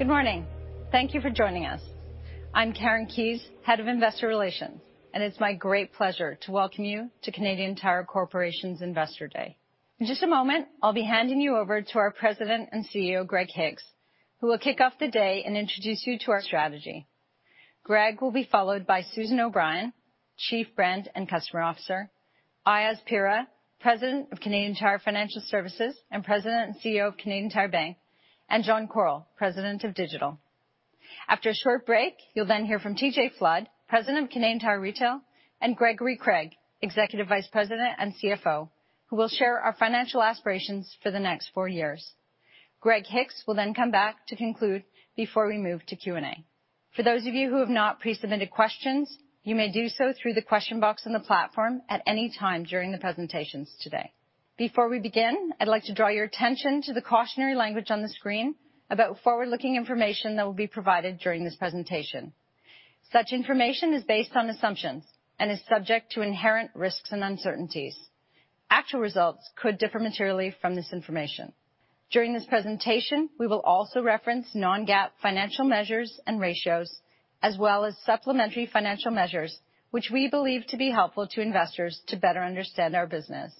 Good morning. Thank you for joining us. I'm Karen Keyes, Head of Investor Relations, and it's my great pleasure to welcome you to Canadian Tire Corporation's Investor Day. In just a moment, I'll be handing you over to our President and CEO, Greg Hicks, who will kick off the day and introduce you to our strategy. Greg will be followed by Susan O'Brien, Chief Brand and Customer Officer, Aayaz Pira, President of Canadian Tire Financial Services, and President and CEO of Canadian Tire Bank, and John Koryl, President of Digital. After a short break, you'll then hear from TJ Flood, President of Canadian Tire Retail, and Gregory Craig, Executive Vice-President and CFO, who will share our financial aspirations for the next four years. Greg Hicks will then come back to conclude before we move to Q&A. For those of you who have not pre-submitted questions, you may do so through the question box on the platform at any time during the presentations today. Before we begin, I'd like to draw your attention to the cautionary language on the screen about forward-looking information that will be provided during this presentation. Such information is based on assumptions and is subject to inherent risks and uncertainties. Actual results could differ materially from this information. During this presentation, we will also reference non-GAAP financial measures and ratios, as well as supplementary financial measures, which we believe to be helpful to investors to better understand our business.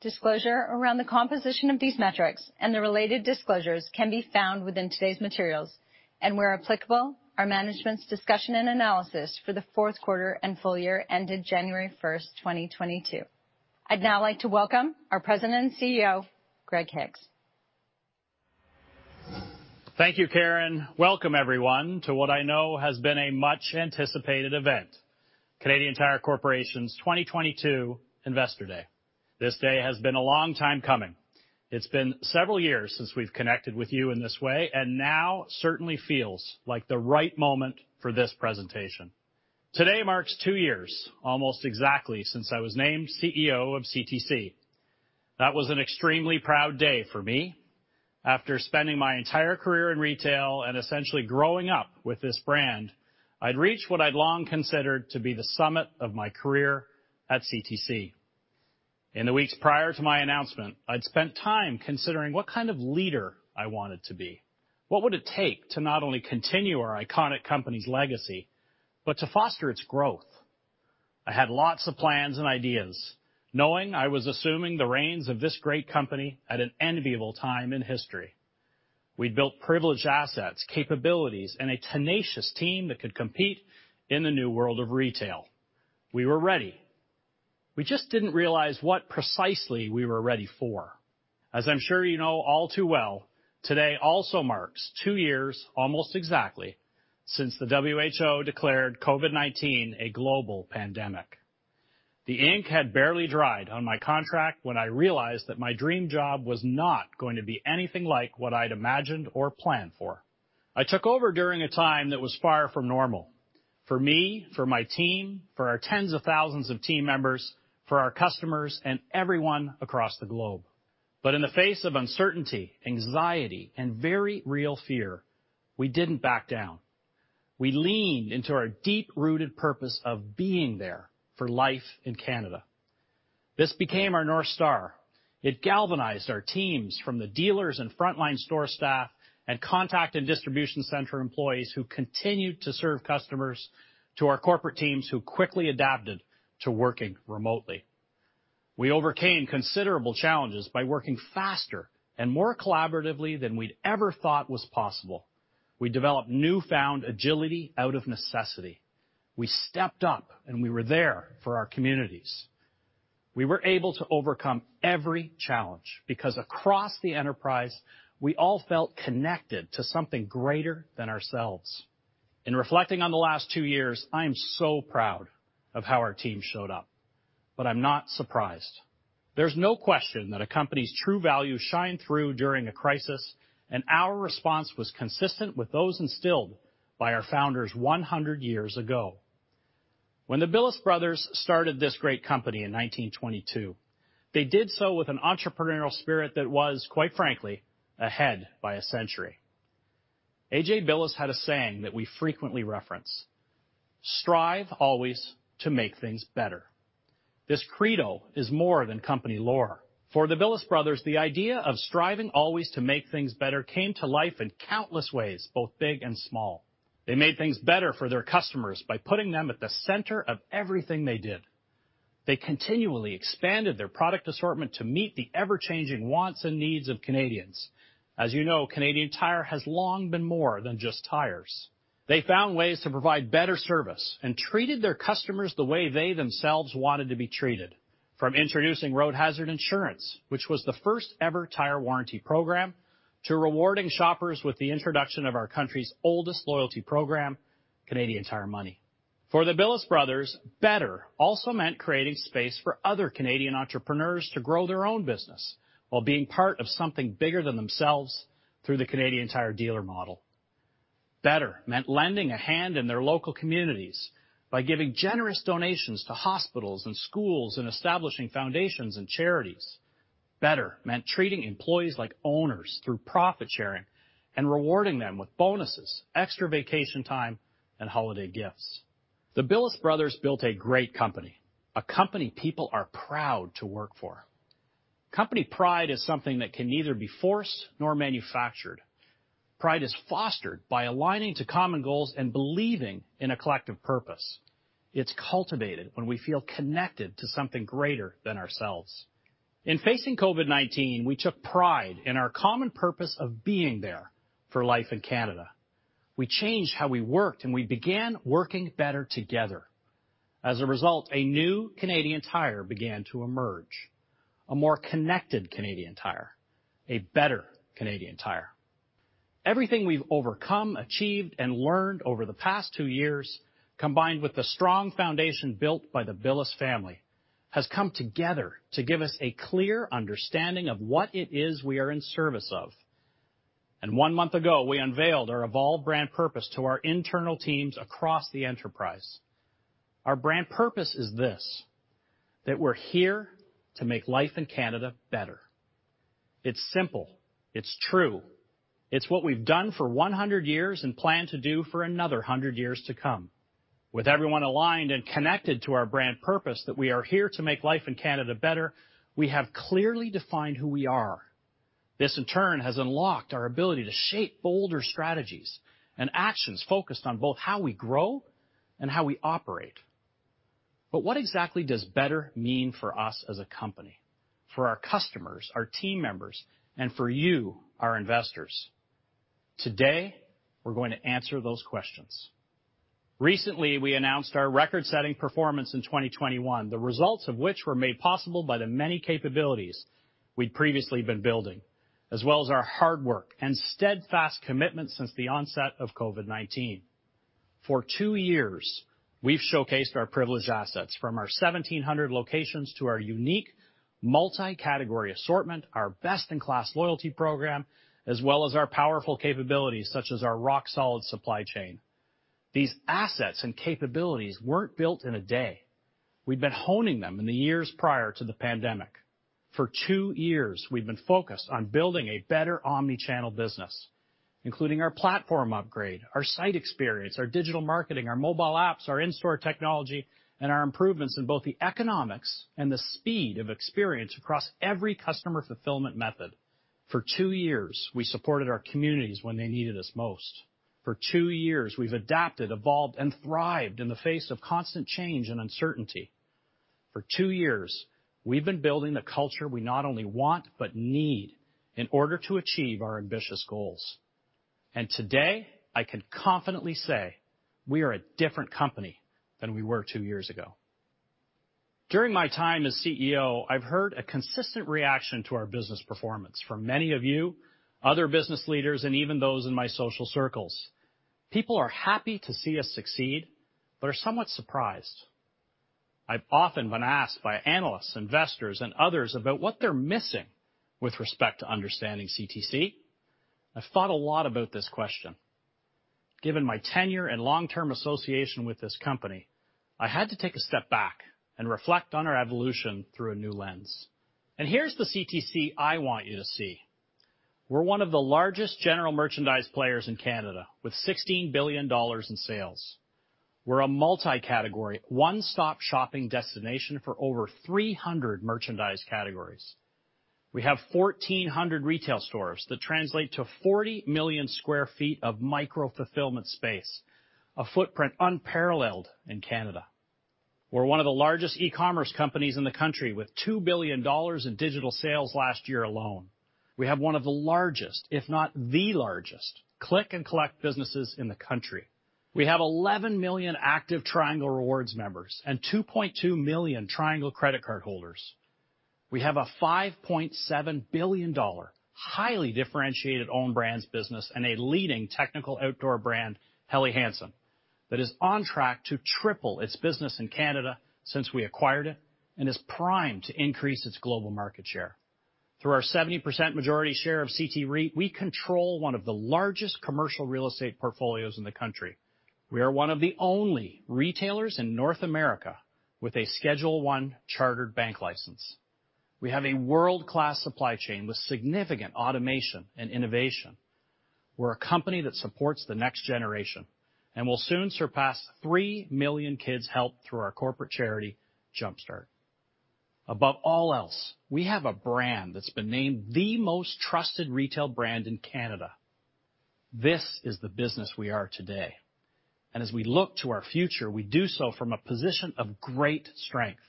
Disclosure around the composition of these metrics and the related disclosures can be found within today's materials, and where applicable, our management's discussion and analysis for the fourth quarter and full year ended January 1st, 2022. I'd now like to welcome our President and CEO, Greg Hicks. Thank you, Karen. Welcome everyone to what I know has been a much-anticipated event, Canadian Tire Corporation's 2022 Investor Day. This day has been a long time coming. It's been several years since we've connected with you in this way, and now certainly feels like the right moment for this presentation. Today marks two years, almost exactly since I was named CEO of CTC. That was an extremely proud day for me. After spending my entire career in retail and essentially growing up with this brand, I'd reached what I'd long considered to be the summit of my career at CTC. In the weeks prior to my announcement, I'd spent time considering what kind of leader I wanted to be. What would it take to not only continue our iconic company's legacy, but to foster its growth? I had lots of plans and ideas, knowing I was assuming the reins of this great company at an enviable time in history. We'd built privileged assets, capabilities, and a tenacious team that could compete in the new world of retail. We were ready. We just didn't realize what precisely we were ready for. As I'm sure you know all too well, today also marks two years, almost exactly, since the WHO declared COVID-19 a global pandemic. The ink had barely dried on my contract when I realized that my dream job was not going to be anything like what I'd imagined or planned for. I took over during a time that was far from normal for me, for my team, for our tens of thousands of team members, for our customers, and everyone across the globe. In the face of uncertainty, anxiety, and very real fear, we didn't back down. We leaned into our deep-rooted purpose of being there for life in Canada. This became our North Star. It galvanized our teams from the dealers and frontline store staff and contact and distribution center employees who continued to serve customers to our corporate teams who quickly adapted to working remotely. We overcame considerable challenges by working faster and more collaboratively than we'd ever thought was possible. We developed newfound agility out of necessity. We stepped up and we were there for our communities. We were able to overcome every challenge because across the enterprise, we all felt connected to something greater than ourselves. In reflecting on the last two years, I am so proud of how our team showed up, but I'm not surprised. There's no question that a company's true values shine through during a crisis, and our response was consistent with those instilled by our founders 100 years ago. When the Billes brothers started this great company in 1922, they did so with an entrepreneurial spirit that was, quite frankly, ahead by a century. A.J. Billes had a saying that we frequently reference, "Strive always to make things better." This credo is more than company lore. For the Billes brothers, the idea of striving always to make things better came to life in countless ways, both big and small. They made things better for their customers by putting them at the center of everything they did. They continually expanded their product assortment to meet the ever-changing wants and needs of Canadians. As you know, Canadian Tire has long been more than just tires. They found ways to provide better service and treated their customers the way they themselves wanted to be treated, from introducing road hazard insurance, which was the first ever tire warranty program, to rewarding shoppers with the introduction of our country's oldest loyalty program, Canadian Tire Money. For the Billes brothers, better also meant creating space for other Canadian entrepreneurs to grow their own business while being part of something bigger than themselves through the Canadian Tire dealer model. Better meant lending a hand in their local communities by giving generous donations to hospitals and schools and establishing foundations and charities. Better meant treating employees like owners through profit sharing and rewarding them with bonuses, extra vacation time, and holiday gifts. The Billes brothers built a great company, a company people are proud to work for. Company pride is something that can neither be forced nor manufactured. Pride is fostered by aligning to common goals and believing in a collective purpose. It's cultivated when we feel connected to something greater than ourselves. In facing COVID-19, we took pride in our common purpose of being there for life in Canada. We changed how we worked, and we began working better together. As a result, a new Canadian Tire began to emerge. A more connected Canadian Tire, a better Canadian Tire. Everything we've overcome, achieved, and learned over the past two years, combined with the strong foundation built by the Billes family, has come together to give us a clear understanding of what it is we are in service of. One month ago, we unveiled our evolved brand purpose to our internal teams across the enterprise. Our brand purpose is this, that we're here to make life in Canada better. It's simple. It's true. It's what we've done for 100 years and plan to do for another 100 years to come. With everyone aligned and connected to our brand purpose, that we are here to make life in Canada better, we have clearly defined who we are. This, in turn, has unlocked our ability to shape bolder strategies and actions focused on both how we grow and how we operate. What exactly does better mean for us as a company, for our customers, our team members, and for you, our investors? Today, we're going to answer those questions. Recently, we announced our record-setting performance in 2021, the results of which were made possible by the many capabilities we'd previously been building, as well as our hard work and steadfast commitment since the onset of COVID-19. For two years, we've showcased our privileged assets from our 1,700 locations to our unique multi-category assortment, our best-in-class loyalty program, as well as our powerful capabilities such as our rock-solid supply chain. These assets and capabilities weren't built in a day. We've been honing them in the years prior to the pandemic. For two years, we've been focused on building a better omnichannel business, including our platform upgrade, our site experience, our digital marketing, our mobile apps, our in-store technology, and our improvements in both the economics and the speed of experience across every customer fulfillment method. For two years, we supported our communities when they needed us most. For two years, we've adapted, evolved, and thrived in the face of constant change and uncertainty. For two years, we've been building the culture we not only want but need in order to achieve our ambitious goals. Today, I can confidently say we are a different company than we were two years ago. During my time as CEO, I've heard a consistent reaction to our business performance from many of you, other business leaders, and even those in my social circles. People are happy to see us succeed but are somewhat surprised. I've often been asked by analysts, investors, and others about what they're missing with respect to understanding CTC. I've thought a lot about this question. Given my tenure and long-term association with this company, I had to take a step back and reflect on our evolution through a new lens. Here's the CTC I want you to see. We're one of the largest general merchandise players in Canada with 16 billion dollars in sales. We're a multi-category, one-stop-shopping destination for over 300 merchandise categories. We have 1,400 retail stores that translate to 40 million sq ft of micro-fulfillment space, a footprint unparalleled in Canada. We're one of the largest e-commerce companies in the country with 2 billion dollars in digital sales last year alone. We have one of the largest, if not the largest, Click and Collect businesses in the country. We have 11 million active Triangle Rewards members and 2.2 million Triangle credit card holders. We have a 5.7 billion dollar, highly differentiated own brands business and a leading technical outdoor brand, Helly Hansen, that is on track to triple its business in Canada since we acquired it and is primed to increase its global market share. Through our 70% majority share of CT REIT, we control one of the largest commercial real estate portfolios in the country. We are one of the only retailers in North America with a Schedule I chartered bank license. We have a world-class supply chain with significant automation and innovation. We're a company that supports the next generation and will soon surpass 3 million kids helped through our corporate charity, Jumpstart. Above all else, we have a brand that's been named the most trusted retail brand in Canada. This is the business we are today. As we look to our future, we do so from a position of great strength.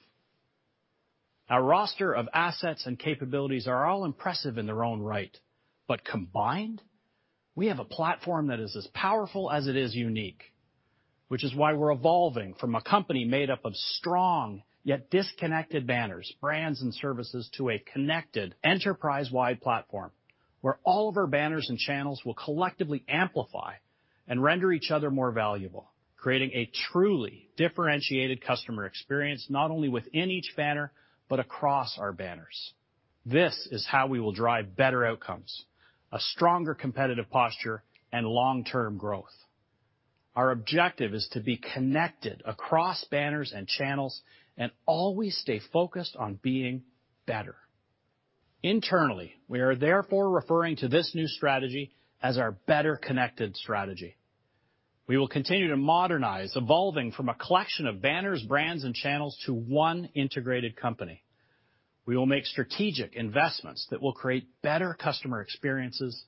Our roster of assets and capabilities are all impressive in their own right, but combined, we have a platform that is as powerful as it is unique, which is why we're evolving from a company made up of strong yet disconnected banners, brands, and services to a connected enterprise-wide platform where all of our banners and channels will collectively amplify and render each other more valuable, creating a truly differentiated customer experience, not only within each banner, but across our banners. This is how we will drive better outcomes, a stronger competitive posture, and long-term growth. Our objective is to be connected across banners and channels and always stay focused on being better. Internally, we are therefore referring to this new strategy as our Better Connected strategy. We will continue to modernize, evolving from a collection of banners, brands, and channels to one integrated company. We will make strategic investments that will create better customer experiences,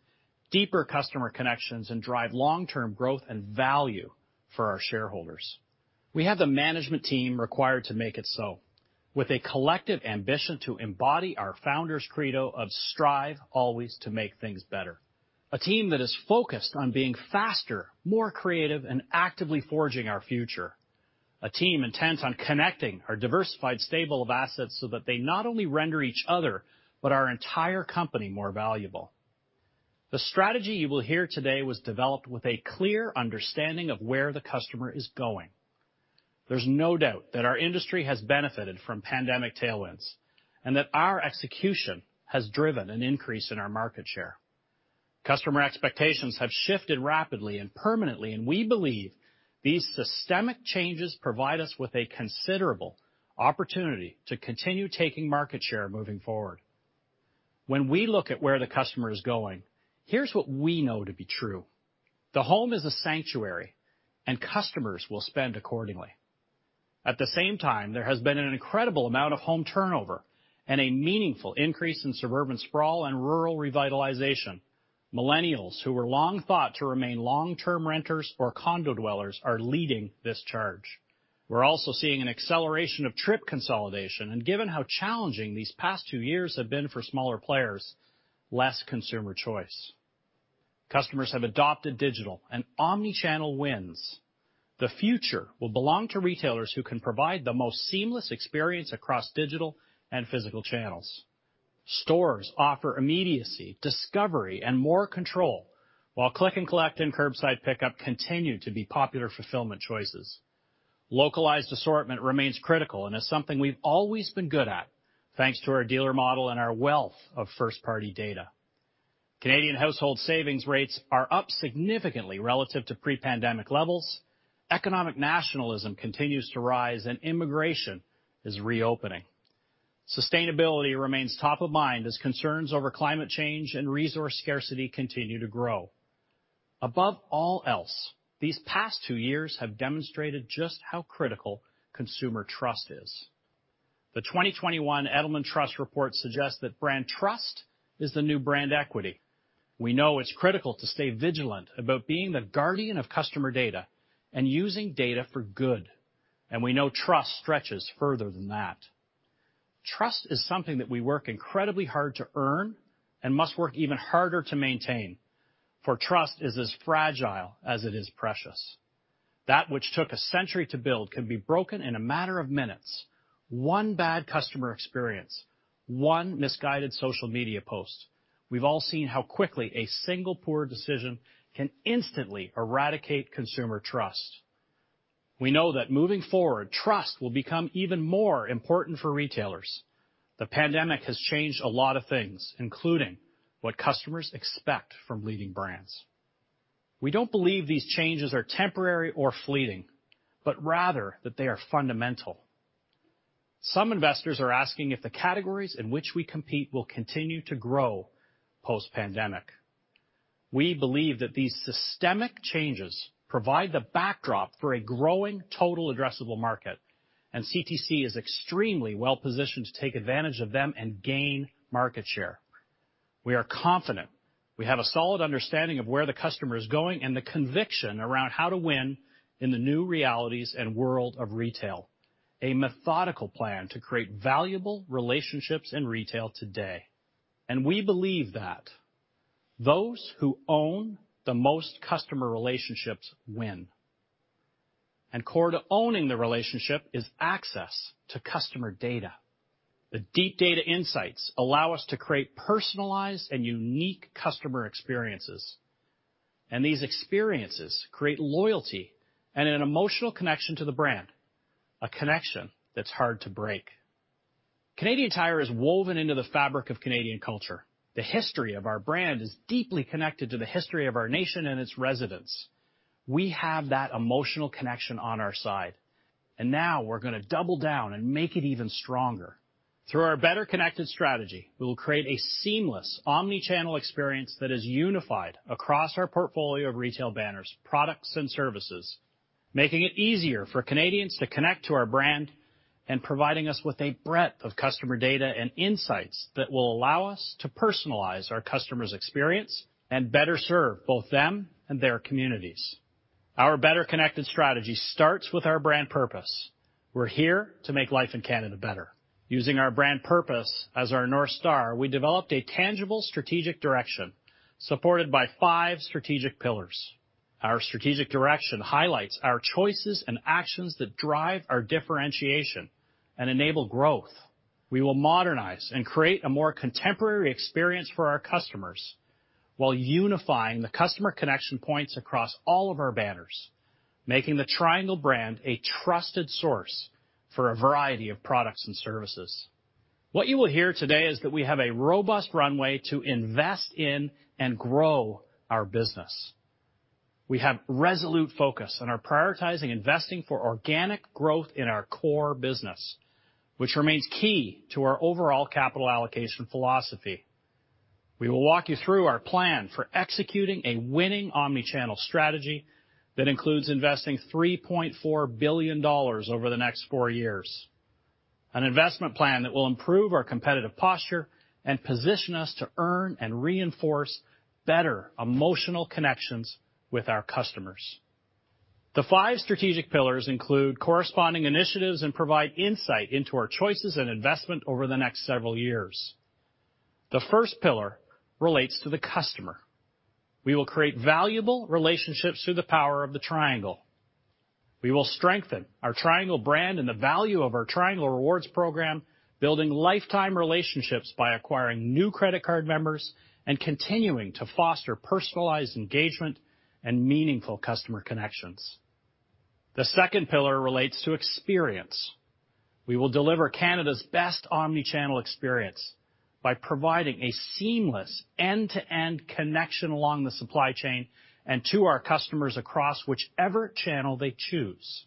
deeper customer connections, and drive long-term growth and value for our shareholders. We have the management team required to make it so with a collective ambition to embody our founder's credo of strive always to make things better. A team that is focused on being faster, more creative, and actively forging our future. A team intent on connecting our diversified stable of assets so that they not only render each other but our entire company more valuable. The strategy you will hear today was developed with a clear understanding of where the customer is going. There's no doubt that our industry has benefited from pandemic tailwinds and that our execution has driven an increase in our market share. Customer expectations have shifted rapidly and permanently, and we believe these systemic changes provide us with a considerable opportunity to continue taking market share moving forward. When we look at where the customer is going, here's what we know to be true. The home is a sanctuary and customers will spend accordingly. At the same time, there has been an incredible amount of home turnover and a meaningful increase in suburban sprawl and rural revitalization. Millennials who were long thought to remain long-term renters or condo dwellers are leading this charge. We're also seeing an acceleration of trip consolidation and given how challenging these past two years have been for smaller players, less consumer choice. Customers have adopted digital and omnichannel wins. The future will belong to retailers who can provide the most seamless experience across digital and physical channels. Stores offer immediacy, discovery, and more control, while Click and Collect and Curbside Pickup continue to be popular fulfillment choices. Localized assortment remains critical and is something we've always been good at thanks to our dealer model and our wealth of first-party data. Canadian household savings rates are up significantly relative to pre-pandemic levels. Economic nationalism continues to rise and immigration is reopening. Sustainability remains top of mind as concerns over climate change and resource scarcity continue to grow. Above all else, these past two years have demonstrated just how critical consumer trust is. The 2021 Edelman Trust Barometer report suggests that brand trust is the new brand equity. We know it's critical to stay vigilant about being the guardian of customer data and using data for good, and we know trust stretches further than that. Trust is something that we work incredibly hard to earn and must work even harder to maintain, for trust is as fragile as it is precious. That which took a century to build can be broken in a matter of minutes. One bad customer experience, one misguided social media post. We've all seen how quickly a single poor decision can instantly eradicate consumer trust. We know that moving forward, trust will become even more important for retailers. The pandemic has changed a lot of things, including what customers expect from leading brands. We don't believe these changes are temporary or fleeting, but rather that they are fundamental. Some investors are asking if the categories in which we compete will continue to grow post-pandemic. We believe that these systemic changes provide the backdrop for a growing total addressable market, and CTC is extremely well-positioned to take advantage of them and gain market share. We are confident we have a solid understanding of where the customer is going and the conviction around how to win in the new realities and world of retail, a methodical plan to create valuable relationships in retail today. We believe that those who own the most customer relationships win. Core to owning the relationship is access to customer data. The deep data insights allow us to create personalized and unique customer experiences, and these experiences create loyalty and an emotional connection to the brand, a connection that's hard to break. Canadian Tire is woven into the fabric of Canadian culture. The history of our brand is deeply connected to the history of our nation and its residents. We have that emotional connection on our side, and now we're gonna double down and make it even stronger. Through our Better Connected strategy, we will create a seamless omnichannel experience that is unified across our portfolio of retail banners, products, and services, making it easier for Canadians to connect to our brand and providing us with a breadth of customer data and insights that will allow us to personalize our customer's experience and better serve both them and their communities. Our Better Connected strategy starts with our brand purpose. We're here to make life in Canada better. Using our brand purpose as our North Star, we developed a tangible strategic direction supported by five strategic pillars. Our strategic direction highlights our choices and actions that drive our differentiation and enable growth. We will modernize and create a more contemporary experience for our customers while unifying the customer connection points across all of our banners, making the Triangle brand a trusted source for a variety of products and services. What you will hear today is that we have a robust runway to invest in and grow our business. We have a resolute focus on prioritizing investing for organic growth in our core business, which remains key to our overall capital allocation philosophy. We will walk you through our plan for executing a winning Omnichannel strategy that includes investing 3.4 billion dollars over the next four years, an investment plan that will improve our competitive posture and position us to earn and reinforce better emotional connections with our customers. The five strategic pillars include corresponding initiatives and provide insight into our choices and investment over the next several years. The first pillar relates to the customer. We will create valuable relationships through the power of the Triangle. We will strengthen our Triangle brand and the value of our Triangle Rewards program, building lifetime relationships by acquiring new credit card members and continuing to foster personalized engagement and meaningful customer connections. The second pillar relates to experience. We will deliver Canada's best omnichannel experience by providing a seamless end-to-end connection along the supply chain and to our customers across whichever channel they choose.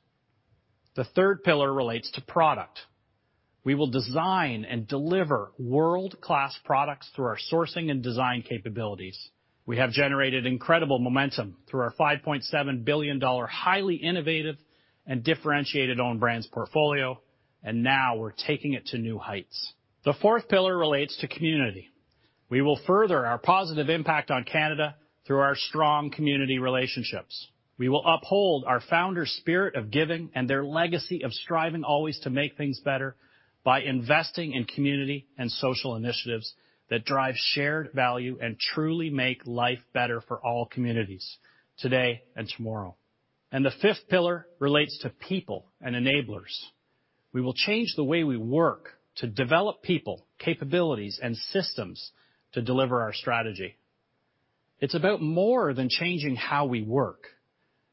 The third pillar relates to product. We will design and deliver world-class products through our sourcing and design capabilities. We have generated incredible momentum through our 5.7 billion dollar highly innovative and differentiated own brands portfolio, and now we're taking it to new heights. The fourth pillar relates to community. We will further our positive impact on Canada through our strong community relationships. We will uphold our founders' spirit of giving and their legacy of striving always to make things better by investing in community and social initiatives that drive shared value and truly make life better for all communities today and tomorrow. The fifth pillar relates to people and enablers. We will change the way we work to develop people, capabilities, and systems to deliver our strategy. It's about more than changing how we work.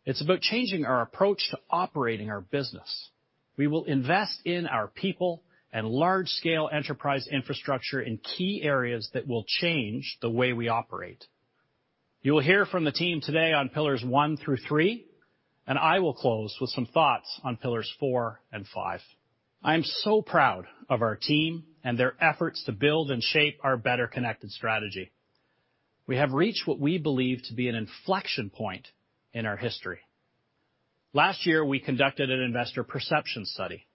It's about changing our approach to operating our business. We will invest in our people and large-scale enterprise infrastructure in key areas that will change the way we operate. You will hear from the team today on pillars one through three, and I will close with some thoughts on pillars four and five. I am so proud of our team and their efforts to build and shape our Better Connected strategy. We have reached what we believe to be an inflection point in our history. Last year, we conducted an investor perception study.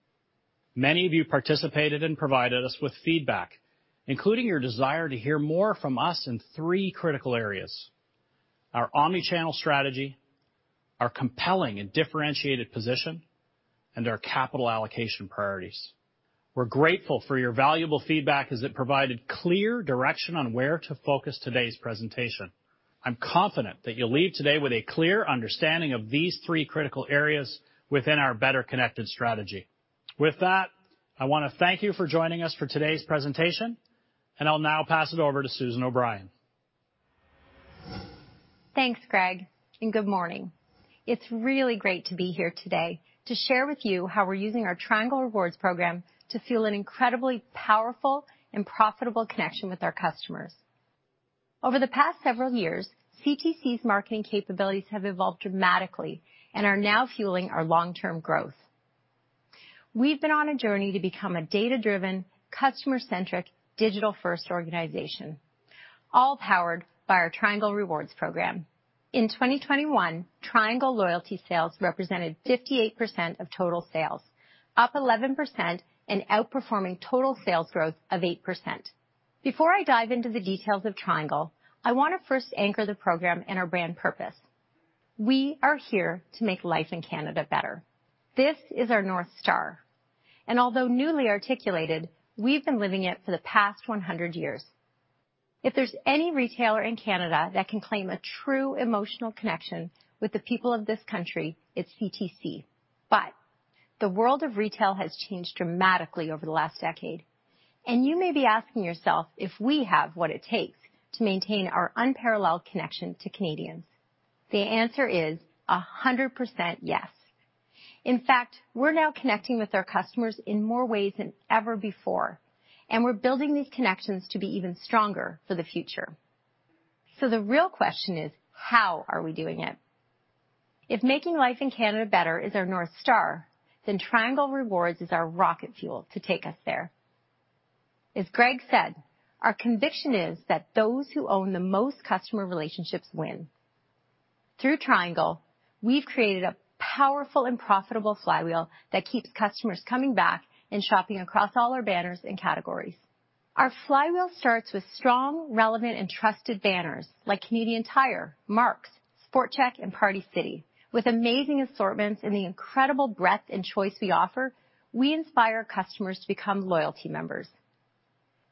Many of you participated and provided us with feedback, including your desire to hear more from us in three critical areas, our Omnichannel strategy, our compelling and differentiated position, and our capital allocation priorities. We're grateful for your valuable feedback as it provided clear direction on where to focus today's presentation. I'm confident that you'll leave today with a clear understanding of these three critical areas within our Better Connected strategy. With that, I want to thank you for joining us for today's presentation, and I'll now pass it over to Susan O'Brien. Thanks, Greg, and good morning. It's really great to be here today to share with you how we're using our Triangle Rewards program to fuel an incredibly powerful and profitable connection with our customers. Over the past several years, CTC's marketing capabilities have evolved dramatically and are now fueling our long-term growth. We've been on a journey to become a data-driven, customer-centric, digital-first organization, all powered by our Triangle Rewards program. In 2021, Triangle loyalty sales represented 58% of total sales, up 11% and outperforming total sales growth of 8%. Before I dive into the details of Triangle, I want to first anchor the program and our brand purpose. We are here to make life in Canada better. This is our North Star, and although newly articulated, we've been living it for the past 100 years. If there's any retailer in Canada that can claim a true emotional connection with the people of this country, it's CTC. The world of retail has changed dramatically over the last decade, and you may be asking yourself if we have what it takes to maintain our unparalleled connection to Canadians. The answer is 100% yes. In fact, we're now connecting with our customers in more ways than ever before, and we're building these connections to be even stronger for the future. The real question is, how are we doing it? If making life in Canada better is our North Star, then Triangle Rewards is our rocket fuel to take us there. As Greg said, our conviction is that those who own the most customer relationships win. Through Triangle, we've created a powerful and profitable flywheel that keeps customers coming back and shopping across all our banners and categories. Our flywheel starts with strong, relevant, and trusted banners like Canadian Tire, Mark's, SportChek, and Party City. With amazing assortments and the incredible breadth and choice we offer, we inspire customers to become loyalty members.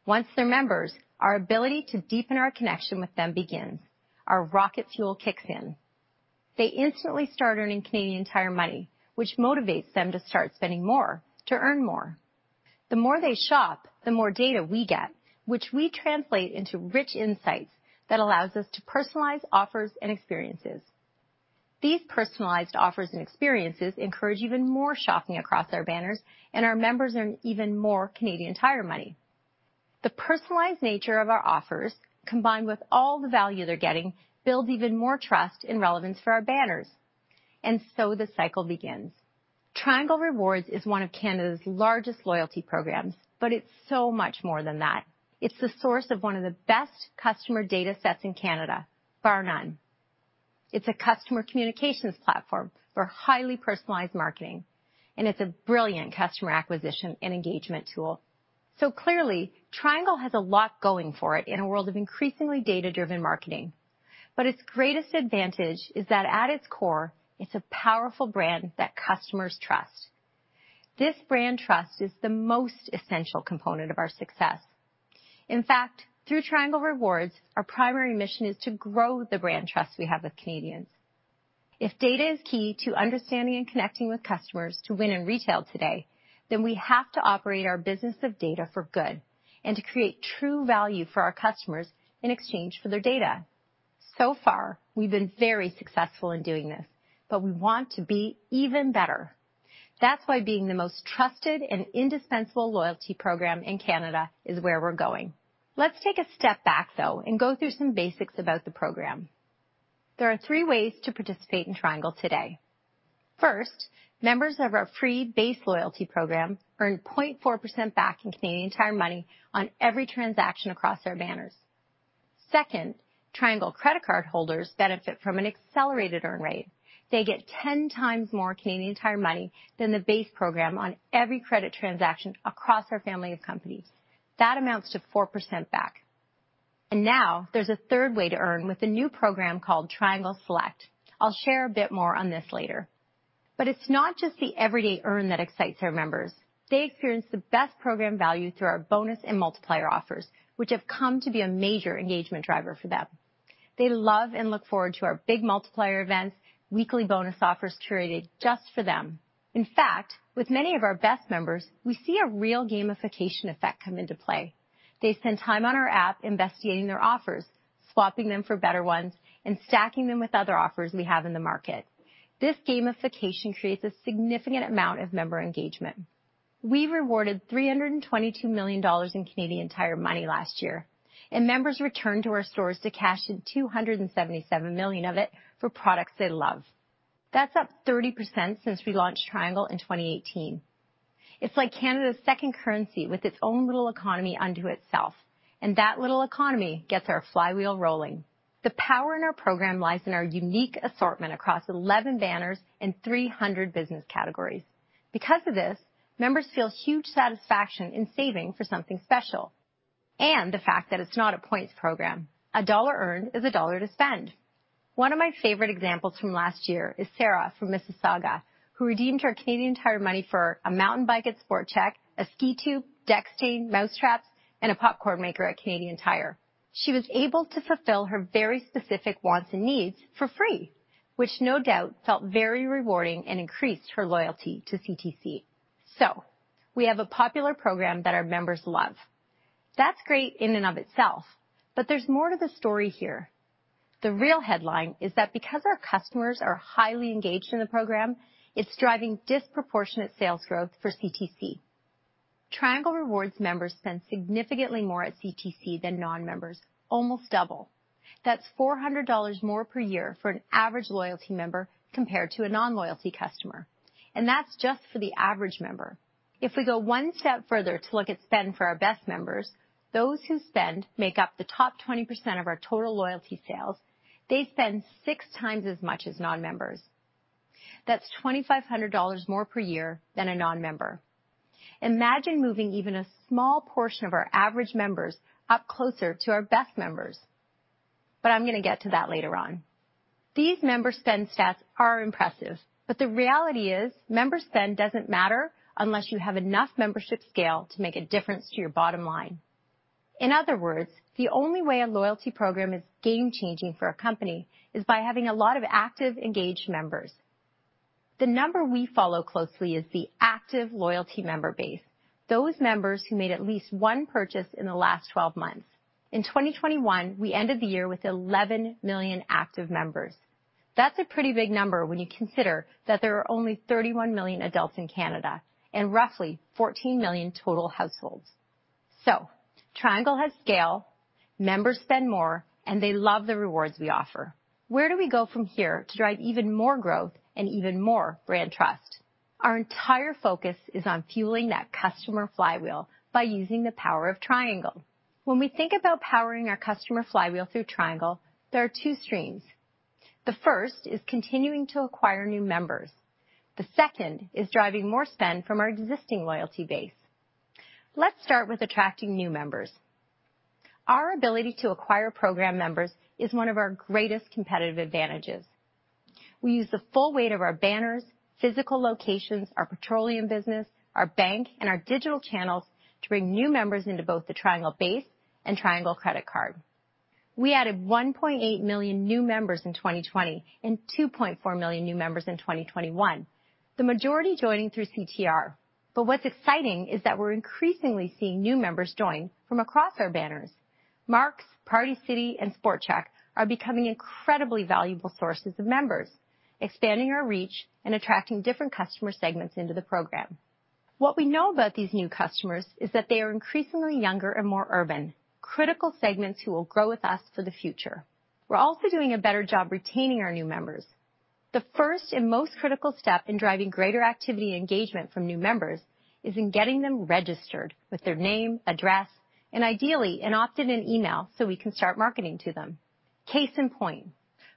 Once they're members, our ability to deepen our connection with them begins. Our rocket fuel kicks in. They instantly start earning Canadian Tire Money, which motivates them to start spending more to earn more. The more they shop, the more data we get, which we translate into rich insights that allows us to personalize offers and experiences. These personalized offers and experiences encourage even more shopping across our banners, and our members earn even more Canadian Tire Money. The personalized nature of our offers, combined with all the value they're getting, builds even more trust and relevance for our banners. The cycle begins. Triangle Rewards is one of Canada's largest loyalty programs, but it's so much more than that. It's the source of one of the best customer data sets in Canada, bar none. It's a customer communications platform for highly personalized marketing, and it's a brilliant customer acquisition and engagement tool. Clearly, Triangle has a lot going for it in a world of increasingly data-driven marketing. Its greatest advantage is that at its core, it's a powerful brand that customers trust. This brand trust is the most essential component of our success. In fact, through Triangle Rewards, our primary mission is to grow the brand trust we have with Canadians. If data is key to understanding and connecting with customers to win in retail today, then we have to operate our business of data for good and to create true value for our customers in exchange for their data. So far, we've been very successful in doing this, but we want to be even better. That's why being the most trusted and indispensable loyalty program in Canada is where we're going. Let's take a step back, though, and go through some basics about the program. There are three ways to participate in Triangle today. First, members of our free base loyalty program earn 0.4% back in Canadian Tire Money on every transaction across our banners. Second, Triangle credit card holders benefit from an accelerated earn rate. They get 10x more Canadian Tire Money than the base program on every credit transaction across our family of companies. That amounts to 4% back. Now there's a third way to earn with a new program called Triangle Select. I'll share a bit more on this later. It's not just the everyday earn that excites our members. They experience the best program value through our bonus and multiplier offers, which have come to be a major engagement driver for them. They love and look forward to our big multiplier events, weekly bonus offers curated just for them. In fact, with many of our best members, we see a real gamification effect come into play. They spend time on our app investigating their offers, swapping them for better ones, and stacking them with other offers we have in the market. This gamification creates a significant amount of member engagement. We rewarded 322 million dollars in Canadian Tire Money last year, and members returned to our stores to cash in 277 million of it for products they love. That's up 30% since we launched Triangle in 2018. It's like Canada's second currency with its own little economy unto itself, and that little economy gets our flywheel rolling. The power in our program lies in our unique assortment across 11 banners and 300 business categories. Because of this, members feel huge satisfaction in saving for something special, and the fact that it's not a points program. A dollar earned is a dollar to spend. One of my favorite examples from last year is Sarah from Mississauga, who redeemed her Canadian Tire Money for a mountain bike at SportChek, a ski tube, deck stain, mousetraps, and a popcorn maker at Canadian Tire. She was able to fulfill her very specific wants and needs for free, which no doubt felt very rewarding and increased her loyalty to CTC. We have a popular program that our members love. That's great in and of itself, but there's more to the story here. The real headline is that because our customers are highly engaged in the program, it's driving disproportionate sales growth for CTC. Triangle Rewards members spend significantly more at CTC than non-members, almost double. That's 400 dollars more per year for an average loyalty member compared to a non-loyalty customer. That's just for the average member. If we go one step further to look at spend for our best members, those who spend make up the top 20% of our total loyalty sales, they spend six times as much as non-members. That's 2,500 dollars more per year than a non-member. Imagine moving even a small portion of our average members up closer to our best members. I'm gonna get to that later on. These member spend stats are impressive, but the reality is, member spend doesn't matter unless you have enough membership scale to make a difference to your bottom line. In other words, the only way a loyalty program is game-changing for a company is by having a lot of active, engaged members. The number we follow closely is the active loyalty member base, those members who made at least one purchase in the last twelve months. In 2021, we ended the year with 11 million active members. That's a pretty big number when you consider that there are only 31 million adults in Canada and roughly 14 million total households. Triangle has scale, members spend more, and they love the rewards we offer. Where do we go from here to drive even more growth and even more brand trust? Our entire focus is on fueling that customer flywheel by using the power of Triangle. When we think about powering our customer flywheel through Triangle, there are two streams. The first is continuing to acquire new members. The second is driving more spend from our existing loyalty base. Let's start with attracting new members. Our ability to acquire program members is one of our greatest competitive advantages. We use the full weight of our banners, physical locations, our petroleum business, our bank, and our digital channels to bring new members into both the Triangle base and Triangle credit card. We added 1.8 million new members in 2020 and 2.4 million new members in 2021, the majority joining through CTR. What's exciting is that we're increasingly seeing new members join from across our banners. Mark's, Party City, and SportChek are becoming incredibly valuable sources of members, expanding our reach and attracting different customer segments into the program. What we know about these new customers is that they are increasingly younger and more urban, critical segments who will grow with us for the future. We're also doing a better job retaining our new members. The first and most critical step in driving greater activity engagement from new members is in getting them registered with their name, address, and ideally, an opt-in and email so we can start marketing to them. Case in point,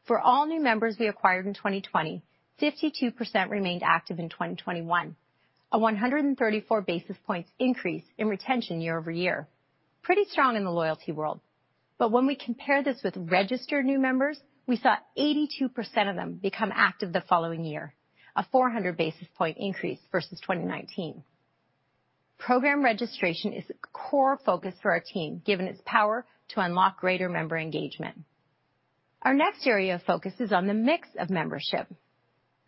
for all new members we acquired in 2020, 52% remained active in 2021, a 134 basis points increase in retention year-over-year. Pretty strong in the loyalty world. When we compare this with registered new members, we saw 82% of them become active the following year, a 400 basis point increase versus 2019. Program registration is a core focus for our team, given its power to unlock greater member engagement. Our next area of focus is on the mix of membership.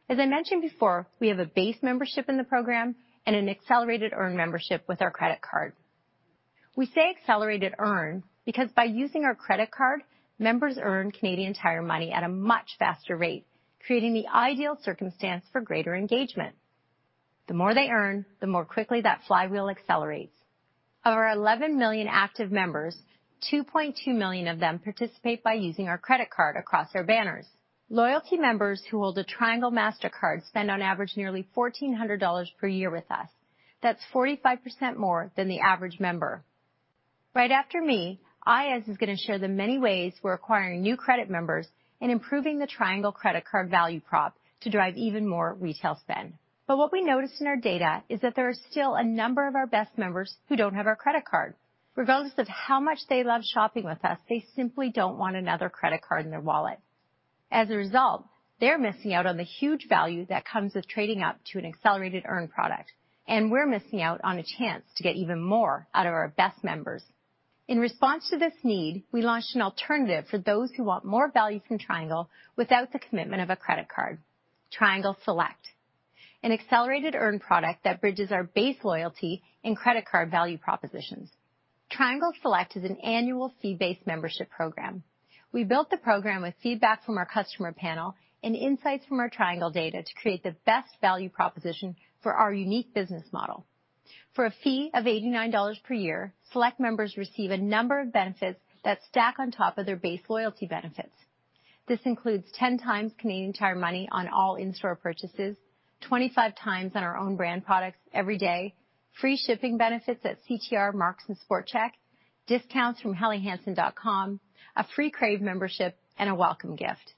As I mentioned before, we have a base membership in the program and an accelerated earn membership with our credit card. We say accelerated earn because by using our credit card, members earn Canadian Tire Money at a much faster rate, creating the ideal circumstance for greater engagement. The more they earn, the more quickly that flywheel accelerates. Of our 11 million active members, 2.2 million of them participate by using our credit card across our banners. Loyalty members who hold a Triangle Mastercard spend on average nearly 1,400 dollars per year with us. That's 45% more than the average member. Right after me, Aayaz is gonna share the many ways we're acquiring new credit members and improving the Triangle credit card value prop to drive even more retail spend. What we noticed in our data is that there are still a number of our best members who don't have our credit card. Regardless of how much they love shopping with us, they simply don't want another credit card in their wallet. As a result, they're missing out on the huge value that comes with trading up to an accelerated earn product, and we're missing out on a chance to get even more out of our best members. In response to this need, we launched an alternative for those who want more value from Triangle without the commitment of a credit card, Triangle Select, an accelerated earn product that bridges our base loyalty and credit card value propositions. Triangle Select is an annual fee-based membership program. We built the program with feedback from our customer panel and insights from our Triangle data to create the best value proposition for our unique business model. For a fee of 89 dollars per year, select members receive a number of benefits that stack on top of their base loyalty benefits. This includes 10x Canadian Tire Money on all in-store purchases, 25x on our own brand products every day, free shipping benefits at CTR, Mark's, and SportChek, discounts from hellyhansen.com, a free Crave membership, and a welcome gift.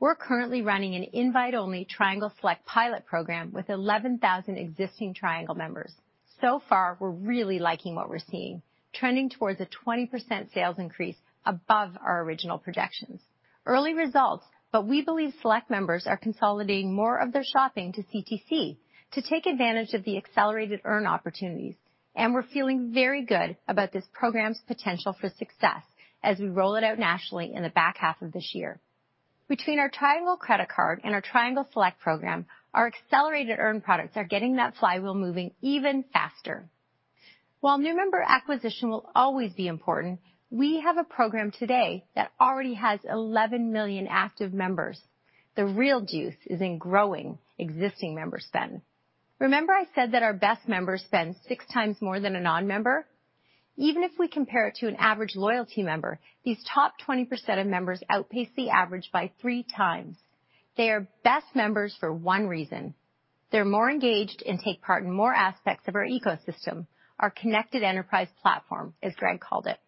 We're currently running an invite-only Triangle Select pilot program with 11,000 existing Triangle members. So far, we're really liking what we're seeing, trending towards a 20% sales increase above our original projections. Early results. We believe select members are consolidating more of their shopping to CTC to take advantage of the accelerated earn opportunities, and we're feeling very good about this program's potential for success as we roll it out nationally in the back half of this year. Between our Triangle Credit Card and our Triangle Select program, our accelerated earn products are getting that flywheel moving even faster. While new member acquisition will always be important, we have a program today that already has 11 million active members. The real juice is in growing existing member spend. Remember I said that our best members spend 6x more than a non-member? Even if we compare it to an average loyalty member, these top 20% of members outpace the average by 3x. They are best members for one reason. They're more engaged and take part in more aspects of our ecosystem, our connected enterprise platform, as Greg called it.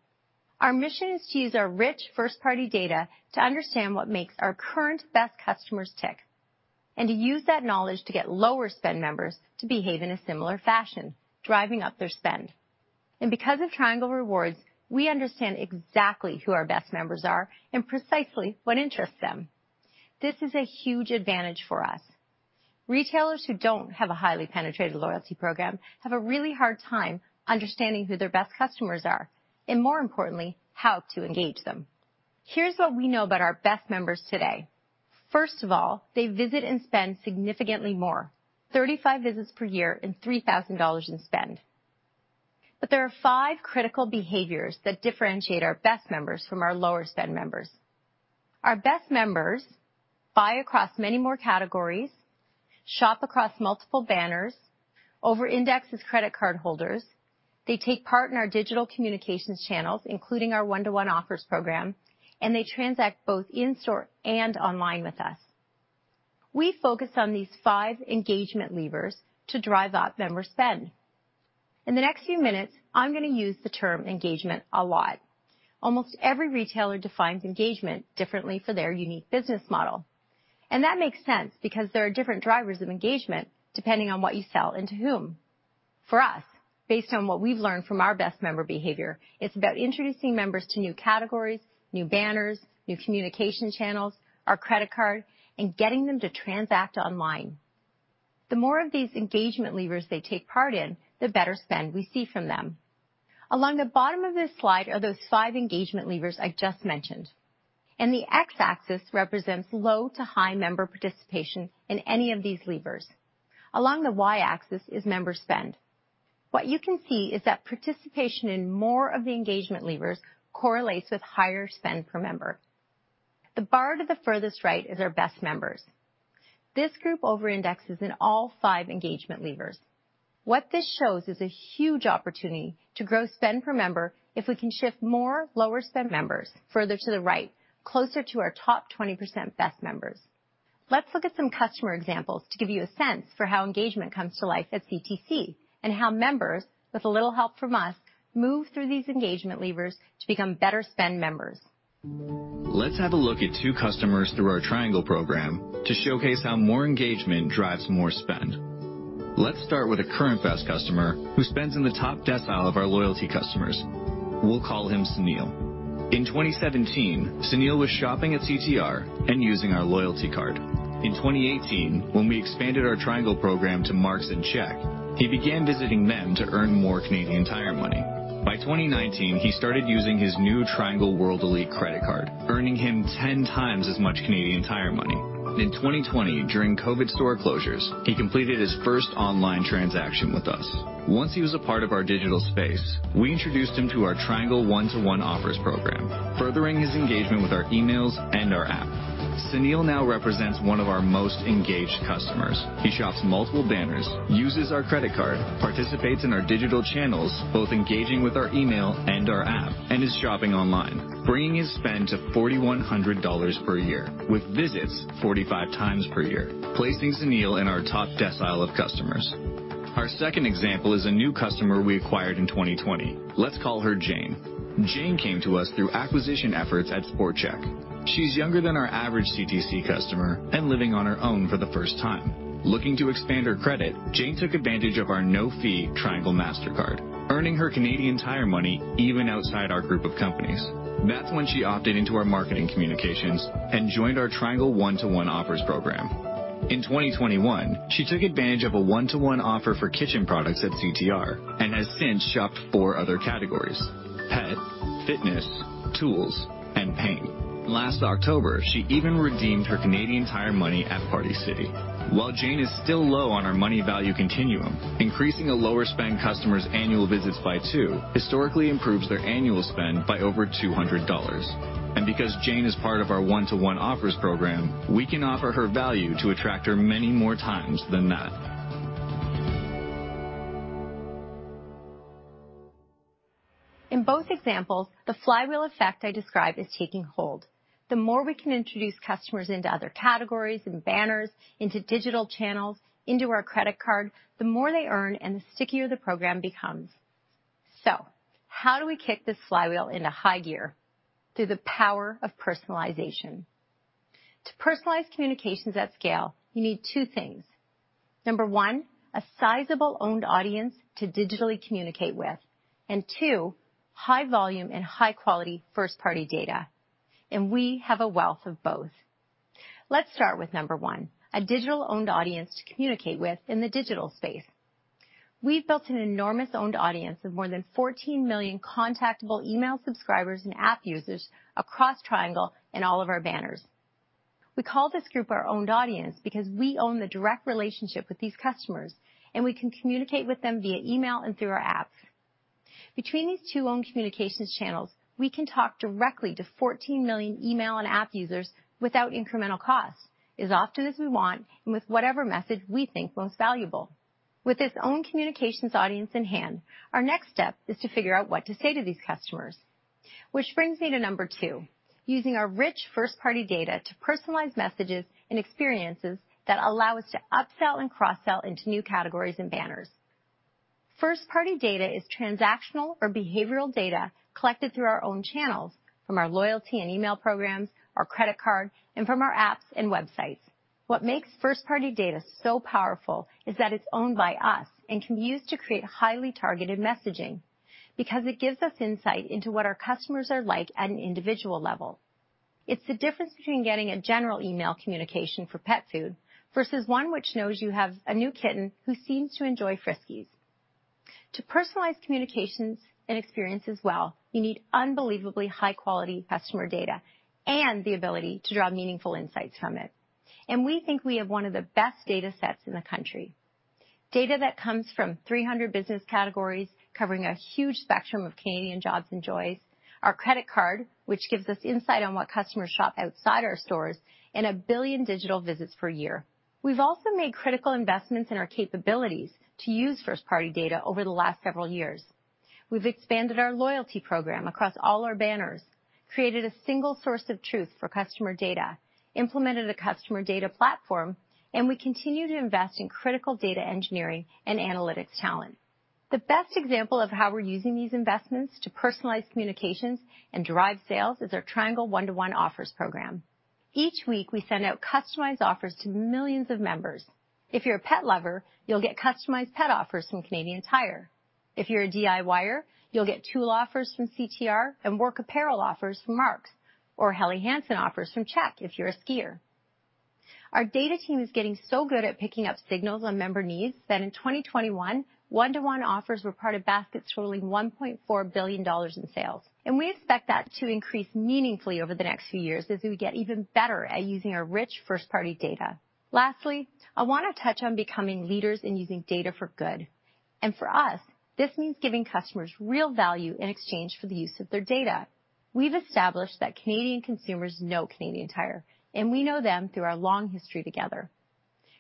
Our mission is to use our rich first-party data to understand what makes our current best customers tick, and to use that knowledge to get lower spend members to behave in a similar fashion, driving up their spend. Because of Triangle Rewards, we understand exactly who our best members are and precisely what interests them. This is a huge advantage for us. Retailers who don't have a highly penetrated loyalty program have a really hard time understanding who their best customers are and, more importantly, how to engage them. Here's what we know about our best members today. First of all, they visit and spend significantly more, 35 visits per year and 3,000 dollars in spend. There are five critical behaviors that differentiate our best members from our lower spend members. Our best members buy across many more categories, shop across multiple banners, over index as credit card holders, they take part in our digital communications channels, including our One-to-One Offers program, and they transact both in-store and online with us. We focus on these five engagement levers to drive up member spend. In the next few minutes, I'm gonna use the term engagement a lot. Almost every retailer defines engagement differently for their unique business model. That makes sense because there are different drivers of engagement depending on what you sell and to whom. For us, based on what we've learned from our best member behavior, it's about introducing members to new categories, new banners, new communication channels, our credit card, and getting them to transact online. The more of these engagement levers they take part in, the better spend we see from them. Along the bottom of this slide are those five engagement levers I just mentioned. The x-axis represents low to high member participation in any of these levers. Along the y-axis is member spend. What you can see is that participation in more of the engagement levers correlates with higher spend per member. The bar to the furthest right is our best members. This group overindexes in all five engagement levers. What this shows is a huge opportunity to grow spend per member if we can shift more lower-spend members further to the right, closer to our top 20% best members. Let's look at some customer examples to give you a sense for how engagement comes to life at CTC and how members, with a little help from us, move through these engagement levers to become better spend members. Let's have a look at two customers through our Triangle program to showcase how more engagement drives more spend. Let's start with a current best customer who spends in the top decile of our loyalty customers. We'll call him Sunil. In 2017, Sunil was shopping at CTR and using our loyalty card. In 2018, when we expanded our Triangle program to Mark's and SportChek, he began visiting them to earn more Canadian Tire Money. By 2019, he started using his new Triangle World Elite credit card, earning him 10x as much Canadian Tire Money. In 2020, during COVID store closures, he completed his first online transaction with us. Once he was a part of our digital space, we introduced him to our Triangle One-to-One offers program, furthering his engagement with our emails and our app. Sunil now represents one of our most engaged customers. He shops multiple banners, uses our credit card, participates in our digital channels, both engaging with our email and our app, and is shopping online, bringing his spend to 4,100 dollars per year with visits 45x per year, placing Sunil in our top decile of customers. Our second example is a new customer we acquired in 2020. Let's call her Jane. Jane came to us through acquisition efforts at SportChek. She's younger than our average CTC customer and living on her own for the first time. Looking to expand her credit, Jane took advantage of our no-fee Triangle Mastercard, earning her Canadian Tire Money even outside our group of companies. That's when she opted into our marketing communications and joined our Triangle One-to-One offers program. In 2021, she took advantage of a One-to-One offers for kitchen products at CTR and has since shopped four other categories, pet, fitness, tools, and paint. Last October, she even redeemed her Canadian Tire Money at Party City. While Jane is still low on our money value continuum, increasing a lower spend customer's annual visits by two historically improves their annual spend by over 200 dollars. Because Jane is part of our One-to-One offers program, we can offer her value to attract her many more times than that. In both examples, the flywheel effect I described is taking hold. The more we can introduce customers into other categories and banners, into digital channels, into our credit card, the more they earn and the stickier the program becomes. How do we kick this flywheel into high gear? Through the power of personalization. To personalize communications at scale, you need two things. Number one, a sizable owned audience to digitally communicate with. And two, high volume and high quality first-party data, and we have a wealth of both. Let's start with number one, a digital-owned audience to communicate with in the digital space. We've built an enormous owned audience of more than 14 million contactable email subscribers and app users across Triangle and all of our banners. We call this group our owned audience because we own the direct relationship with these customers, and we can communicate with them via email and through our app. Between these two owned communications channels, we can talk directly to 14 million email and app users without incremental costs, as often as we want and with whatever method we think most valuable. With its own communications audience in hand, our next step is to figure out what to say to these customers. Which brings me to number two, using our rich first-party data to personalize messages and experiences that allow us to upsell and cross-sell into new categories and banners. First-party data is transactional or behavioral data collected through our own channels from our loyalty and email programs, our credit card, and from our apps and websites. What makes first-party data so powerful is that it's owned by us and can be used to create highly targeted messaging, because it gives us insight into what our customers are like at an individual level. It's the difference between getting a general email communication for pet food versus one which knows you have a new kitten who seems to enjoy Friskies. To personalize communications and experiences well, you need unbelievably high-quality customer data and the ability to draw meaningful insights from it. We think we have one of the best data sets in the country. Data that comes from 300 business categories, covering a huge spectrum of Canadian jobs and joys. Our credit card, which gives us insight on what customers shop outside our stores and 1 billion digital visits per year. We've also made critical investments in our capabilities to use first-party data over the last several years. We've expanded our loyalty program across all our banners, created a single source of truth for customer data, implemented a customer data platform, and we continue to invest in critical data engineering and analytics talent. The best example of how we're using these investments to personalize communications and drive sales is our Triangle One-to-One offers program. Each week, we send out customized offers to millions of members. If you're a pet lover, you'll get customized pet offers from Canadian Tire. If you're a DIYer, you'll get tool offers from CTR and work apparel offers from Mark's or Helly Hansen offers from SportChek if you're a skier. Our data team is getting so good at picking up signals on member needs that in 2021, One-to-One offers were part of baskets totaling 1.4 billion dollars in sales. We expect that to increase meaningfully over the next few years as we get even better at using our rich first-party data. Lastly, I wanna touch on becoming leaders in using data for good. For us, this means giving customers real value in exchange for the use of their data. We've established that Canadian consumers know Canadian Tire, and we know them through our long history together.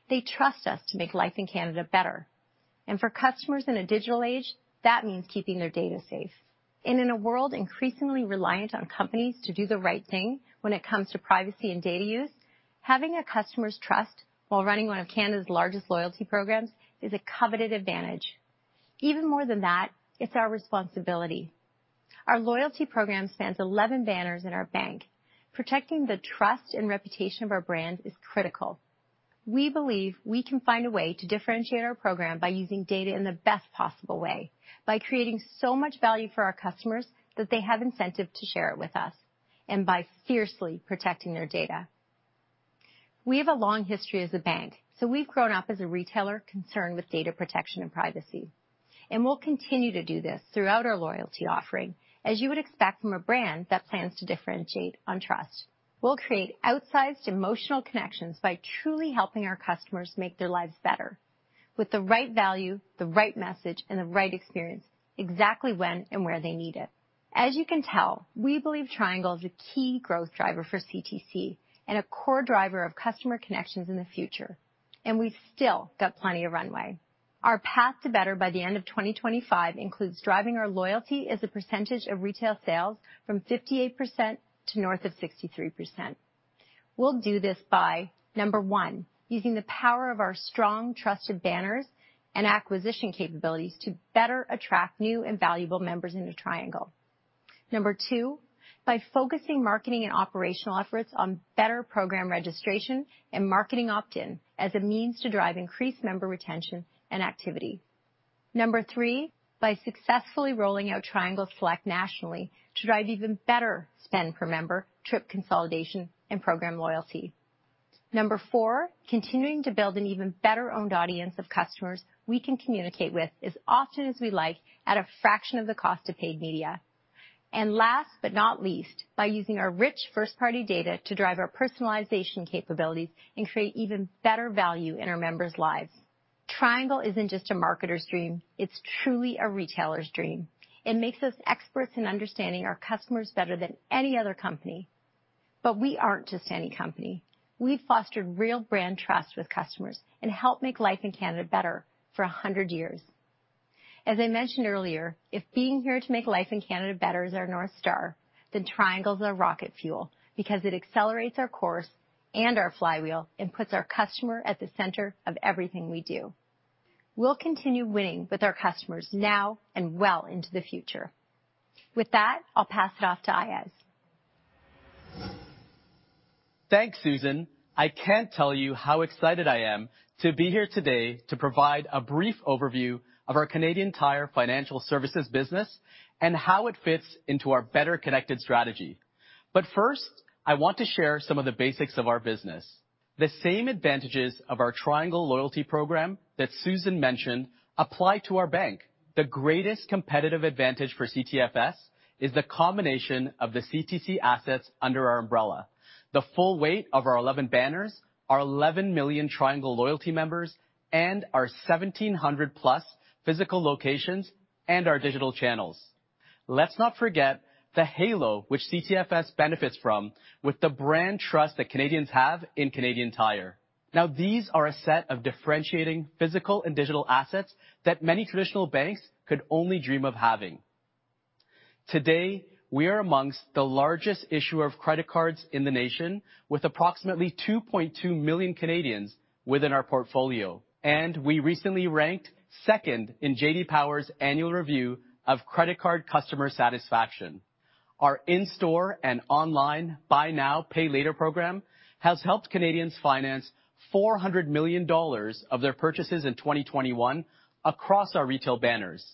They trust us to make life in Canada better. For customers in a digital age, that means keeping their data safe. In a world increasingly reliant on companies to do the right thing when it comes to privacy and data use, having a customer's trust while running one of Canada's largest loyalty programs is a coveted advantage. Even more than that, it's our responsibility. Our loyalty program spans 11 banners in our bank. Protecting the trust and reputation of our brand is critical. We believe we can find a way to differentiate our program by using data in the best possible way, by creating so much value for our customers that they have incentive to share it with us, and by fiercely protecting their data. We have a long history as a bank, so we've grown up as a retailer concerned with data protection and privacy. We'll continue to do this throughout our loyalty offering, as you would expect from a brand that plans to differentiate on trust. We'll create outsized emotional connections by truly helping our customers make their lives better with the right value, the right message, and the right experience exactly when and where they need it. As you can tell, we believe Triangle is a key growth driver for CTC and a core driver of customer connections in the future, and we've still got plenty of runway. Our path to better by the end of 2025 includes driving our loyalty as a percentage of retail sales from 58% to north of 63%. We'll do this by, number one, using the power of our strong trusted banners and acquisition capabilities to better attract new and valuable members into Triangle. Number two, by focusing marketing and operational efforts on better program registration and marketing opt-in as a means to drive increased member retention and activity. Number three, by successfully rolling out Triangle Select nationally to drive even better spend per member, trip consolidation, and program loyalty. Number four, continuing to build an even better owned audience of customers we can communicate with as often as we like at a fraction of the cost of paid media. And last but not least, by using our rich first-party data to drive our personalization capabilities and create even better value in our members' lives. Triangle isn't just a marketer's dream, it's truly a retailer's dream. It makes us experts in understanding our customers better than any other company. We aren't just any company. We've fostered real brand trust with customers and helped make life in Canada better for a hundred years. As I mentioned earlier, if being here to make life in Canada better is our North Star, then Triangle's our rocket fuel because it accelerates our course and our flywheel and puts our customer at the center of everything we do. We'll continue winning with our customers now and well into the future. With that, I'll pass it off to Aayaz. Thanks, Susan. I can't tell you how excited I am to be here today to provide a brief overview of our Canadian Tire Financial Services business and how it fits into our Better Connected strategy. First, I want to share some of the basics of our business. The same advantages of our Triangle loyalty program that Susan mentioned apply to our bank. The greatest competitive advantage for CTFS is the combination of the CTC assets under our umbrella. The full weight of our 11 banners, our 11 million Triangle loyalty members, and our 1,700+ physical locations and our digital channels. Let's not forget the halo which CTFS benefits from with the brand trust that Canadians have in Canadian Tire. Now, these are a set of differentiating physical and digital assets that many traditional banks could only dream of having. Today, we are among the largest issuer of credit cards in the nation with approximately 2.2 million Canadians within our portfolio. We recently ranked second in J.D. Power's annual review of credit card customer satisfaction. Our in-store and online Buy Now, Pay Later program has helped Canadians finance 400 million dollars of their purchases in 2021 across our retail banners.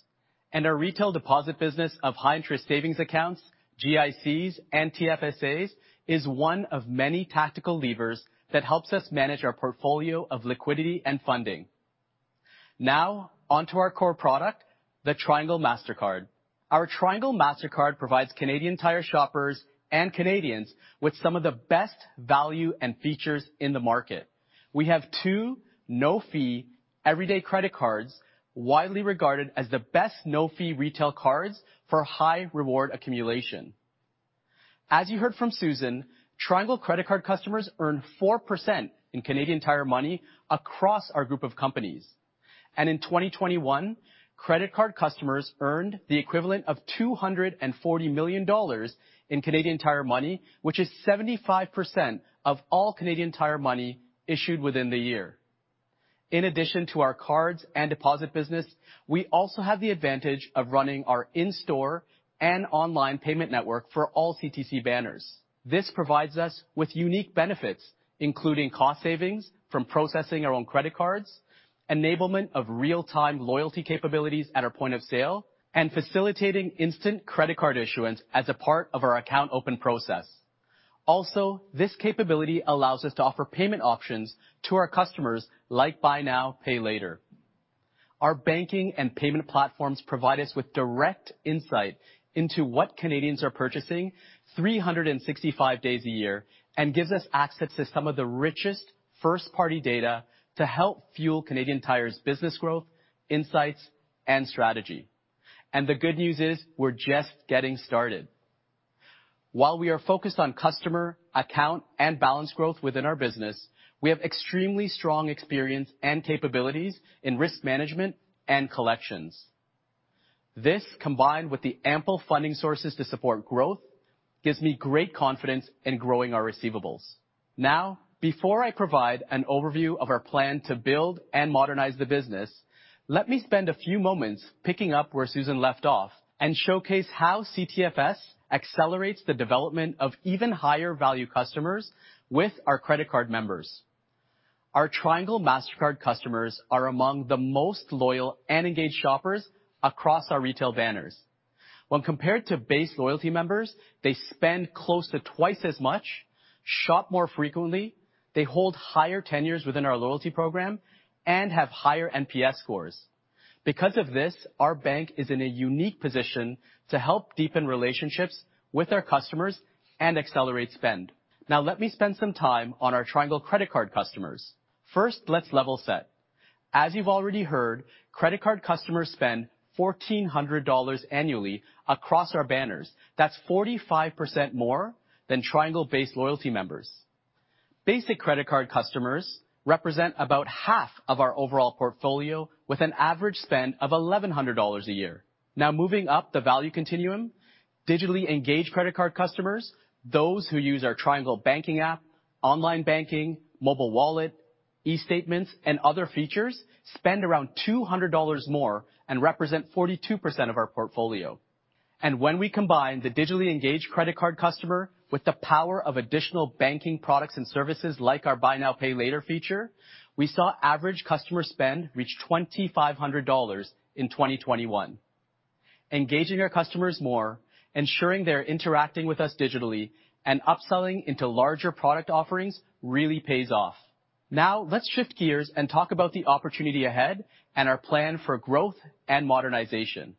Our retail deposit business of high interest savings accounts, GICs, and TFSAs is one of many tactical levers that helps us manage our portfolio of liquidity and funding. Now on to our core product, the Triangle Mastercard. Our Triangle Mastercard provides Canadian Tire shoppers and Canadians with some of the best value and features in the market. We have two no-fee everyday credit cards, widely regarded as the best no-fee retail cards for high reward accumulation. As you heard from Susan, Triangle credit card customers earn 4% in Canadian Tire Money across our group of companies. In 2021, credit card customers earned the equivalent of 240 million dollars in Canadian Tire Money, which is 75% of all Canadian Tire Money issued within the year. In addition to our cards and deposit business, we also have the advantage of running our in-store and online payment network for all CTC banners. This provides us with unique benefits, including cost savings from processing our own credit cards, enablement of real-time loyalty capabilities at our point of sale, and facilitating instant credit card issuance as a part of our account open process. Also, this capability allows us to offer payment options to our customers, like buy now, pay later. Our banking and payment platforms provide us with direct insight into what Canadians are purchasing 365 days a year, and gives us access to some of the richest first-party data to help fuel Canadian Tire's business growth, insights, and strategy. The good news is, we're just getting started. While we are focused on customer, account, and balance growth within our business, we have extremely strong experience and capabilities in risk management and collections. This, combined with the ample funding sources to support growth, gives me great confidence in growing our receivables. Now, before I provide an overview of our plan to build and modernize the business, let me spend a few moments picking up where Susan left off, and showcase how CTFS accelerates the development of even higher value customers with our credit card members. Our Triangle Mastercard customers are among the most loyal and engaged shoppers across our retail banners. When compared to base loyalty members, they spend close to twice as much, shop more frequently, they hold higher tenures within our loyalty program, and have higher NPS scores. Because of this, our bank is in a unique position to help deepen relationships with our customers and accelerate spend. Now let me spend some time on our Triangle Credit Card customers. First, let's level set. As you've already heard, credit card customers spend 1,400 dollars annually across our banners. That's 45% more than Triangle-based loyalty members. Basic credit card customers represent about half of our overall portfolio with an average spend of 1,100 dollars a year. Now moving up the value continuum, digitally engaged credit card customers, those who use our Triangle banking app, online banking, mobile wallet, e-statements, and other features, spend around 200 dollars more and represent 42% of our portfolio. When we combine the digitally engaged credit card customer with the power of additional banking products and services like our Buy Now, Pay Later feature, we saw average customer spend reach 2,500 dollars in 2021. Engaging our customers more, ensuring they're interacting with us digitally, and upselling into larger product offerings really pays off. Now let's shift gears and talk about the opportunity ahead and our plan for growth and modernization.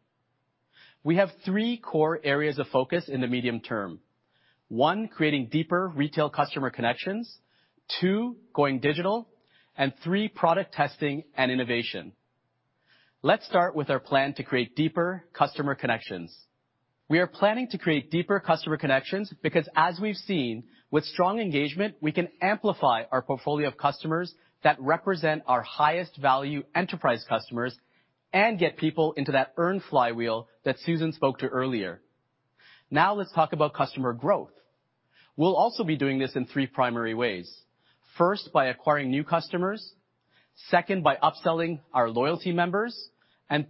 We have three core areas of focus in the medium term. One, creating deeper retail customer connections. Two, going digital. Three, product testing and innovation. Let's start with our plan to create deeper customer connections. We are planning to create deeper customer connections because as we've seen, with strong engagement, we can amplify our portfolio of customers that represent our highest value enterprise customers and get people into that earn flywheel that Susan spoke to earlier. Now let's talk about customer growth. We'll also be doing this in three primary ways. First, by acquiring new customers. Second, by upselling our loyalty members.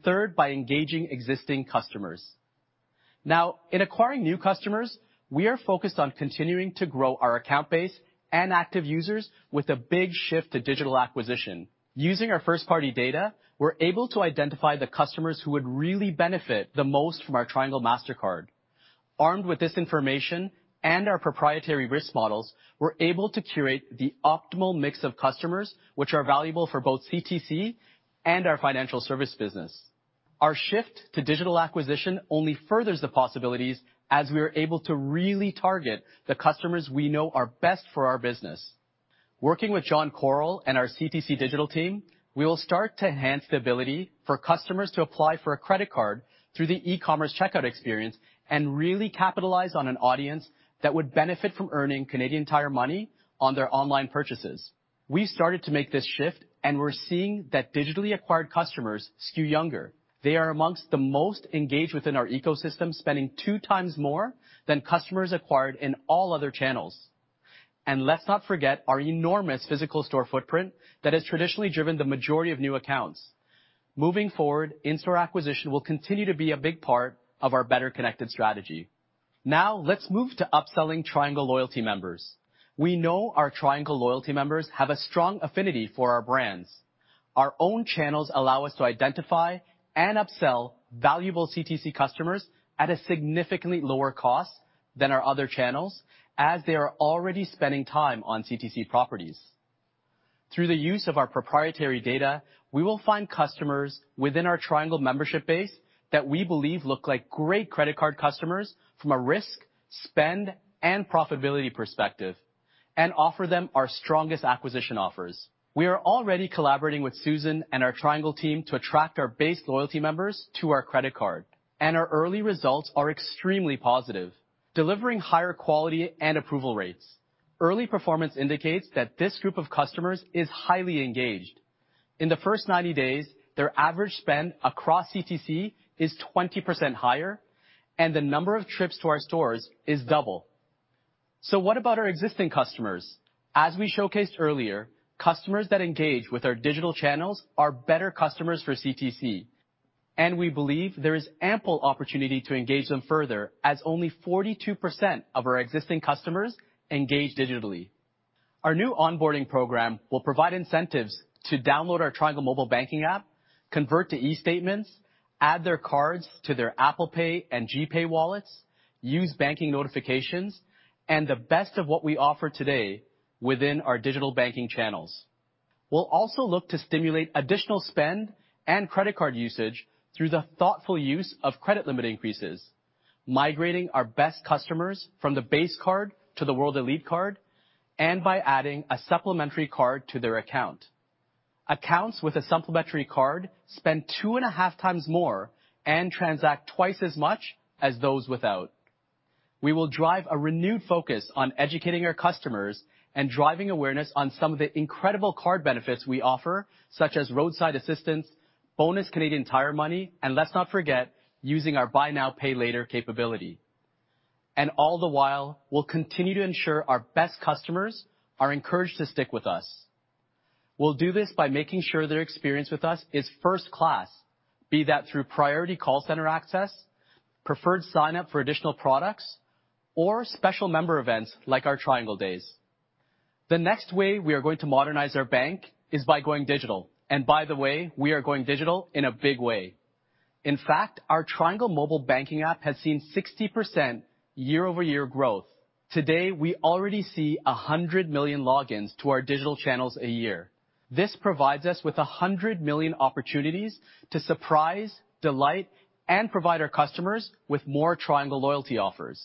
Third, by engaging existing customers. Now, in acquiring new customers, we are focused on continuing to grow our account base and active users with a big shift to digital acquisition. Using our first-party data, we're able to identify the customers who would really benefit the most from our Triangle Mastercard. Armed with this information and our proprietary risk models, we're able to curate the optimal mix of customers, which are valuable for both CTC and our financial service business. Our shift to digital acquisition only furthers the possibilities as we are able to really target the customers we know are best for our business. Working with John Koryl and our CTC Digital team, we will start to enhance the ability for customers to apply for a credit card through the e-commerce checkout experience and really capitalize on an audience that would benefit from earning Canadian Tire Money on their online purchases. We started to make this shift, and we're seeing that digitally acquired customers skew younger. They are among the most engaged within our ecosystem, spending 2x more than customers acquired in all other channels. Let's not forget our enormous physical store footprint that has traditionally driven the majority of new accounts. Moving forward, in-store acquisition will continue to be a big part of our Better Connected strategy. Now let's move to upselling Triangle loyalty members. We know our Triangle loyalty members have a strong affinity for our brands. Our own channels allow us to identify and upsell valuable CTC customers at a significantly lower cost than our other channels, as they are already spending time on CTC properties. Through the use of our proprietary data, we will find customers within our Triangle membership base that we believe look like great credit card customers from a risk, spend, and profitability perspective, and offer them our strongest acquisition offers. We are already collaborating with Susan and our Triangle team to attract our base loyalty members to our credit card, and our early results are extremely positive, delivering higher quality and approval rates. Early performance indicates that this group of customers is highly engaged. In the first 90 days, their average spend across CTC is 20% higher, and the number of trips to our stores is double. What about our existing customers? As we showcased earlier, customers that engage with our digital channels are better customers for CTC. We believe there is ample opportunity to engage them further as only 42% of our existing customers engage digitally. Our new onboarding program will provide incentives to download our Triangle mobile banking app, convert to eStatements, add their cards to their Apple Pay and Google Pay wallets, use banking notifications, and the best of what we offer today within our digital banking channels. We'll also look to stimulate additional spend and credit card usage through the thoughtful use of credit limit increases, migrating our best customers from the base card to the World Elite card, and by adding a supplementary card to their account. Accounts with a supplementary card spend 2.5x more and transact twice as much as those without. We will drive a renewed focus on educating our customers and driving awareness on some of the incredible card benefits we offer, such as roadside assistance, bonus Canadian Tire Money, and let's not forget, using our buy now, pay later capability. All the while, we'll continue to ensure our best customers are encouraged to stick with us. We'll do this by making sure their experience with us is first-class, be that through priority call center access, preferred sign-up for additional products, or special member events like our Triangle Days. The next way we are going to modernize our bank is by going digital. By the way, we are going digital in a big way. In fact, our Triangle mobile banking app has seen 60% year-over-year growth. Today, we already see 100 million logins to our digital channels a year. This provides us with 100 million opportunities to surprise, delight, and provide our customers with more Triangle loyalty offers.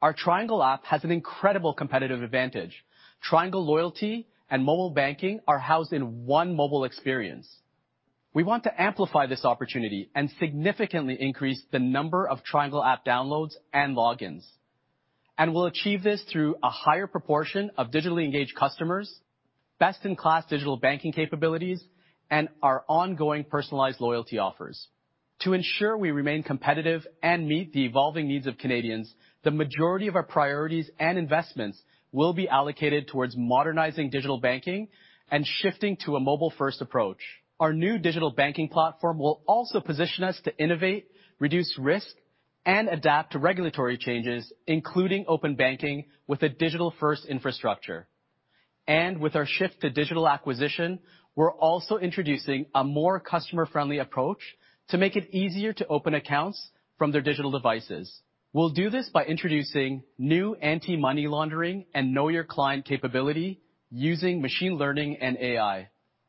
Our Triangle app has an incredible competitive advantage. Triangle loyalty and mobile banking are housed in one mobile experience. We want to amplify this opportunity and significantly increase the number of Triangle app downloads and logins. We'll achieve this through a higher proportion of digitally engaged customers, best-in-class digital banking capabilities, and our ongoing personalized loyalty offers. To ensure we remain competitive and meet the evolving needs of Canadians, the majority of our priorities and investments will be allocated towards modernizing digital banking and shifting to a mobile-first approach. Our new digital banking platform will also position us to innovate, reduce risk, and adapt to regulatory changes, including open banking with a digital-first infrastructure. With our shift to digital acquisition, we're also introducing a more customer-friendly approach to make it easier to open accounts from their digital devices. We'll do this by introducing new anti-money laundering and know your client capability using machine learning and AI,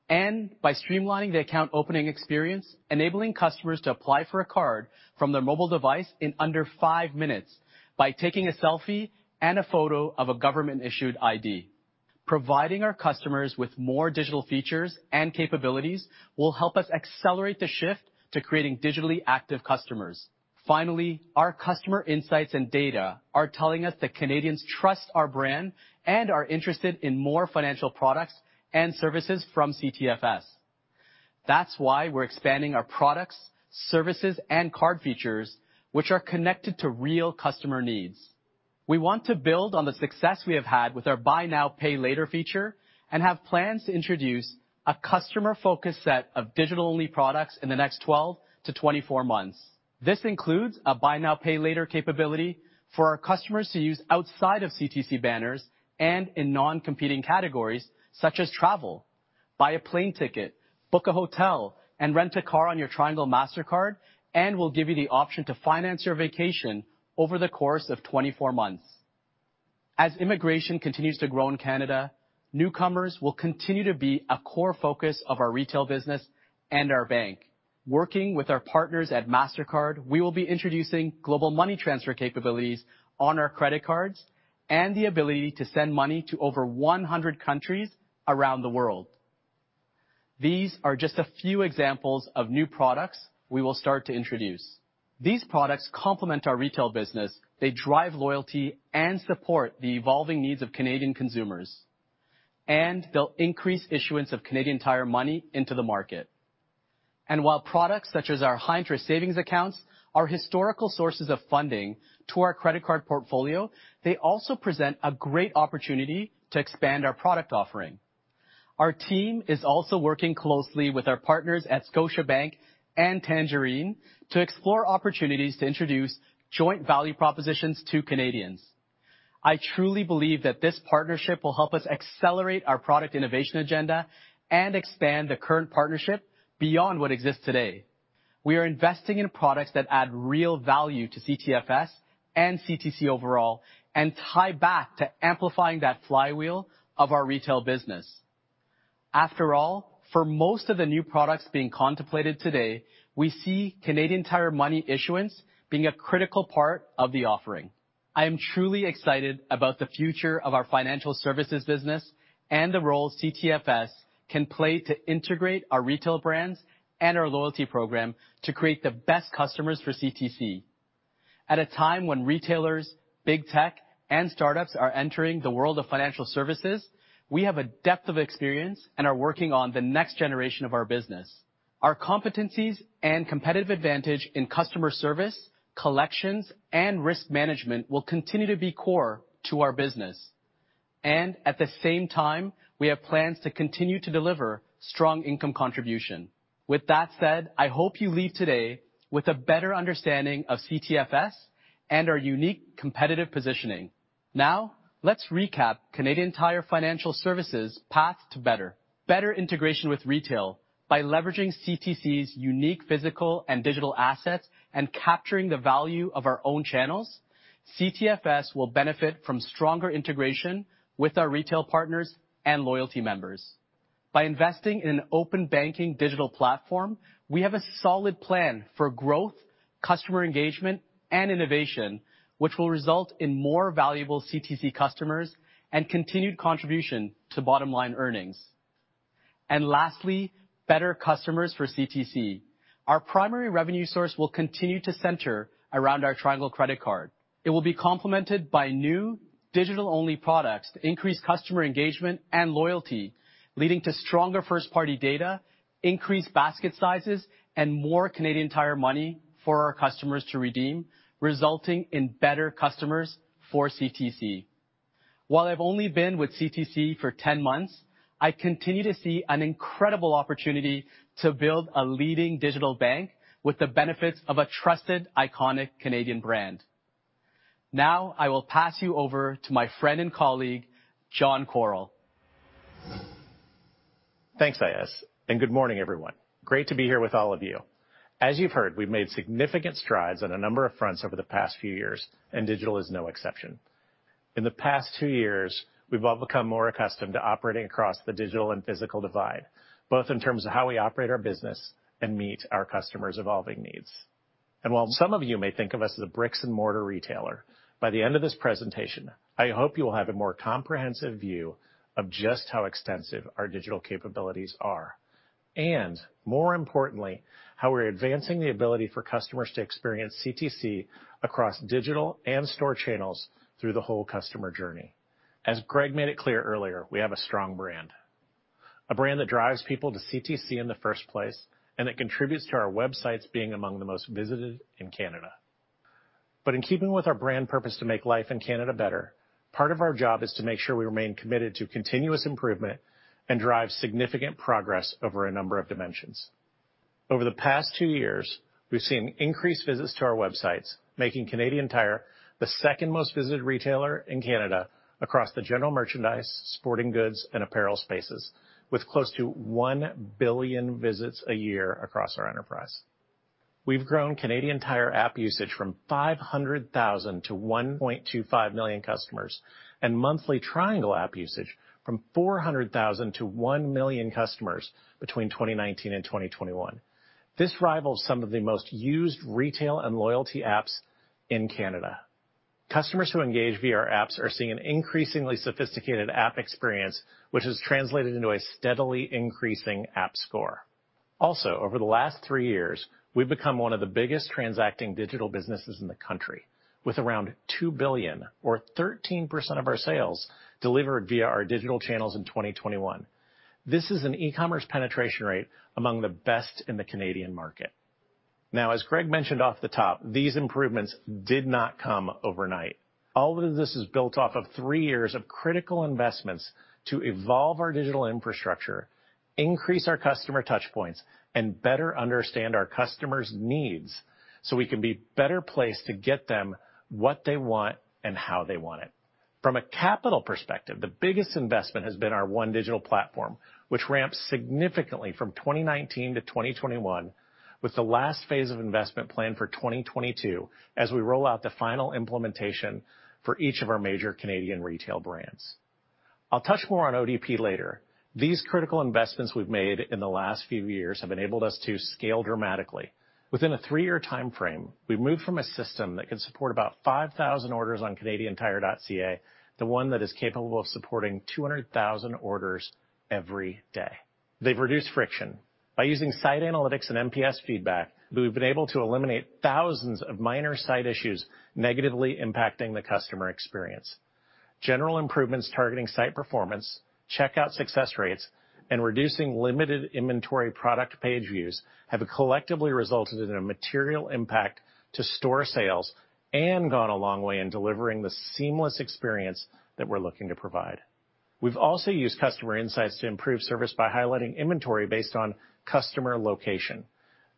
and by streamlining the account opening experience, enabling customers to apply for a card from their mobile device in under five minutes by taking a selfie and a photo of a government-issued ID. Providing our customers with more digital features and capabilities will help us accelerate the shift to creating digitally active customers. Finally, our customer insights and data are telling us that Canadians trust our brand and are interested in more financial products and services from CTFS. That's why we're expanding our products, services, and card features, which are connected to real customer needs. We want to build on the success we have had with our Buy Now, Pay Later feature and have plans to introduce a customer-focused set of digital-only products in the next 12-24 months. This includes a buy now, pay later capability for our customers to use outside of CTC banners and in non-competing categories such as travel. Buy a plane ticket, book a hotel, and rent a car on your Triangle Mastercard, and we'll give you the option to finance your vacation over the course of 24 months. As immigration continues to grow in Canada, newcomers will continue to be a core focus of our retail business and our bank. Working with our partners at Mastercard, we will be introducing global money transfer capabilities on our credit cards and the ability to send money to over 100 countries around the world. These are just a few examples of new products we will start to introduce. These products complement our retail business. They drive loyalty and support the evolving needs of Canadian consumers, and they'll increase issuance of Canadian Tire Money into the market. While products such as our high interest savings accounts are historical sources of funding to our credit card portfolio, they also present a great opportunity to expand our product offering. Our team is also working closely with our partners at Scotiabank and Tangerine to explore opportunities to introduce joint value propositions to Canadians. I truly believe that this partnership will help us accelerate our product innovation agenda and expand the current partnership beyond what exists today. We are investing in products that add real value to CTFS and CTC overall and tie back to amplifying that flywheel of our retail business. After all, for most of the new products being contemplated today, we see Canadian Tire Money issuance being a critical part of the offering. I am truly excited about the future of our financial services business and the role CTFS can play to integrate our retail brands and our loyalty program to create the best customers for CTC. At a time when retailers, big tech, and startups are entering the world of financial services, we have a depth of experience and are working on the next generation of our business. Our competencies and competitive advantage in customer service, collections, and risk management will continue to be core to our business. At the same time, we have plans to continue to deliver strong income contribution. With that said, I hope you leave today with a better understanding of CTFS and our unique competitive positioning. Now let's recap Canadian Tire Financial Services' path to better. Better integration with retail by leveraging CTC's unique physical and digital assets and capturing the value of our own channels. CTFS will benefit from stronger integration with our retail partners and loyalty members. By investing in an open banking digital platform, we have a solid plan for growth, customer engagement, and innovation, which will result in more valuable CTC customers and continued contribution to bottom-line earnings. Lastly, better customers for CTC. Our primary revenue source will continue to center around our Triangle credit card. It will be complemented by new digital-only products to increase customer engagement and loyalty, leading to stronger first-party data, increased basket sizes, and more Canadian Tire Money for our customers to redeem, resulting in better customers for CTC. While I've only been with CTC for 10 months, I continue to see an incredible opportunity to build a leading digital bank with the benefits of a trusted, iconic Canadian brand. Now I will pass you over to my friend and colleague, John Koryl. Thanks, Aayaz, and good morning, everyone. Great to be here with all of you. As you've heard, we've made significant strides on a number of fronts over the past few years, and digital is no exception. In the past two years, we've all become more accustomed to operating across the digital and physical divide, both in terms of how we operate our business and meet our customers' evolving needs. While some of you may think of us as a bricks-and-mortar retailer, by the end of this presentation, I hope you will have a more comprehensive view of just how extensive our digital capabilities are, and more importantly, how we're advancing the ability for customers to experience CTC across digital and store channels through the whole customer journey. As Greg made it clear earlier, we have a strong brand, a brand that drives people to CTC in the first place, and it contributes to our websites being among the most visited in Canada. In keeping with our brand purpose to make life in Canada better, part of our job is to make sure we remain committed to continuous improvement and drive significant progress over a number of dimensions. Over the past two years, we've seen increased visits to our websites, making Canadian Tire the second most visited retailer in Canada across the general merchandise, sporting goods, and apparel spaces, with close to 1 billion visits a year across our enterprise. We've grown Canadian Tire app usage from 500,000 to 1.25 million customers, and monthly Triangle app usage from 400,000 to 1 million customers between 2019 and 2021. This rivals some of the most used retail and loyalty apps in Canada. Customers who engage via our apps are seeing an increasingly sophisticated app experience, which has translated into a steadily increasing app score. Also, over the last three years, we've become one of the biggest transacting digital businesses in the country, with around 2 billion or 13% of our sales delivered via our digital channels in 2021. This is an e-commerce penetration rate among the best in the Canadian market. Now, as Greg mentioned off the top, these improvements did not come overnight. All of this is built off of three years of critical investments to evolve our digital infrastructure, increase our customer touch points, and better understand our customers' needs so we can be better placed to get them what they want and how they want it. From a capital perspective, the biggest investment has been our One Digital Platform, which ramped significantly from 2019 to 2021, with the last phase of investment planned for 2022 as we roll out the final implementation for each of our major Canadian retail brands. I'll touch more on ODP later. These critical investments we've made in the last few years have enabled us to scale dramatically. Within a three-year timeframe, we've moved from a system that could support about 5,000 orders on canadiantire.ca to one that is capable of supporting 200,000 orders every day. They've reduced friction. By using site analytics and NPS feedback, we've been able to eliminate thousands of minor site issues negatively impacting the customer experience. General improvements targeting site performance, checkout success rates, and reducing limited inventory product page views have collectively resulted in a material impact to store sales and gone a long way in delivering the seamless experience that we're looking to provide. We've also used customer insights to improve service by highlighting inventory based on customer location.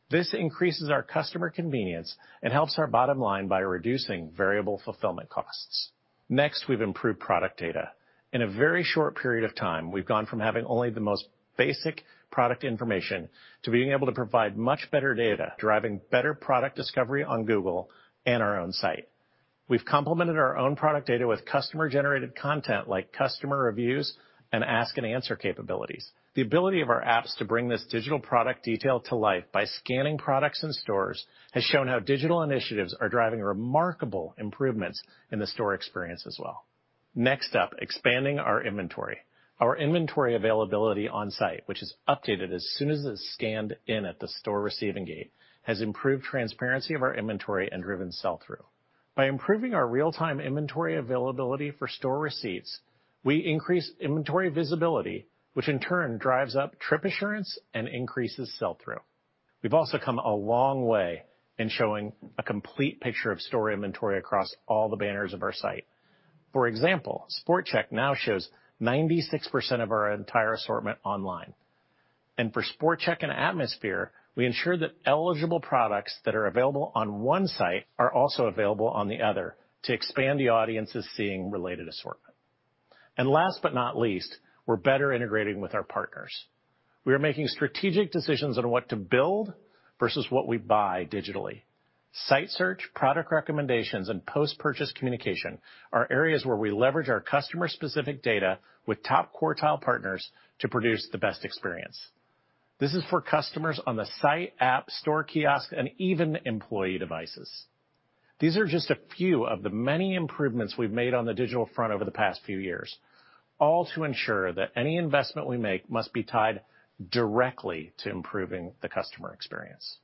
This increases our customer convenience and helps our bottom line by reducing variable fulfillment costs. Next, we've improved product data. In a very short period of time, we've gone from having only the most basic product information to being able to provide much better data, driving better product discovery on Google and our own site. We've complemented our own product data with customer-generated content like customer reviews and ask-and-answer capabilities. The ability of our apps to bring this digital product detail to life by scanning products in stores has shown how digital initiatives are driving remarkable improvements in the store experience as well. Next up, expanding our inventory. Our inventory availability on site, which is updated as soon as it's scanned in at the store receiving gate, has improved transparency of our inventory and driven sell-through. By improving our real-time inventory availability for store receipts, we increase inventory visibility, which in turn drives up trip assurance and increases sell-through. We've also come a long way in showing a complete picture of store inventory across all the banners of our site. For example, SportChek now shows 96% of our entire assortment online. For SportChek and Atmosphere, we ensure that eligible products that are available on one site are also available on the other to expand the audiences seeing related assortment. Last but not least, we're better integrating with our partners. We are making strategic decisions on what to build versus what we buy digitally. Site search, product recommendations, and post-purchase communication are areas where we leverage our customer-specific data with top quartile partners to produce the best experience. This is for customers on the site, app, store kiosk, and even employee devices. These are just a few of the many improvements we've made on the digital front over the past few years, all to ensure that any investment we make must be tied directly to improving the customer experience.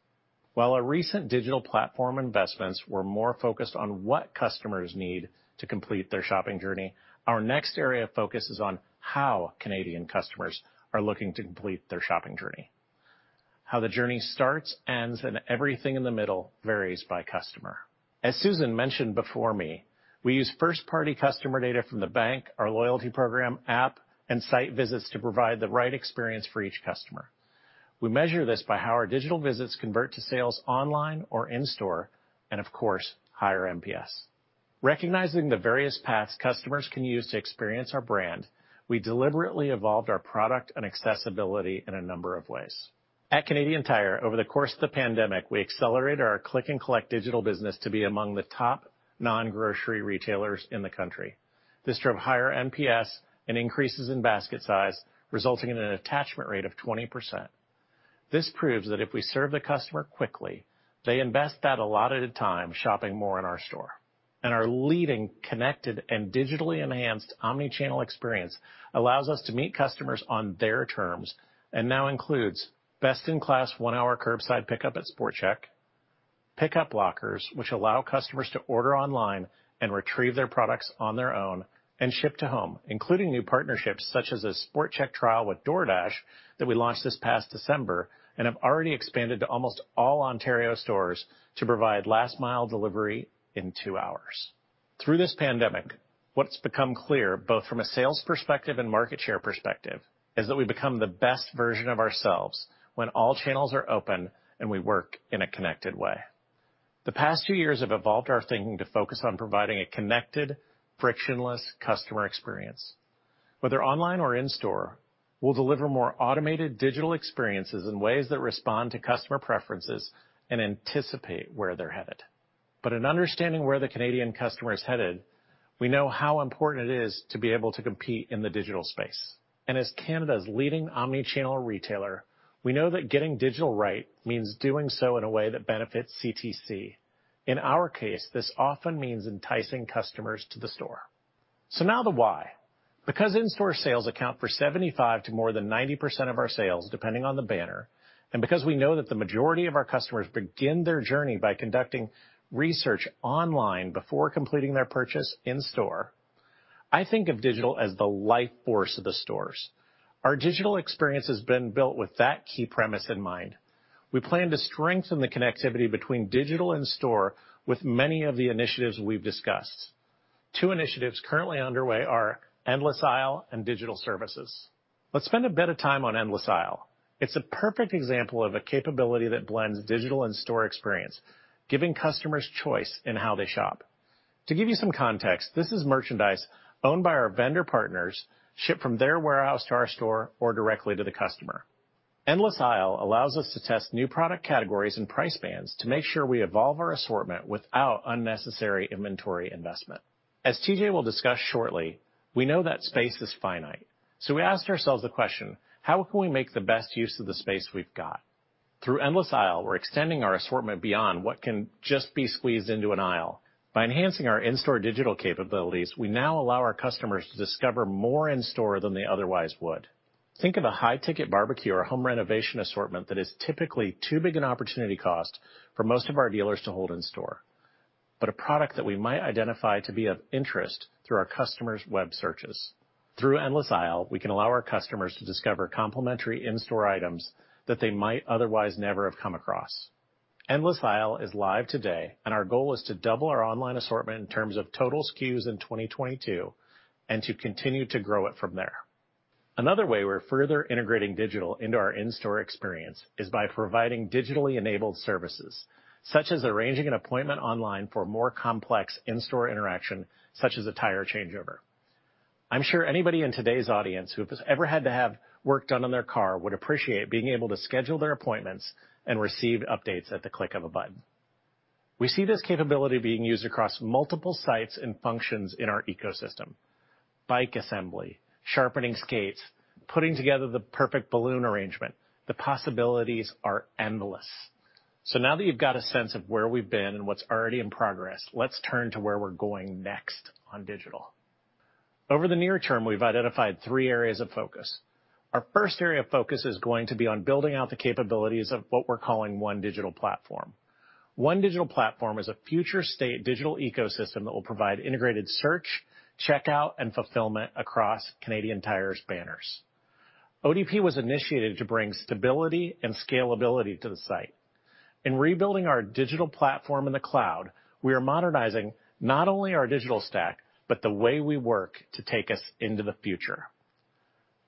While our recent digital platform investments were more focused on what customers need to complete their shopping journey, our next area of focus is on how Canadian customers are looking to complete their shopping journey. How the journey starts, ends, and everything in the middle varies by customer. As Susan mentioned before me, we use first-party customer data from the bank, our loyalty program, app, and site visits to provide the right experience for each customer. We measure this by how our digital visits convert to sales online or in store, and of course, higher NPS. Recognizing the various paths customers can use to experience our brand, we deliberately evolved our product and accessibility in a number of ways. At Canadian Tire, over the course of the pandemic, we accelerated our Click and Collect digital business to be among the top non-grocery retailers in the country. This drove higher NPS and increases in basket size, resulting in an attachment rate of 20%. This proves that if we serve the customer quickly, they invest that allotted time shopping more in our store. Our leading connected and digitally enhanced omnichannel experience allows us to meet customers on their terms, and now includes best-in-class one-hour Curbside Pickup at SportChek, pickup lockers, which allow customers to order online and retrieve their products on their own, and ship to home, including new partnerships such as a SportChek trial with DoorDash that we launched this past December and have already expanded to almost all Ontario stores to provide last mile delivery in two hours. Through this pandemic, what's become clear, both from a sales perspective and market share perspective, is that we become the best version of ourselves when all channels are open and we work in a connected way. The past two years have evolved our thinking to focus on providing a connected, frictionless customer experience. Whether online or in-store, we'll deliver more automated digital experiences in ways that respond to customer preferences and anticipate where they're headed. In understanding where the Canadian customer is headed, we know how important it is to be able to compete in the digital space. As Canada's leading omnichannel retailer, we know that getting digital right means doing so in a way that benefits CTC. In our case, this often means enticing customers to the store. Now the why. Because in-store sales account for 75% to more than 90% of our sales, depending on the banner, and because we know that the majority of our customers begin their journey by conducting research online before completing their purchase in store, I think of digital as the life force of the stores. Our digital experience has been built with that key premise in mind. We plan to strengthen the connectivity between digital and store with many of the initiatives we've discussed. Two initiatives currently underway are Endless Aisle and Digital Services. Let's spend a bit of time on Endless Aisle. It's a perfect example of a capability that blends digital and store experience, giving customers choice in how they shop. To give you some context, this is merchandise owned by our vendor partners, shipped from their warehouse to our store or directly to the customer. Endless Aisle allows us to test new product categories and price bands to make sure we evolve our assortment without unnecessary inventory investment. As TJ will discuss shortly, we know that space is finite. We asked ourselves the question. How can we make the best use of the space we've got? Through Endless Aisle, we're extending our assortment beyond what can just be squeezed into an aisle. By enhancing our in-store digital capabilities, we now allow our customers to discover more in store than they otherwise would. Think of a high-ticket barbecue or home renovation assortment that is typically too big an opportunity cost for most of our dealers to hold in store, but a product that we might identify to be of interest through our customers' web searches. Through Endless Aisle, we can allow our customers to discover complementary in-store items that they might otherwise never have come across. Endless Aisle is live today, and our goal is to double our online assortment in terms of total SKUs in 2022 and to continue to grow it from there. Another way we're further integrating digital into our in-store experience is by providing digitally enabled services, such as arranging an appointment online for more complex in-store interaction, such as a tire changeover. I'm sure anybody in today's audience who has ever had to have work done on their car would appreciate being able to schedule their appointments and receive updates at the click of a button. We see this capability being used across multiple sites and functions in our ecosystem, bike assembly, sharpening skates, putting together the perfect balloon arrangement. The possibilities are endless. Now that you've got a sense of where we've been and what's already in progress, let's turn to where we're going next on digital. Over the near term, we've identified three areas of focus. Our first area of focus is going to be on building out the capabilities of what we're calling One Digital Platform. One Digital Platform is a future state digital ecosystem that will provide integrated search, checkout, and fulfillment across Canadian Tire's banners. ODP was initiated to bring stability and scalability to the site. In rebuilding our digital platform in the cloud, we are modernizing not only our digital stack, but the way we work to take us into the future.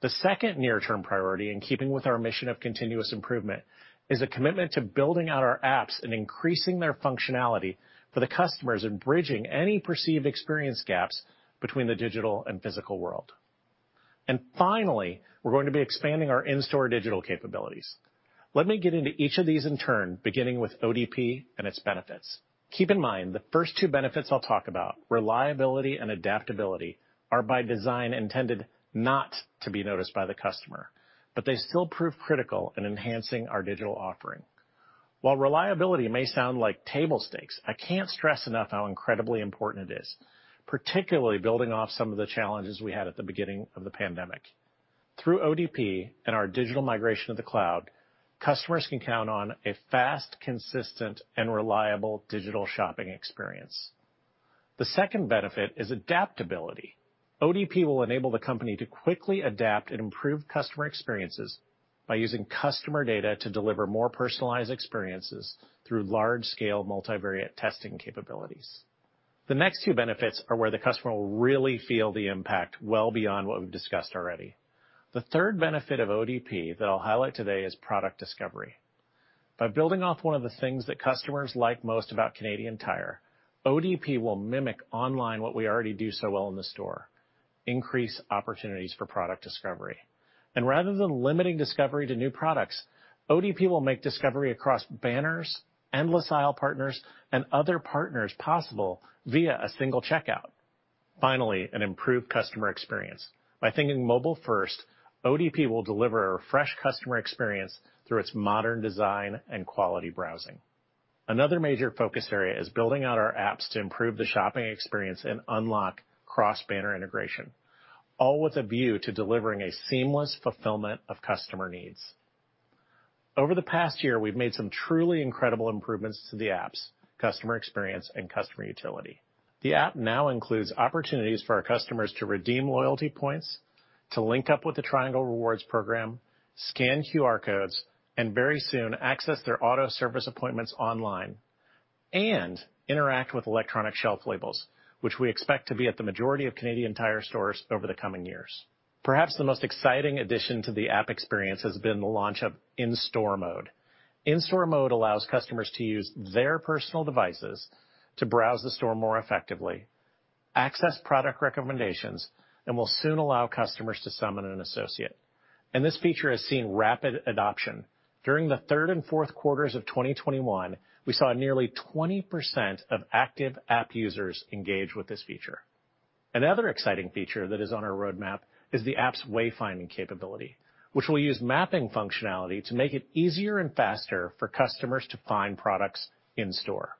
The second near-term priority, in keeping with our mission of continuous improvement, is a commitment to building out our apps and increasing their functionality for the customers and bridging any perceived experience gaps between the digital and physical world. Finally, we're going to be expanding our in-store digital capabilities. Let me get into each of these in turn, beginning with ODP and its benefits. Keep in mind, the first two benefits I'll talk about, reliability and adaptability, are by design intended not to be noticed by the customer, but they still prove critical in enhancing our digital offering. While reliability may sound like table stakes, I can't stress enough how incredibly important it is, particularly building off some of the challenges we had at the beginning of the pandemic. Through ODP and our digital migration to the cloud, customers can count on a fast, consistent, and reliable digital shopping experience. The second benefit is adaptability. ODP will enable the company to quickly adapt and improve customer experiences by using customer data to deliver more personalized experiences through large-scale multivariate testing capabilities. The next two benefits are where the customer will really feel the impact well beyond what we've discussed already. The third benefit of ODP that I'll highlight today is product discovery. By building off one of the things that customers like most about Canadian Tire, ODP will mimic online what we already do so well in the store, increase opportunities for product discovery. Rather than limiting discovery to new products, ODP will make discovery across banners, Endless Aisle partners, and other partners possible via a single checkout. Finally, an improved customer experience. By thinking mobile first, ODP will deliver a fresh customer experience through its modern design and quality browsing. Another major focus area is building out our apps to improve the shopping experience and unlock cross-banner integration, all with a view to delivering a seamless fulfillment of customer needs. Over the past year, we've made some truly incredible improvements to the apps, customer experience, and customer utility. The app now includes opportunities for our customers to redeem loyalty points, to link up with the Triangle Rewards program, scan QR codes, and very soon, access their auto service appointments online, and interact with electronic shelf labels, which we expect to be at the majority of Canadian Tire stores over the coming years. Perhaps the most exciting addition to the app experience has been the launch of In-Store mode. In-Store mode allows customers to use their personal devices to browse the store more effectively, access product recommendations, and will soon allow customers to summon an associate. This feature has seen rapid adoption. During the third and fourth quarters of 2021, we saw nearly 20% of active app users engage with this feature. Another exciting feature that is on our roadmap is the app's way-finding capability, which will use mapping functionality to make it easier and faster for customers to find products in store.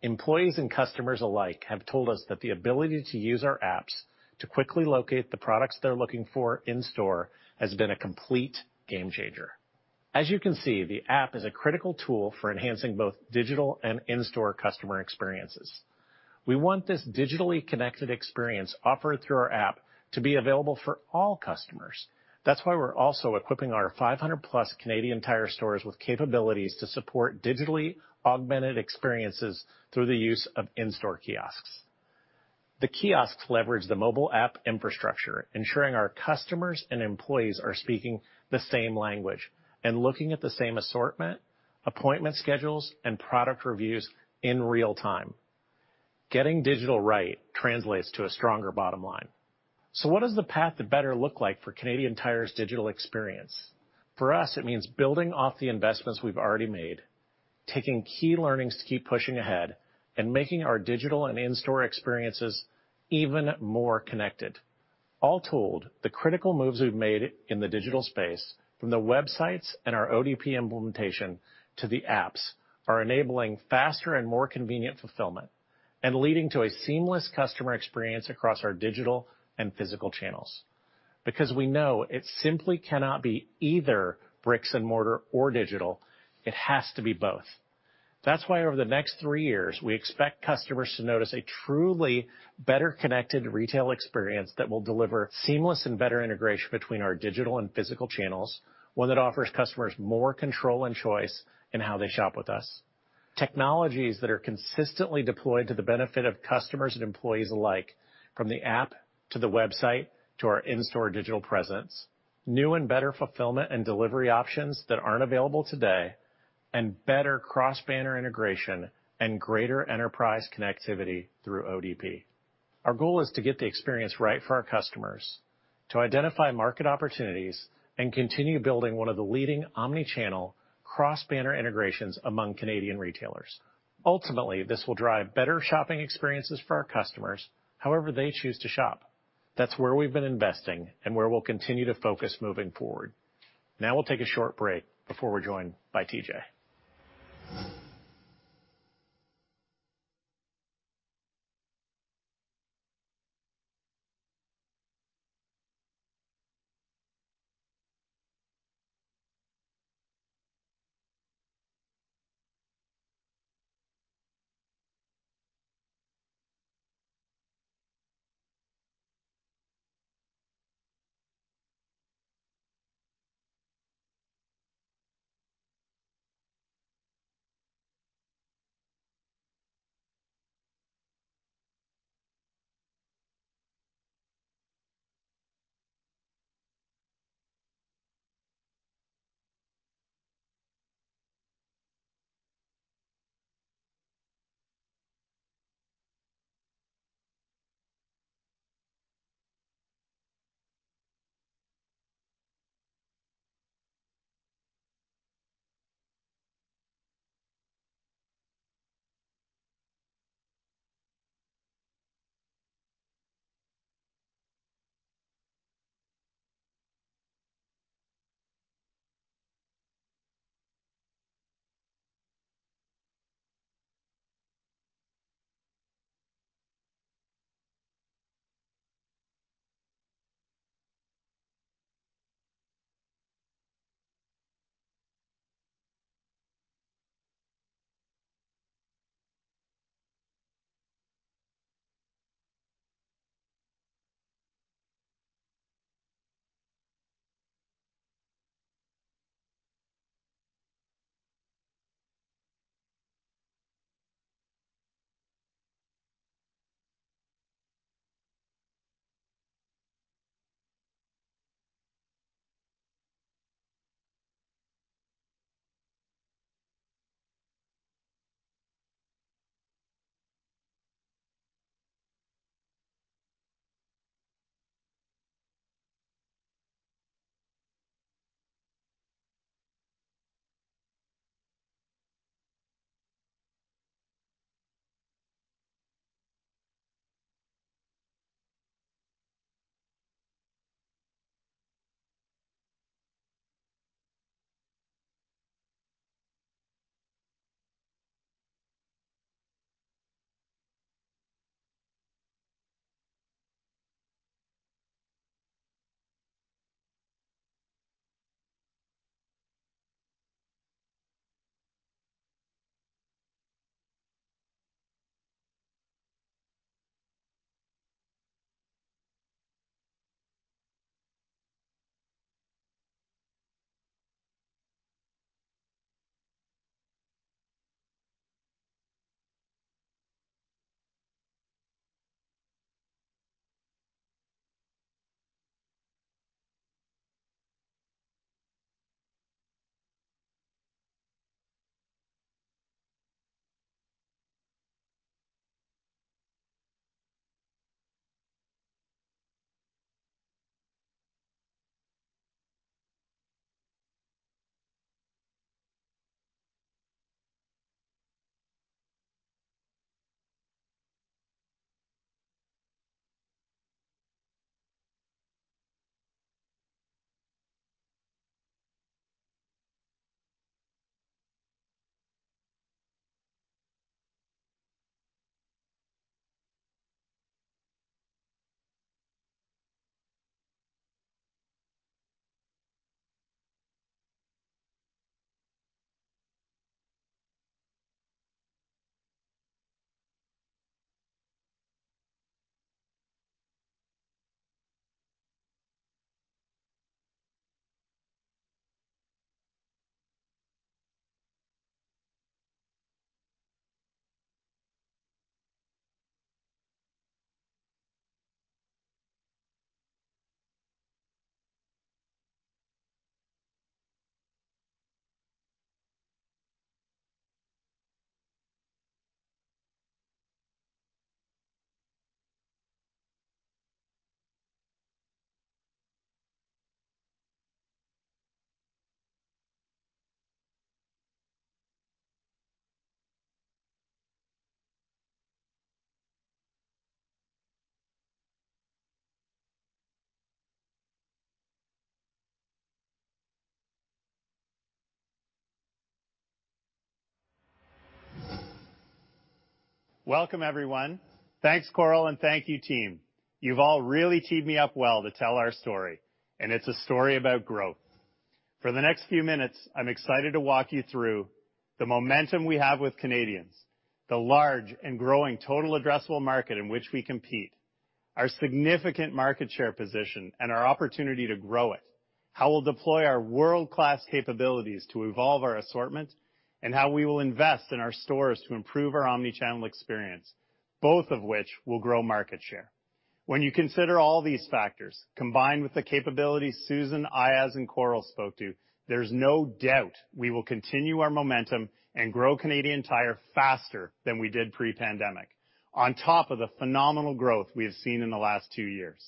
Employees and customers alike have told us that the ability to use our apps to quickly locate the products they're looking for in store has been a complete game-changer. As you can see, the app is a critical tool for enhancing both digital and in-store customer experiences. We want this digitally connected experience offered through our app to be available for all customers. That's why we're also equipping our 500+ Canadian Tire stores with capabilities to support digitally augmented experiences through the use of in-store kiosks. The kiosks leverage the mobile app infrastructure, ensuring our customers and employees are speaking the same language and looking at the same assortment, appointment schedules, and product reviews in real time. Getting digital right translates to a stronger bottom line. What does the path to better look like for Canadian Tire's digital experience? For us, it means building off the investments we've already made, taking key learnings to keep pushing ahead, and making our digital and in-store experiences even more connected. All told, the critical moves we've made in the digital space, from the websites and our ODP implementation to the apps, are enabling faster and more convenient fulfillment and leading to a seamless customer experience across our digital and physical channels. Because we know it simply cannot be either bricks and mortar or digital, it has to be both. That's why over the next three years, we expect customers to notice a truly Better Connected retail experience that will deliver seamless and better integration between our digital and physical channels, one that offers customers more control and choice in how they shop with us. Technologies that are consistently deployed to the benefit of customers and employees alike, from the app to the website to our in-store digital presence, new and better fulfillment and delivery options that aren't available today, and better cross-banner integration and greater enterprise connectivity through ODP. Our goal is to get the experience right for our customers, to identify market opportunities, and continue building one of the leading omnichannel cross-banner integrations among Canadian retailers. Ultimately, this will drive better shopping experiences for our customers however they choose to shop. That's where we've been investing and where we'll continue to focus moving forward. Now we'll take a short break before we're joined by TJ. Welcome everyone. Thanks, Koryl, and thank you, team. You've all really teed me up well to tell our story, and it's a story about growth. For the next few minutes, I'm excited to walk you through the momentum we have with Canadians, the large and growing total addressable market in which we compete, our significant market share position and our opportunity to grow it, how we'll deploy our world-class capabilities to evolve our assortment, and how we will invest in our stores to improve our omnichannel experience, both of which will grow market share. When you consider all these factors, combined with the capabilities Susan, Aayaz, and Koryl spoke to, there's no doubt we will continue our momentum and grow Canadian Tire faster than we did pre-pandemic, on top of the phenomenal growth we have seen in the last two years.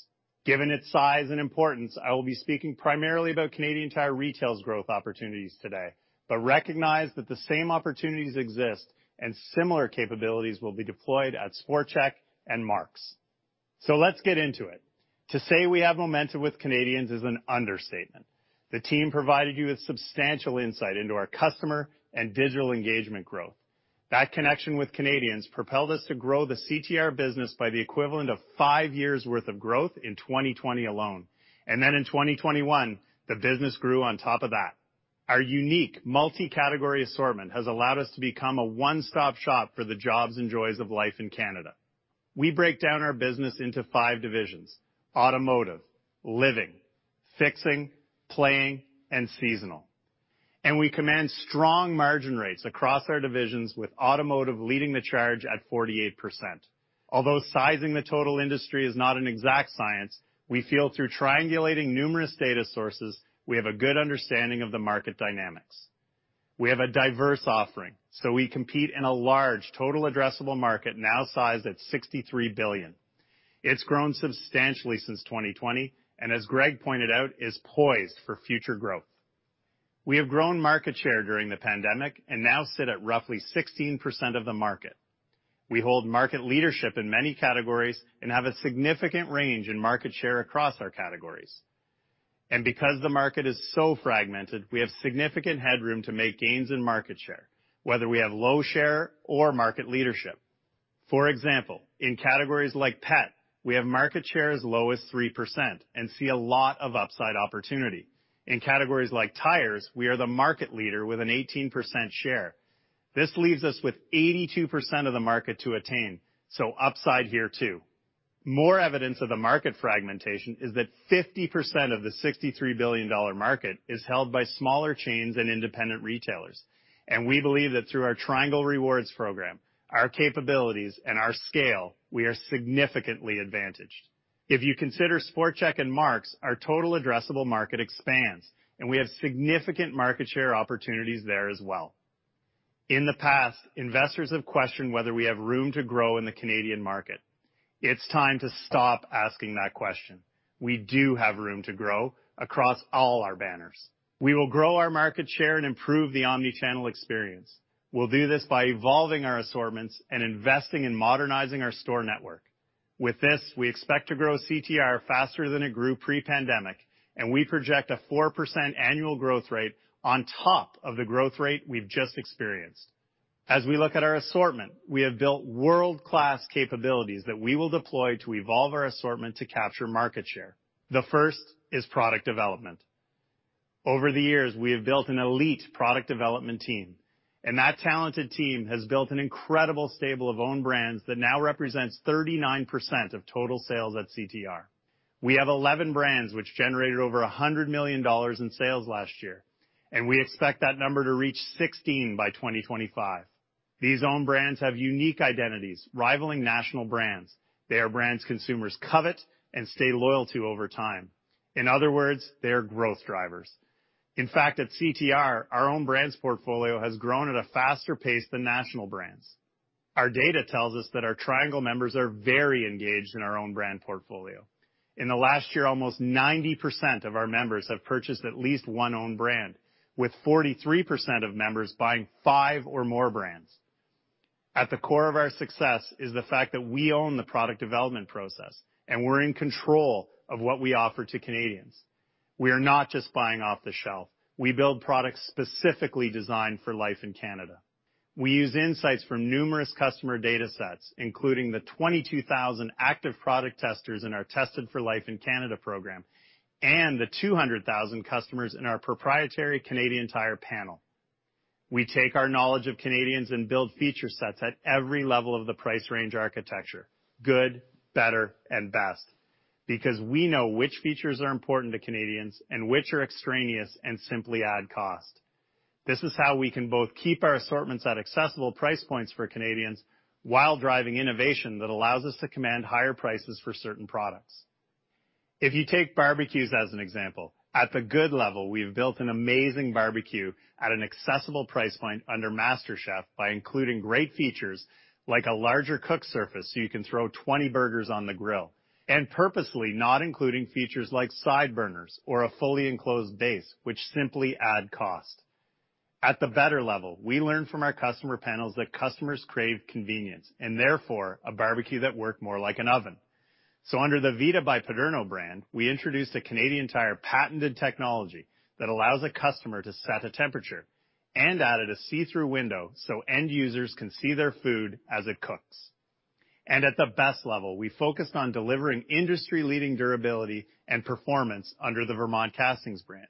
Given its size and importance, I will be speaking primarily about Canadian Tire Retail's growth opportunities today, but recognize that the same opportunities exist and similar capabilities will be deployed at SportChek and Mark's. Let's get into it. To say we have momentum with Canadians is an understatement. The team provided you with substantial insight into our customer and digital engagement growth. That connection with Canadians propelled us to grow the CTR business by the equivalent of five year worth of growth in 2020 alone. Then in 2021, the business grew on top of that. Our unique multi-category assortment has allowed us to become a one-stop shop for the jobs and joys of life in Canada. We break down our business into five divisions, automotive, living, fixing, playing, and seasonal. We command strong margin rates across our divisions, with automotive leading the charge at 48%. Although sizing the total industry is not an exact science, we feel through triangulating numerous data sources, we have a good understanding of the market dynamics. We have a diverse offering, so we compete in a large total addressable market now sized at 63 billion. It's grown substantially since 2020, and as Greg pointed out, is poised for future growth. We have grown market share during the pandemic and now sit at roughly 16% of the market. We hold market leadership in many categories and have a significant range in market share across our categories. Because the market is so fragmented, we have significant headroom to make gains in market share, whether we have low share or market leadership. For example, in categories like pet, we have market share as low as 3% and see a lot of upside opportunity. In categories like tires, we are the market leader with an 18% share. This leaves us with 82% of the market to attain, so upside here too. More evidence of the market fragmentation is that 50% of the 63 billion dollar market is held by smaller chains and independent retailers. We believe that through our Triangle Rewards program, our capabilities and our scale, we are significantly advantaged. If you consider SportChek and Mark's, our total addressable market expands, and we have significant market share opportunities there as well. In the past, investors have questioned whether we have room to grow in the Canadian market. It's time to stop asking that question. We do have room to grow across all our banners. We will grow our market share and improve the omnichannel experience. We'll do this by evolving our assortments and investing in modernizing our store network. With this, we expect to grow CTR faster than it grew pre-pandemic, and we project a 4% annual growth rate on top of the growth rate we've just experienced. As we look at our assortment, we have built world-class capabilities that we will deploy to evolve our assortment to capture market share. The first is product development. Over the years, we have built an elite product development team, and that talented team has built an incredible stable of own brands that now represents 39% of total sales at CTR. We have 11 brands which generated over 100 million dollars in sales last year, and we expect that number to reach 16 by 2025. These own brands have unique identities rivaling national brands. They are brands consumers covet and stay loyal to over time. In other words, they are growth drivers. In fact, at CTR, our own brands portfolio has grown at a faster pace than national brands. Our data tells us that our Triangle members are very engaged in our own brand portfolio. In the last year, almost 90% of our members have purchased at least one own brand, with 43% of members buying five or more brands. At the core of our success is the fact that we own the product development process, and we're in control of what we offer to Canadians. We are not just buying off the shelf. We build products specifically designed for life in Canada. We use insights from numerous customer data sets, including the 22,000 active product testers in our TESTED for Life in Canada program and the 200,000 customers in our proprietary Canadian Tire panel. We take our knowledge of Canadians and build feature sets at every level of the price range architecture, good, better, and best, because we know which features are important to Canadians and which are extraneous and simply add cost. This is how we can both keep our assortments at accessible price points for Canadians while driving innovation that allows us to command higher prices for certain products. If you take barbecues as an example, at the good level, we've built an amazing barbecue at an accessible price point under MASTER Chef by including great features like a larger cook surface so you can throw 20 burgers on the grill and purposefully not including features like side burners or a fully enclosed base, which simply add cost. At the better level, we learn from our customer panels that customers crave convenience and therefore a barbecue that work more like an oven. So under the Vida by PADERNO brand, we introduced a Canadian Tire patented technology that allows a customer to set a temperature and added a see-through window so end users can see their food as it cooks. At the best level, we focused on delivering industry-leading durability and performance under the Vermont Castings brand.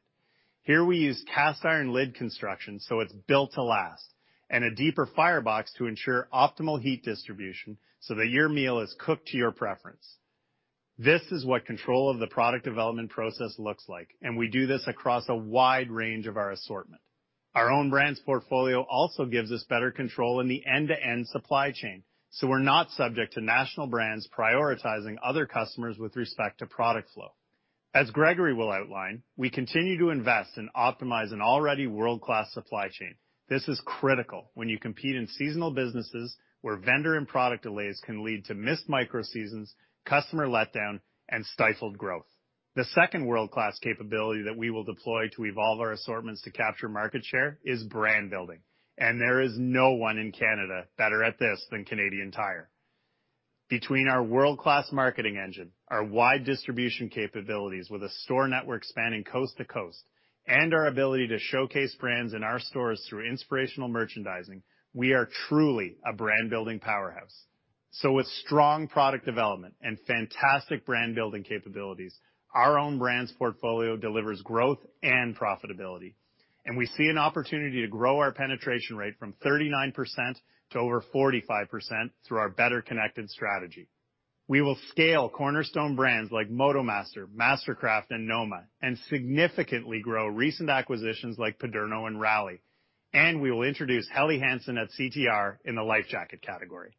Here we use cast iron lid construction so it's built to last and a deeper firebox to ensure optimal heat distribution so that your meal is cooked to your preference. This is what control of the product development process looks like, and we do this across a wide range of our assortment. Our own brands portfolio also gives us better control in the end-to-end supply chain, so we're not subject to national brands prioritizing other customers with respect to product flow. As Gregory will outline, we continue to invest and optimize an already world-class supply chain. This is critical when you compete in seasonal businesses where vendor and product delays can lead to missed micro seasons, customer letdown, and stifled growth. The second world-class capability that we will deploy to evolve our assortments to capture market share is brand building. There is no one in Canada better at this than Canadian Tire. Between our world-class marketing engine, our wide distribution capabilities with a store network spanning coast to coast, and our ability to showcase brands in our stores through inspirational merchandising, we are truly a brand-building powerhouse. With strong product development and fantastic brand-building capabilities, our own brands portfolio delivers growth and profitability, and we see an opportunity to grow our penetration rate from 39% to over 45% through our Better Connected strategy. We will scale cornerstone brands like MotoMaster, Mastercraft, and NOMA, and significantly grow recent acquisitions like PADERNO and Raleigh, and we will introduce Helly Hansen at CTR in the lifejacket category.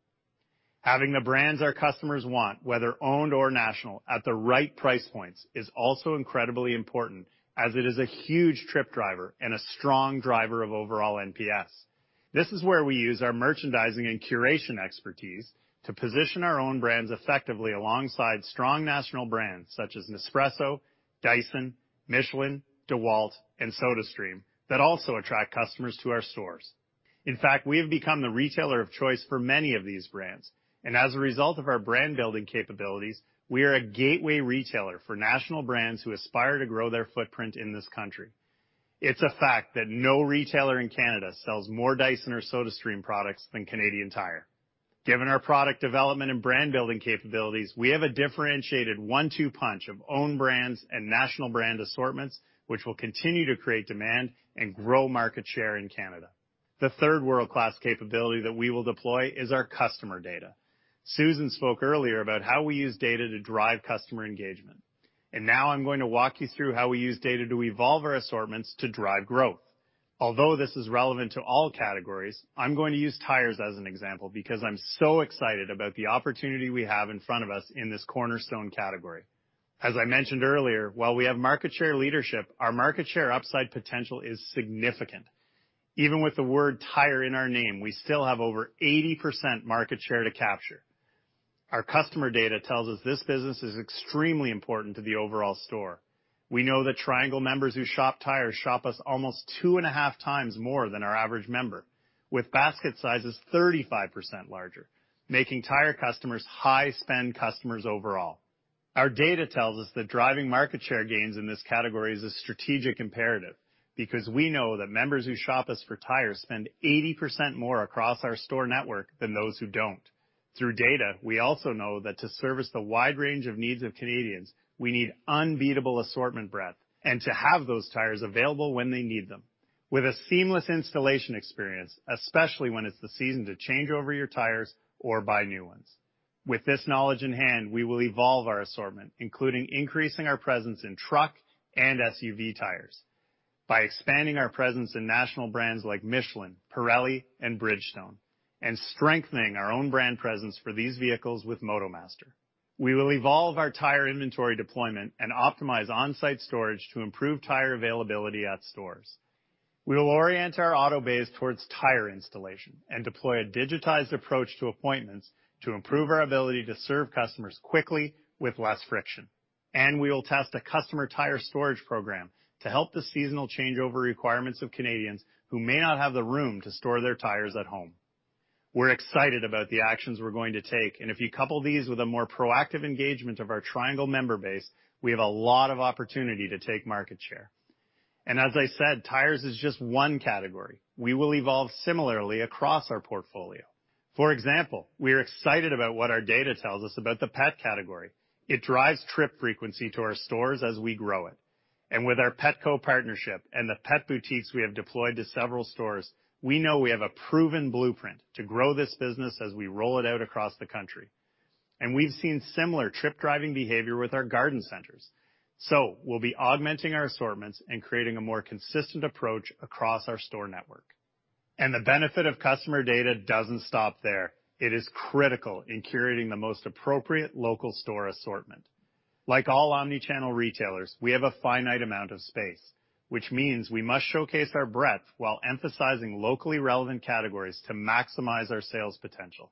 Having the brands our customers want, whether owned or national, at the right price points is also incredibly important as it is a huge trip driver and a strong driver of overall NPS. This is where we use our merchandising and curation expertise to position our own brands effectively alongside strong national brands such as Nespresso, Dyson, Michelin, DEWALT, and SodaStream that also attract customers to our stores. In fact, we have become the retailer of choice for many of these brands. As a result of our brand-building capabilities, we are a gateway retailer for national brands who aspire to grow their footprint in this country. It's a fact that no retailer in Canada sells more Dyson or SodaStream products than Canadian Tire. Given our product development and brand-building capabilities, we have a differentiated one-two punch of own brands and national brand assortments, which will continue to create demand and grow market share in Canada. The third world-class capability that we will deploy is our customer data. Susan spoke earlier about how we use data to drive customer engagement, and now I'm going to walk you through how we use data to evolve our assortments to drive growth. Although this is relevant to all categories, I'm going to use tires as an example because I'm so excited about the opportunity we have in front of us in this cornerstone category. As I mentioned earlier, while we have market share leadership, our market share upside potential is significant. Even with the word tire in our name, we still have over 80% market share to capture. Our customer data tells us this business is extremely important to the overall store. We know that Triangle members who shop tires shop us almost 2.5x more than our average member with basket sizes 35% larger, making tire customers high-spend customers overall. Our data tells us that driving market share gains in this category is a strategic imperative because we know that members who shop us for tires spend 80% more across our store network than those who don't. Through data, we also know that to service the wide range of needs of Canadians, we need unbeatable assortment breadth and to have those tires available when they need them with a seamless installation experience, especially when it's the season to change over your tires or buy new ones. With this knowledge in hand, we will evolve our assortment, including increasing our presence in truck and SUV tires by expanding our presence in national brands like Michelin, Pirelli, and Bridgestone, and strengthening our own brand presence for these vehicles with MotoMaster. We will evolve our tire inventory deployment and optimize on-site storage to improve tire availability at stores. We will orient our auto base towards tire installation and deploy a digitized approach to appointments to improve our ability to serve customers quickly with less friction. We will test a customer tire storage program to help the seasonal changeover requirements of Canadians who may not have the room to store their tires at home. We're excited about the actions we're going to take, and if you couple these with a more proactive engagement of our Triangle member base, we have a lot of opportunity to take market share. As I said, tires is just one category. We will evolve similarly across our portfolio. For example, we are excited about what our data tells us about the pet category. It drives trip frequency to our stores as we grow it. With our Petco partnership and the pet boutiques we have deployed to several stores, we know we have a proven blueprint to grow this business as we roll it out across the country. We've seen similar trip-driving behavior with our garden centers. We'll be augmenting our assortments and creating a more consistent approach across our store network. The benefit of customer data doesn't stop there. It is critical in curating the most appropriate local store assortment. Like all omnichannel retailers, we have a finite amount of space, which means we must showcase our breadth while emphasizing locally relevant categories to maximize our sales potential.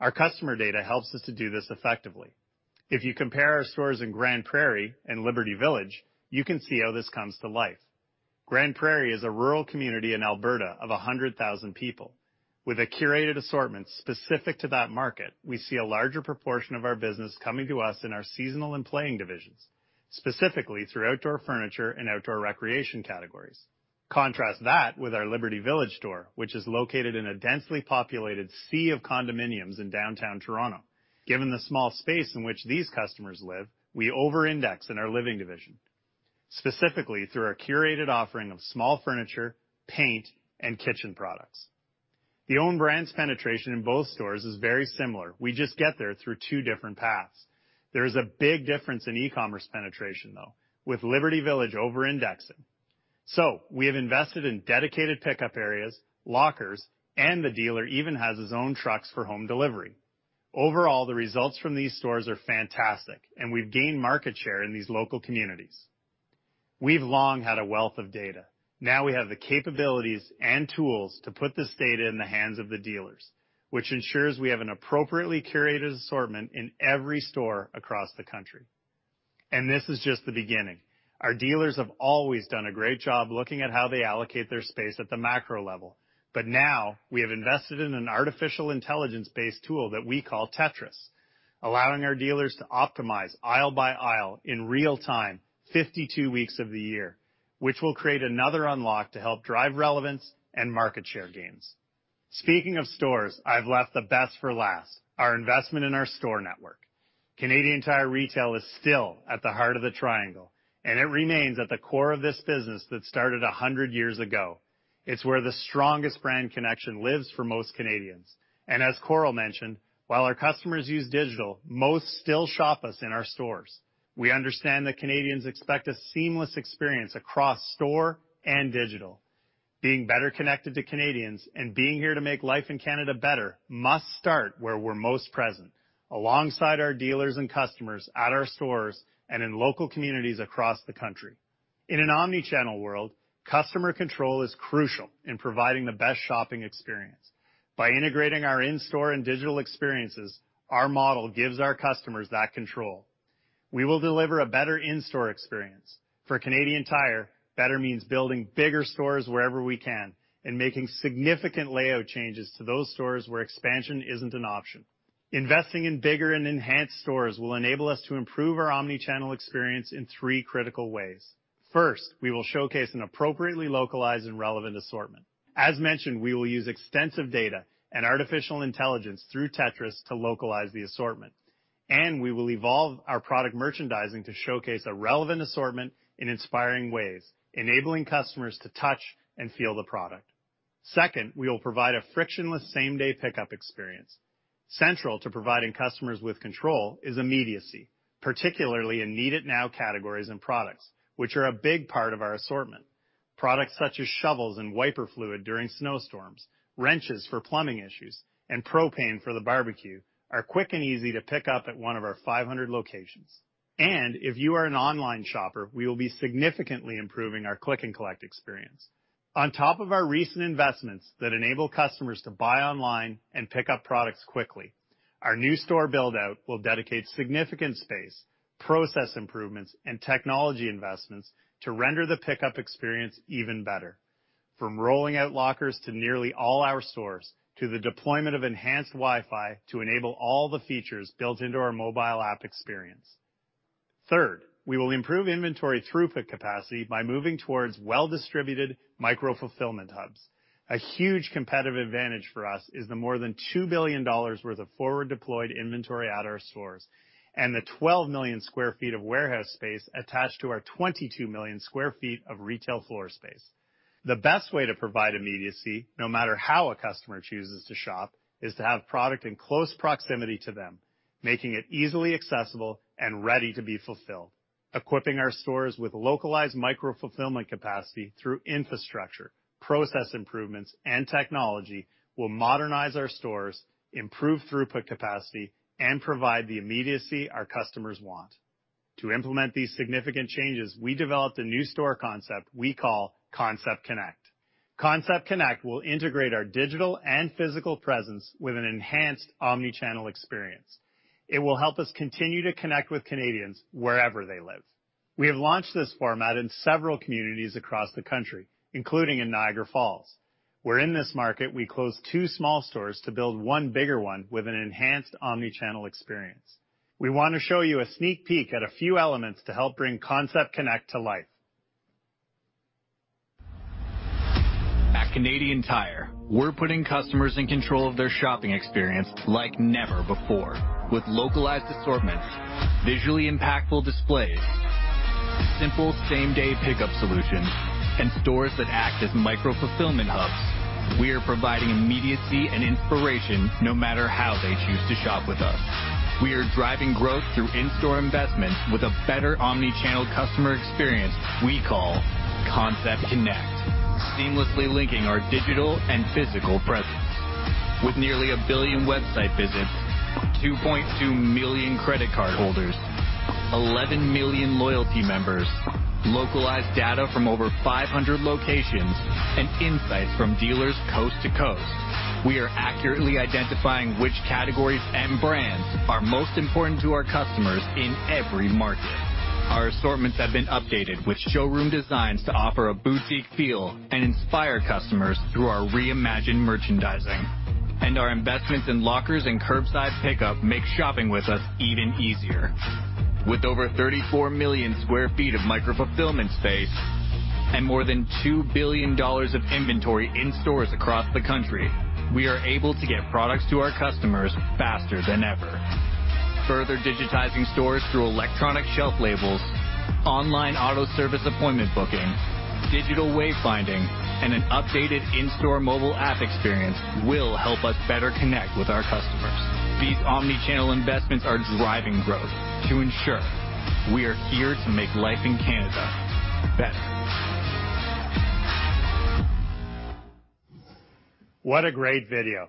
Our customer data helps us to do this effectively. If you compare our stores in Grande Prairie and Liberty Village, you can see how this comes to life. Grande Prairie is a rural community in Alberta of 100,000 people. With a curated assortment specific to that market, we see a larger proportion of our business coming to us in our seasonal and playing divisions, specifically through outdoor furniture and outdoor recreation categories. Contrast that with our Liberty Village store, which is located in a densely populated sea of condominiums in downtown Toronto. Given the small space in which these customers live, we over-index in our living division, specifically through our curated offering of small furniture, paint, and kitchen products. The own brand's penetration in both stores is very similar. We just get there through two different paths. There is a big difference in e-commerce penetration, though, with Liberty Village over-indexing. We have invested in dedicated pickup areas, lockers, and the dealer even has his own trucks for home delivery. Overall, the results from these stores are fantastic, and we've gained market share in these local communities. We've long had a wealth of data. Now we have the capabilities and tools to put this data in the hands of the dealers, which ensures we have an appropriately curated assortment in every store across the country. This is just the beginning. Our dealers have always done a great job looking at how they allocate their space at the macro level. But now we have invested in an artificial intelligence-based tool that we call Tetris, allowing our dealers to optimize aisle by aisle in real time 52 weeks of the year, which will create another unlock to help drive relevance and market share gains. Speaking of stores, I've left the best for last, our investment in our store network. Canadian Tire Retail is still at the heart of the Triangle, and it remains at the core of this business that started 100 years ago. It's where the strongest brand connection lives for most Canadians. As Koryl mentioned, while our customers use digital, most still shop us in our stores. We understand that Canadians expect a seamless experience across store and digital. Being Better Connected to Canadians and being here to make life in Canada better must start where we're most present, alongside our dealers and customers at our stores and in local communities across the country. In an omnichannel world, customer control is crucial in providing the best shopping experience. By integrating our in-store and digital experiences, our model gives our customers that control. We will deliver a better in-store experience. For Canadian Tire, better means building bigger stores wherever we can and making significant layout changes to those stores where expansion isn't an option. Investing in bigger and enhanced stores will enable us to improve our omnichannel experience in three critical ways. First, we will showcase an appropriately localized and relevant assortment. As mentioned, we will use extensive data and artificial intelligence through Tetris to localize the assortment, and we will evolve our product merchandising to showcase a relevant assortment in inspiring ways, enabling customers to touch and feel the product. Second, we will provide a frictionless same-day pickup experience. Central to providing customers with control is immediacy, particularly in need-it-now categories and products, which are a big part of our assortment. Products such as shovels and wiper fluid during snowstorms, wrenches for plumbing issues, and propane for the barbecue are quick and easy to pick up at one of our 500 locations. If you are an online shopper, we will be significantly improving our Click and Collect experience. On top of our recent investments that enable customers to buy online and pick up products quickly, our new store build-out will dedicate significant space, process improvements, and technology investments to render the pickup experience even better, from rolling out lockers to nearly all our stores to the deployment of enhanced Wi-Fi to enable all the features built into our mobile app experience. Third, we will improve inventory throughput capacity by moving towards well-distributed micro-fulfillment hubs. A huge competitive advantage for us is the more than 2 billion dollars worth of forward-deployed inventory at our stores and the 12 million sq ft of warehouse space attached to our 22 million sq ft of retail floor space. The best way to provide immediacy, no matter how a customer chooses to shop, is to have product in close proximity to them, making it easily accessible and ready to be fulfilled. Equipping our stores with localized micro-fulfillment capacity through infrastructure, process improvements, and technology will modernize our stores, improve throughput capacity, and provide the immediacy our customers want. To implement these significant changes, we developed a new store concept we call Concept Connect. Concept Connect will integrate our digital and physical presence with an enhanced omnichannel experience. It will help us continue to connect with Canadians wherever they live. We have launched this format in several communities across the country, including in Niagara Falls, where in this market we closed two small stores to build one bigger one with an enhanced omnichannel experience. We want to show you a sneak peek at a few elements to help bring Concept Connect to life. At Canadian Tire, we're putting customers in control of their shopping experience like never before. With localized assortments, visually impactful displays, simple same-day pickup solutions, and stores that act as micro-fulfillment hubs, we are providing immediacy and inspiration no matter how they choose to shop with us. We are driving growth through in-store investments with a better omnichannel customer experience we call Concept Connect, seamlessly linking our digital and physical presence. With nearly 1 billion website visits, 2.2 million credit card holders, 11 million loyalty members, localized data from over 500 locations, and insights from dealers coast to coast, we are accurately identifying which categories and brands are most important to our customers in every market. Our assortments have been updated with showroom designs to offer a boutique feel and inspire customers through our reimagined merchandising. Our investments in lockers and curbside pickup make shopping with us even easier. With over 34 million sq ft of micro-fulfillment space and more than 2 billion dollars of inventory in stores across the country, we are able to get products to our customers faster than ever. Further digitizing stores through electronic shelf labels, online auto service appointment booking, digital wayfinding, and an updated in-store mobile app experience will help us better connect with our customers. These omnichannel investments are driving growth to ensure we are here to make life in Canada better. What a great video.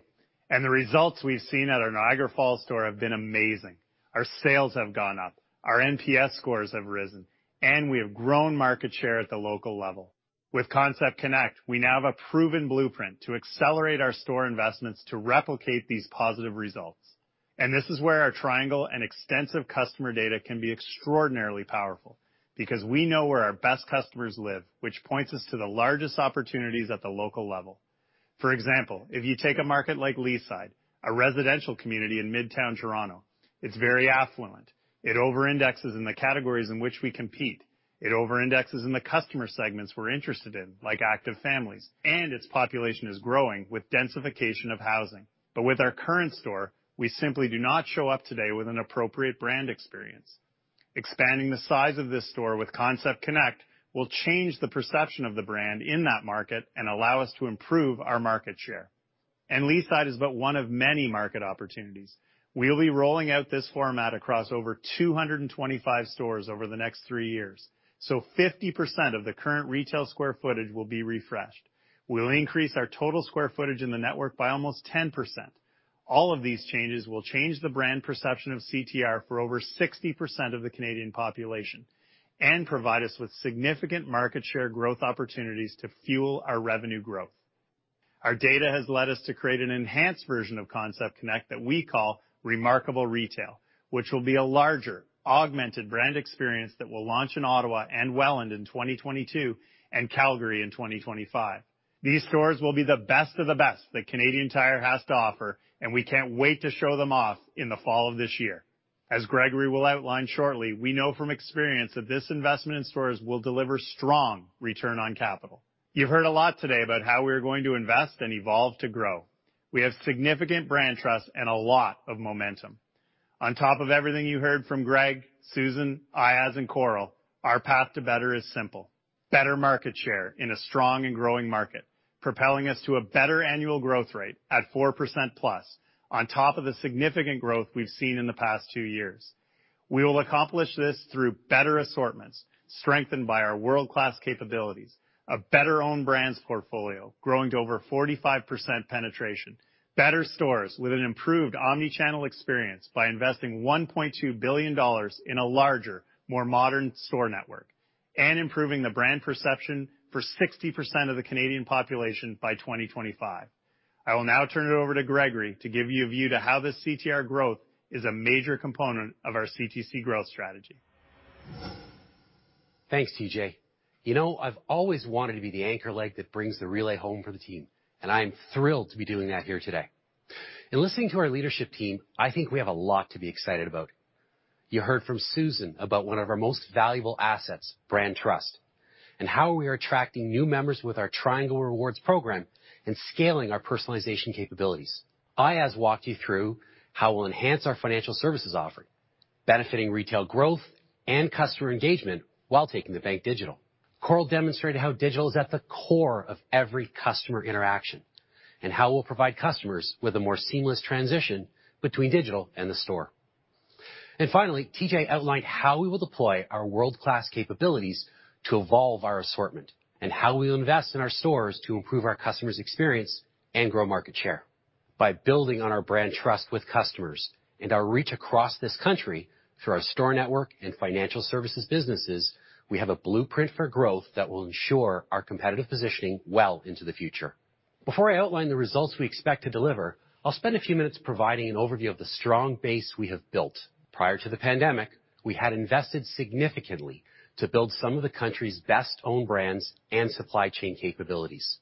The results we've seen at our Niagara Falls store have been amazing. Our sales have gone up, our NPS scores have risen, and we have grown market share at the local level. With Concept Connect, we now have a proven blueprint to accelerate our store investments to replicate these positive results. This is where our Triangle and extensive customer data can be extraordinarily powerful. Because we know where our best customers live, which points us to the largest opportunities at the local level. For example, if you take a market like Leaside, a residential community in Midtown Toronto, it's very affluent. It overindexes in the categories in which we compete. It overindexes in the customer segments we're interested in, like active families, and its population is growing with densification of housing. With our current store, we simply do not show up today with an appropriate brand experience. Expanding the size of this store with Concept Connect will change the perception of the brand in that market and allow us to improve our market share. Leaside is but one of many market opportunities. We'll be rolling out this format across over 225 stores over the next three years, so 50% of the current retail square footage will be refreshed. We'll increase our total square footage in the network by almost 10%. All of these changes will change the brand perception of CTR for over 60% of the Canadian population and provide us with significant market share growth opportunities to fuel our revenue growth. Our data has led us to create an enhanced version of Concept Connect that we call Remarkable Retail, which will be a larger, augmented brand experience that will launch in Ottawa and Welland in 2022, and Calgary in 2025. These stores will be the best of the best that Canadian Tire has to offer, and we can't wait to show them off in the fall of this year. As Gregory will outline shortly, we know from experience that this investment in stores will deliver strong return on capital. You've heard a lot today about how we are going to invest and evolve to grow. We have significant brand trust and a lot of momentum. On top of everything you heard from Greg, Susan, Aayaz, and Koryl, our path to better is simple. Better market share in a strong and growing market, propelling us to a better annual growth rate at 4%+ on top of the significant growth we've seen in the past two years. We will accomplish this through better assortments, strengthened by our world-class capabilities, a better own brands portfolio growing to over 45% penetration, better stores with an improved omnichannel experience by investing 1.2 billion dollars in a larger, more modern store network, and improving the brand perception for 60% of the Canadian population by 2025. I will now turn it over to Gregory to give you a view to how this CTR growth is a major component of our CTC growth strategy. Thanks, TJ. You know, I've always wanted to be the anchor leg that brings the relay home for the team, and I am thrilled to be doing that here today. In listening to our leadership team, I think we have a lot to be excited about. You heard from Susan about one of our most valuable assets, brand trust, and how we are attracting new members with our Triangle Rewards program and scaling our personalization capabilities. Aayaz walked you through how we'll enhance our financial services offering, benefiting retail growth and customer engagement while taking the bank digital. Koryl demonstrated how digital is at the core of every customer interaction and how we'll provide customers with a more seamless transition between digital and the store. Finally, TJ outlined how we will deploy our world-class capabilities to evolve our assortment and how we will invest in our stores to improve our customer's experience and grow market share. By building on our brand trust with customers and our reach across this country through our store network and financial services businesses, we have a blueprint for growth that will ensure our competitive positioning well into the future. Before I outline the results we expect to deliver, I'll spend a few minutes providing an overview of the strong base we have built. Prior to the pandemic, we had invested significantly to build some of the country's best own brands and supply chain capabilities.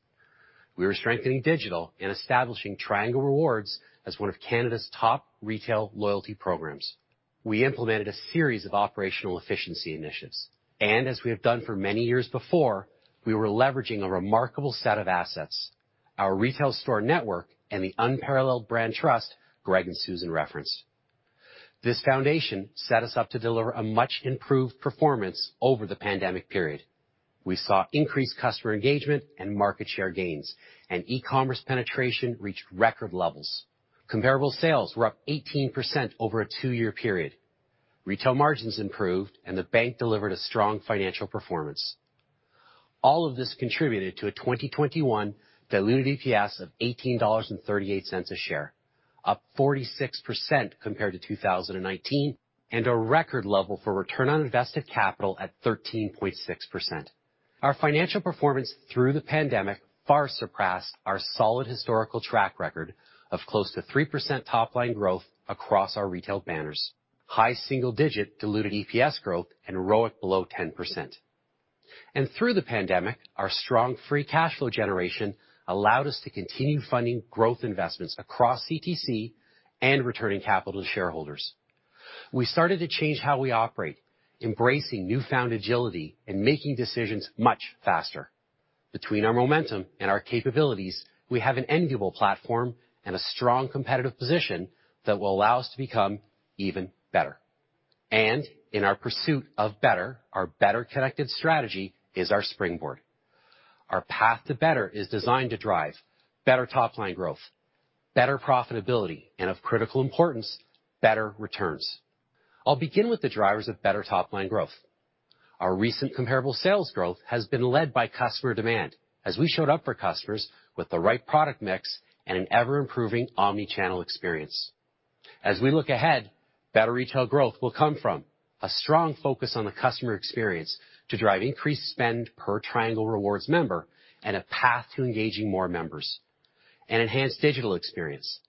We were strengthening digital and establishing Triangle Rewards as one of Canada's top retail loyalty programs. We implemented a series of operational efficiency initiatives. As we have done for many years before, we were leveraging a remarkable set of assets, our retail store network and the unparalleled brand trust Greg and Susan referenced. This foundation set us up to deliver a much improved performance over the pandemic period. We saw increased customer engagement and market share gains, and e-commerce penetration reached record levels. Comparable sales were up 18% over a two-year period. Retail margins improved and the bank delivered a strong financial performance. All of this contributed to a 2021 diluted EPS of 18.38 dollars a share, up 46% compared to 2019, and a record level for return on invested capital at 13.6%. Our financial performance through the pandemic far surpassed our solid historical track record of close to 3% top line growth across our retail banners, high single-digit diluted EPS growth, and ROIC below 10%. Through the pandemic, our strong free cash flow generation allowed us to continue funding growth investments across CTC and returning capital to shareholders. We started to change how we operate, embracing newfound agility and making decisions much faster. Between our momentum and our capabilities, we have an enviable platform and a strong competitive position that will allow us to become even better. In our pursuit of better, our Better Connected strategy is our springboard. Our path to better is designed to drive better top line growth, better profitability, and of critical importance, better returns. I'll begin with the drivers of better top line growth. Our recent comparable sales growth has been led by customer demand as we showed up for customers with the right product mix and an ever-improving omnichannel experience. As we look ahead, better retail growth will come from a strong focus on the customer experience to drive increased spend per Triangle Rewards member and a path to engaging more members, enhance digital experience,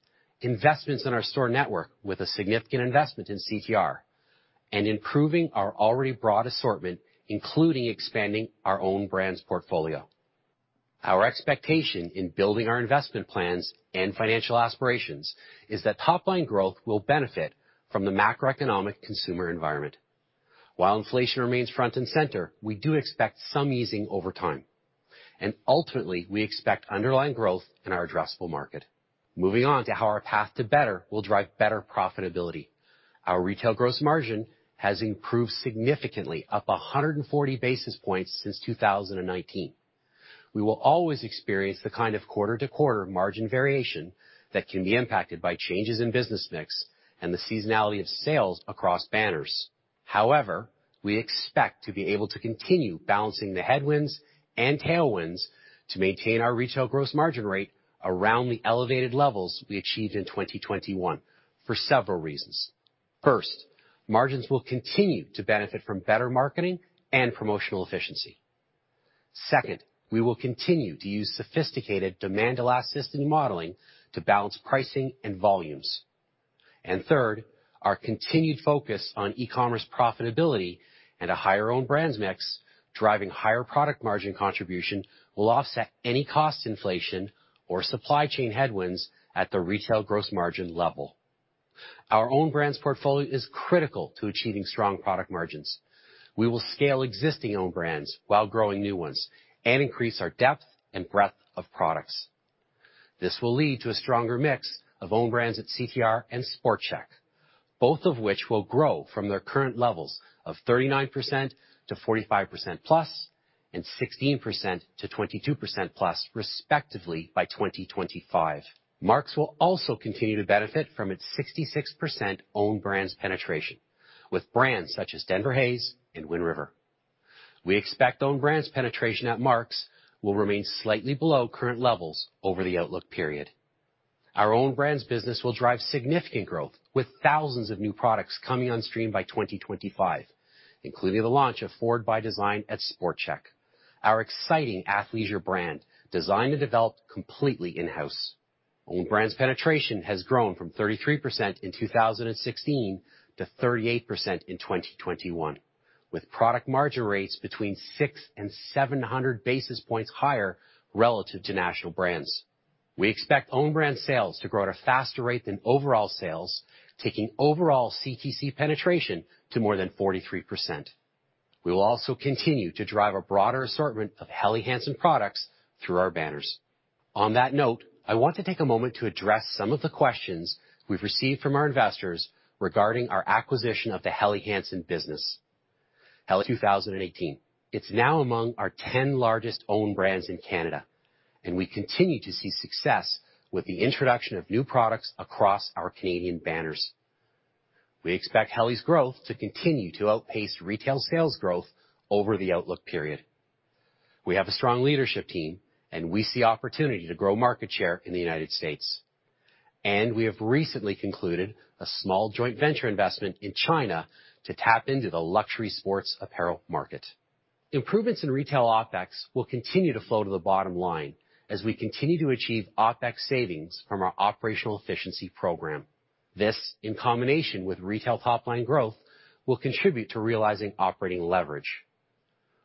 investments in our store network with a significant investment in CTR and improving our already broad assortment, including expanding our own brands portfolio. Our expectation in building our investment plans and financial aspirations is that top line growth will benefit from the macroeconomic consumer environment. While inflation remains front and center, we do expect some easing over time, and ultimately, we expect underlying growth in our addressable market. Moving on to how our path to better will drive better profitability. Our retail gross margin has improved significantly, up 140 basis points since 2019. We will always experience the kind of quarter-to-quarter margin variation that can be impacted by changes in business mix and the seasonality of sales across banners. However, we expect to be able to continue balancing the headwinds and tailwinds to maintain our retail gross margin rate around the elevated levels we achieved in 2021 for several reasons. First, margins will continue to benefit from better marketing and promotional efficiency. Second, we will continue to use sophisticated demand elasticity modeling to balance pricing and volumes. Third, our continued focus on e-commerce profitability and a higher own brands mix driving higher product margin contribution will offset any cost inflation or supply chain headwinds at the retail gross margin level. Our own brands portfolio is critical to achieving strong product margins. We will scale existing own brands while growing new ones and increase our depth and breadth of products. This will lead to a stronger mix of own brands at CTR and SportChek, both of which will grow from their current levels of 39%–45%+ and 16%–22%+, respectively by 2025. Mark's will also continue to benefit from its 66% own brands penetration with brands such as Denver Hayes and Wind River. We expect own brands penetration at Mark's will remain slightly below current levels over the outlook period. Our own brands business will drive significant growth with thousands of new products coming on stream by 2025, including the launch of FWD by Design at SportChek. Our exciting athleisure brand, designed and developed completely in-house. Own brands penetration has grown from 33% in 2016 to 38% in 2021, with product margin rates between 600 and 700 basis points higher relative to national brands. We expect own brand sales to grow at a faster rate than overall sales, taking overall CTC penetration to more than 43%. We will also continue to drive a broader assortment of Helly Hansen products through our banners. On that note, I want to take a moment to address some of the questions we've received from our investors regarding our acquisition of the Helly Hansen business. Helly 2018. It's now among our 10 largest own brands in Canada, and we continue to see success with the introduction of new products across our Canadian banners. We expect Helly's growth to continue to outpace retail sales growth over the outlook period. We have a strong leadership team, and we see opportunity to grow market share in the United States. We have recently concluded a small joint venture investment in China to tap into the luxury sports apparel market. Improvements in retail OpEx will continue to flow to the bottom line as we continue to achieve OpEx savings from our operational efficiency program. This, in combination with retail top-line growth, will contribute to realizing operating leverage.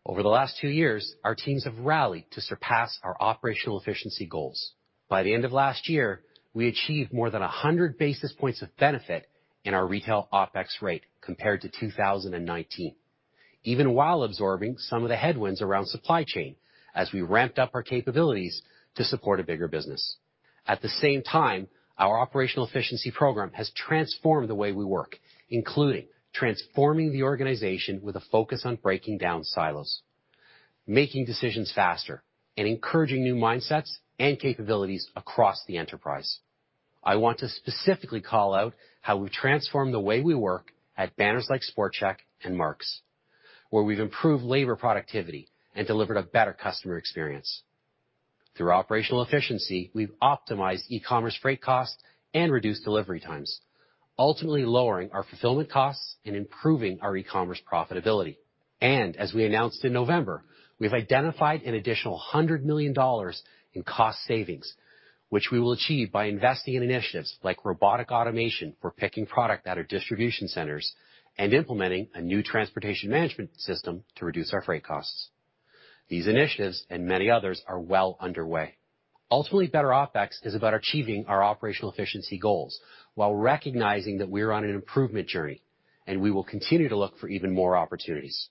Over the last two years, our teams have rallied to surpass our operational efficiency goals. By the end of last year, we achieved more than 100 basis points of benefit in our retail OpEx rate compared to 2019, even while absorbing some of the headwinds around supply chain as we ramped up our capabilities to support a bigger business. At the same time, our operational efficiency program has transformed the way we work, including transforming the organization with a focus on breaking down silos, making decisions faster, and encouraging new mindsets and capabilities across the enterprise. I want to specifically call out how we transform the way we work at banners like SportChek and Mark's, where we've improved labor productivity and delivered a better customer experience. Through operational efficiency, we've optimized e-commerce freight costs and reduced delivery times, ultimately lowering our fulfillment costs and improving our e-commerce profitability. As we announced in November, we've identified an additional 100 million dollars in cost savings, which we will achieve by investing in initiatives like robotic automation for picking product at our distribution centers and implementing a new transportation management system to reduce our freight costs. These initiatives and many others are well underway. Ultimately, better OpEx is about achieving our operational efficiency goals while recognizing that we're on an improvement journey, and we will continue to look for even more opportunities.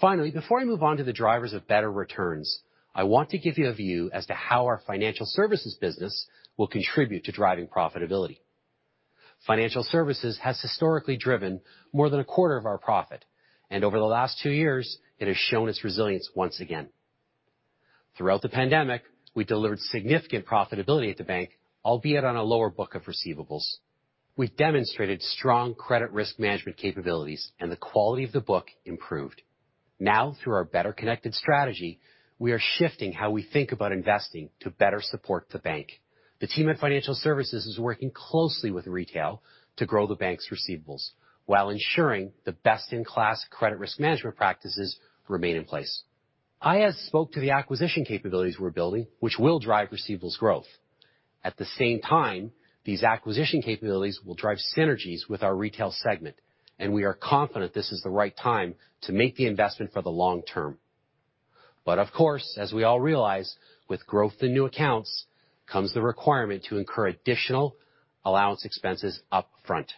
Finally, before I move on to the drivers of better returns, I want to give you a view as to how our financial services business will contribute to driving profitability. Financial services has historically driven more than a quarter of our profit, and over the last two years, it has shown its resilience once again. Throughout the pandemic, we delivered significant profitability at the bank, albeit on a lower book of receivables. We've demonstrated strong credit risk management capabilities, and the quality of the book improved. Now, through our Better Connected strategy, we are shifting how we think about investing to better support the bank. The team at Financial Services is working closely with retail to grow the bank's receivables while ensuring the best-in-class credit risk management practices remain in place. Aayaz spoke to the acquisition capabilities we're building, which will drive receivables growth. At the same time, these acquisition capabilities will drive synergies with our retail segment, and we are confident this is the right time to make the investment for the long term. Of course, as we all realize, with growth in new accounts comes the requirement to incur additional allowance expenses up front.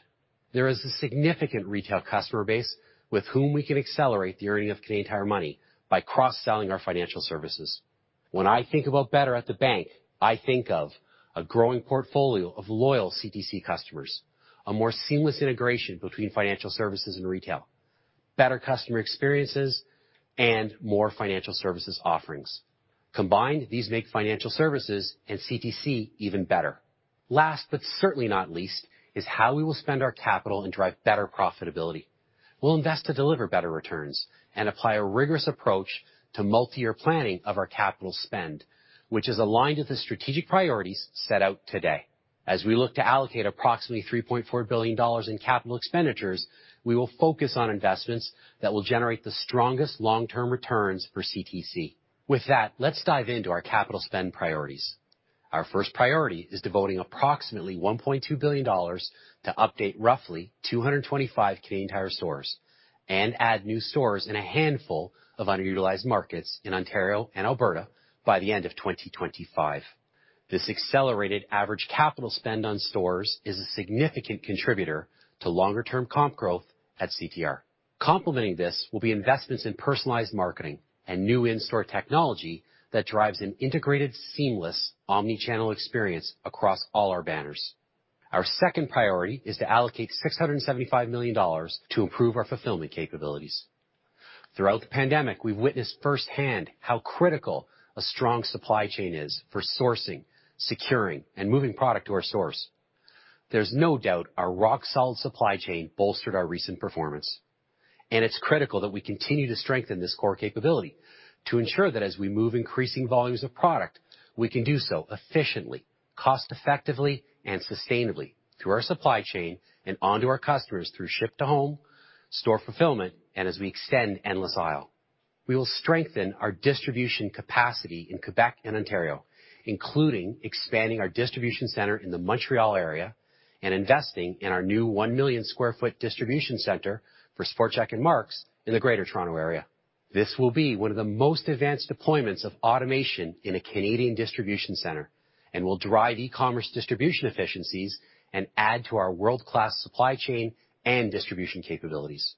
There is a significant retail customer base with whom we can accelerate the earning of Canadian Tire Money by cross-selling our financial services. When I think about better at the bank, I think of a growing portfolio of loyal CTC customers, a more seamless integration between financial services and retail, better customer experiences, and more financial services offerings. Combined, these make financial services and CTC even better. Last but certainly not least is how we will spend our capital and drive better profitability. We'll invest to deliver better returns and apply a rigorous approach to multi-year planning of our capital spend, which is aligned with the strategic priorities set out today. As we look to allocate approximately 3.4 billion dollars in capital expenditures, we will focus on investments that will generate the strongest long-term returns for CTC. With that, let's dive into our capital spend priorities. Our first priority is devoting approximately 1.2 billion dollars to update roughly 225 Canadian Tire stores and add new stores in a handful of underutilized markets in Ontario and Alberta by the end of 2025. This accelerated average capital spend on stores is a significant contributor to longer-term comp growth at CTR. Complementing this will be investments in personalized marketing and new in-store technology that drives an integrated, seamless omnichannel experience across all our banners. Our second priority is to allocate 675 million dollars to improve our fulfillment capabilities. Throughout the pandemic, we've witnessed firsthand how critical a strong supply chain is for sourcing, securing, and moving product to our stores. There's no doubt our rock-solid supply chain bolstered our recent performance, and it's critical that we continue to strengthen this core capability to ensure that as we move increasing volumes of product, we can do so efficiently, cost-effectively, and sustainably through our supply chain and onto our customers through ship-to-home store fulfillment, and as we extend Endless Aisle. We will strengthen our distribution capacity in Quebec and Ontario, including expanding our distribution center in the Montreal area and investing in our new 1 million-sq-ft distribution center for SportChek and Mark's in the Greater Toronto area. This will be one of the most advanced deployments of automation in a Canadian distribution center and will drive e-commerce distribution efficiencies and add to our world-class supply chain and distribution capabilities.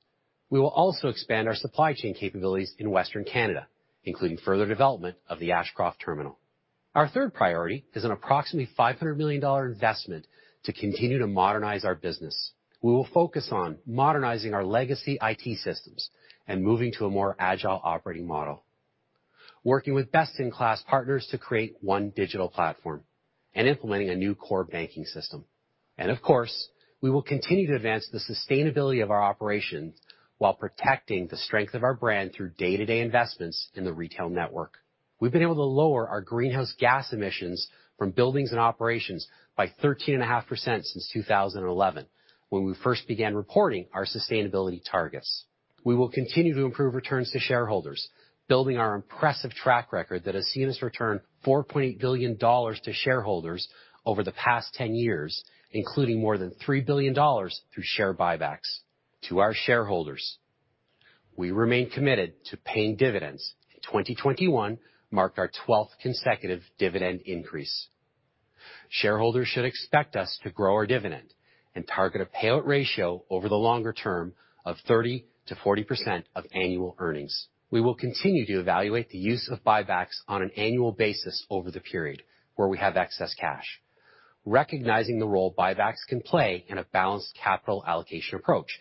We will also expand our supply chain capabilities in Western Canada, including further development of the Ashcroft Terminal. Our third priority is an approximately 500 million dollar investment to continue to modernize our business. We will focus on modernizing our legacy IT systems and moving to a more agile operating model, working with best-in-class partners to create One Digital Platform and implementing a new core banking system. Of course, we will continue to advance the sustainability of our operations while protecting the strength of our brand through day-to-day investments in the retail network. We've been able to lower our greenhouse gas emissions from buildings and operations by 13.5% since 2011, when we first began reporting our sustainability targets. We will continue to improve returns to shareholders, building our impressive track record that has seen us return CAD 4.8 billion to shareholders over the past 10 years, including more than CAD 3 billion through share buybacks. To our shareholders, we remain committed to paying dividends. 2021 marked our 12th consecutive dividend increase. Shareholders should expect us to grow our dividend and target a payout ratio over the longer term of 30%–40% of annual earnings. We will continue to evaluate the use of buybacks on an annual basis over the period where we have excess cash, recognizing the role buybacks can play in a balanced capital allocation approach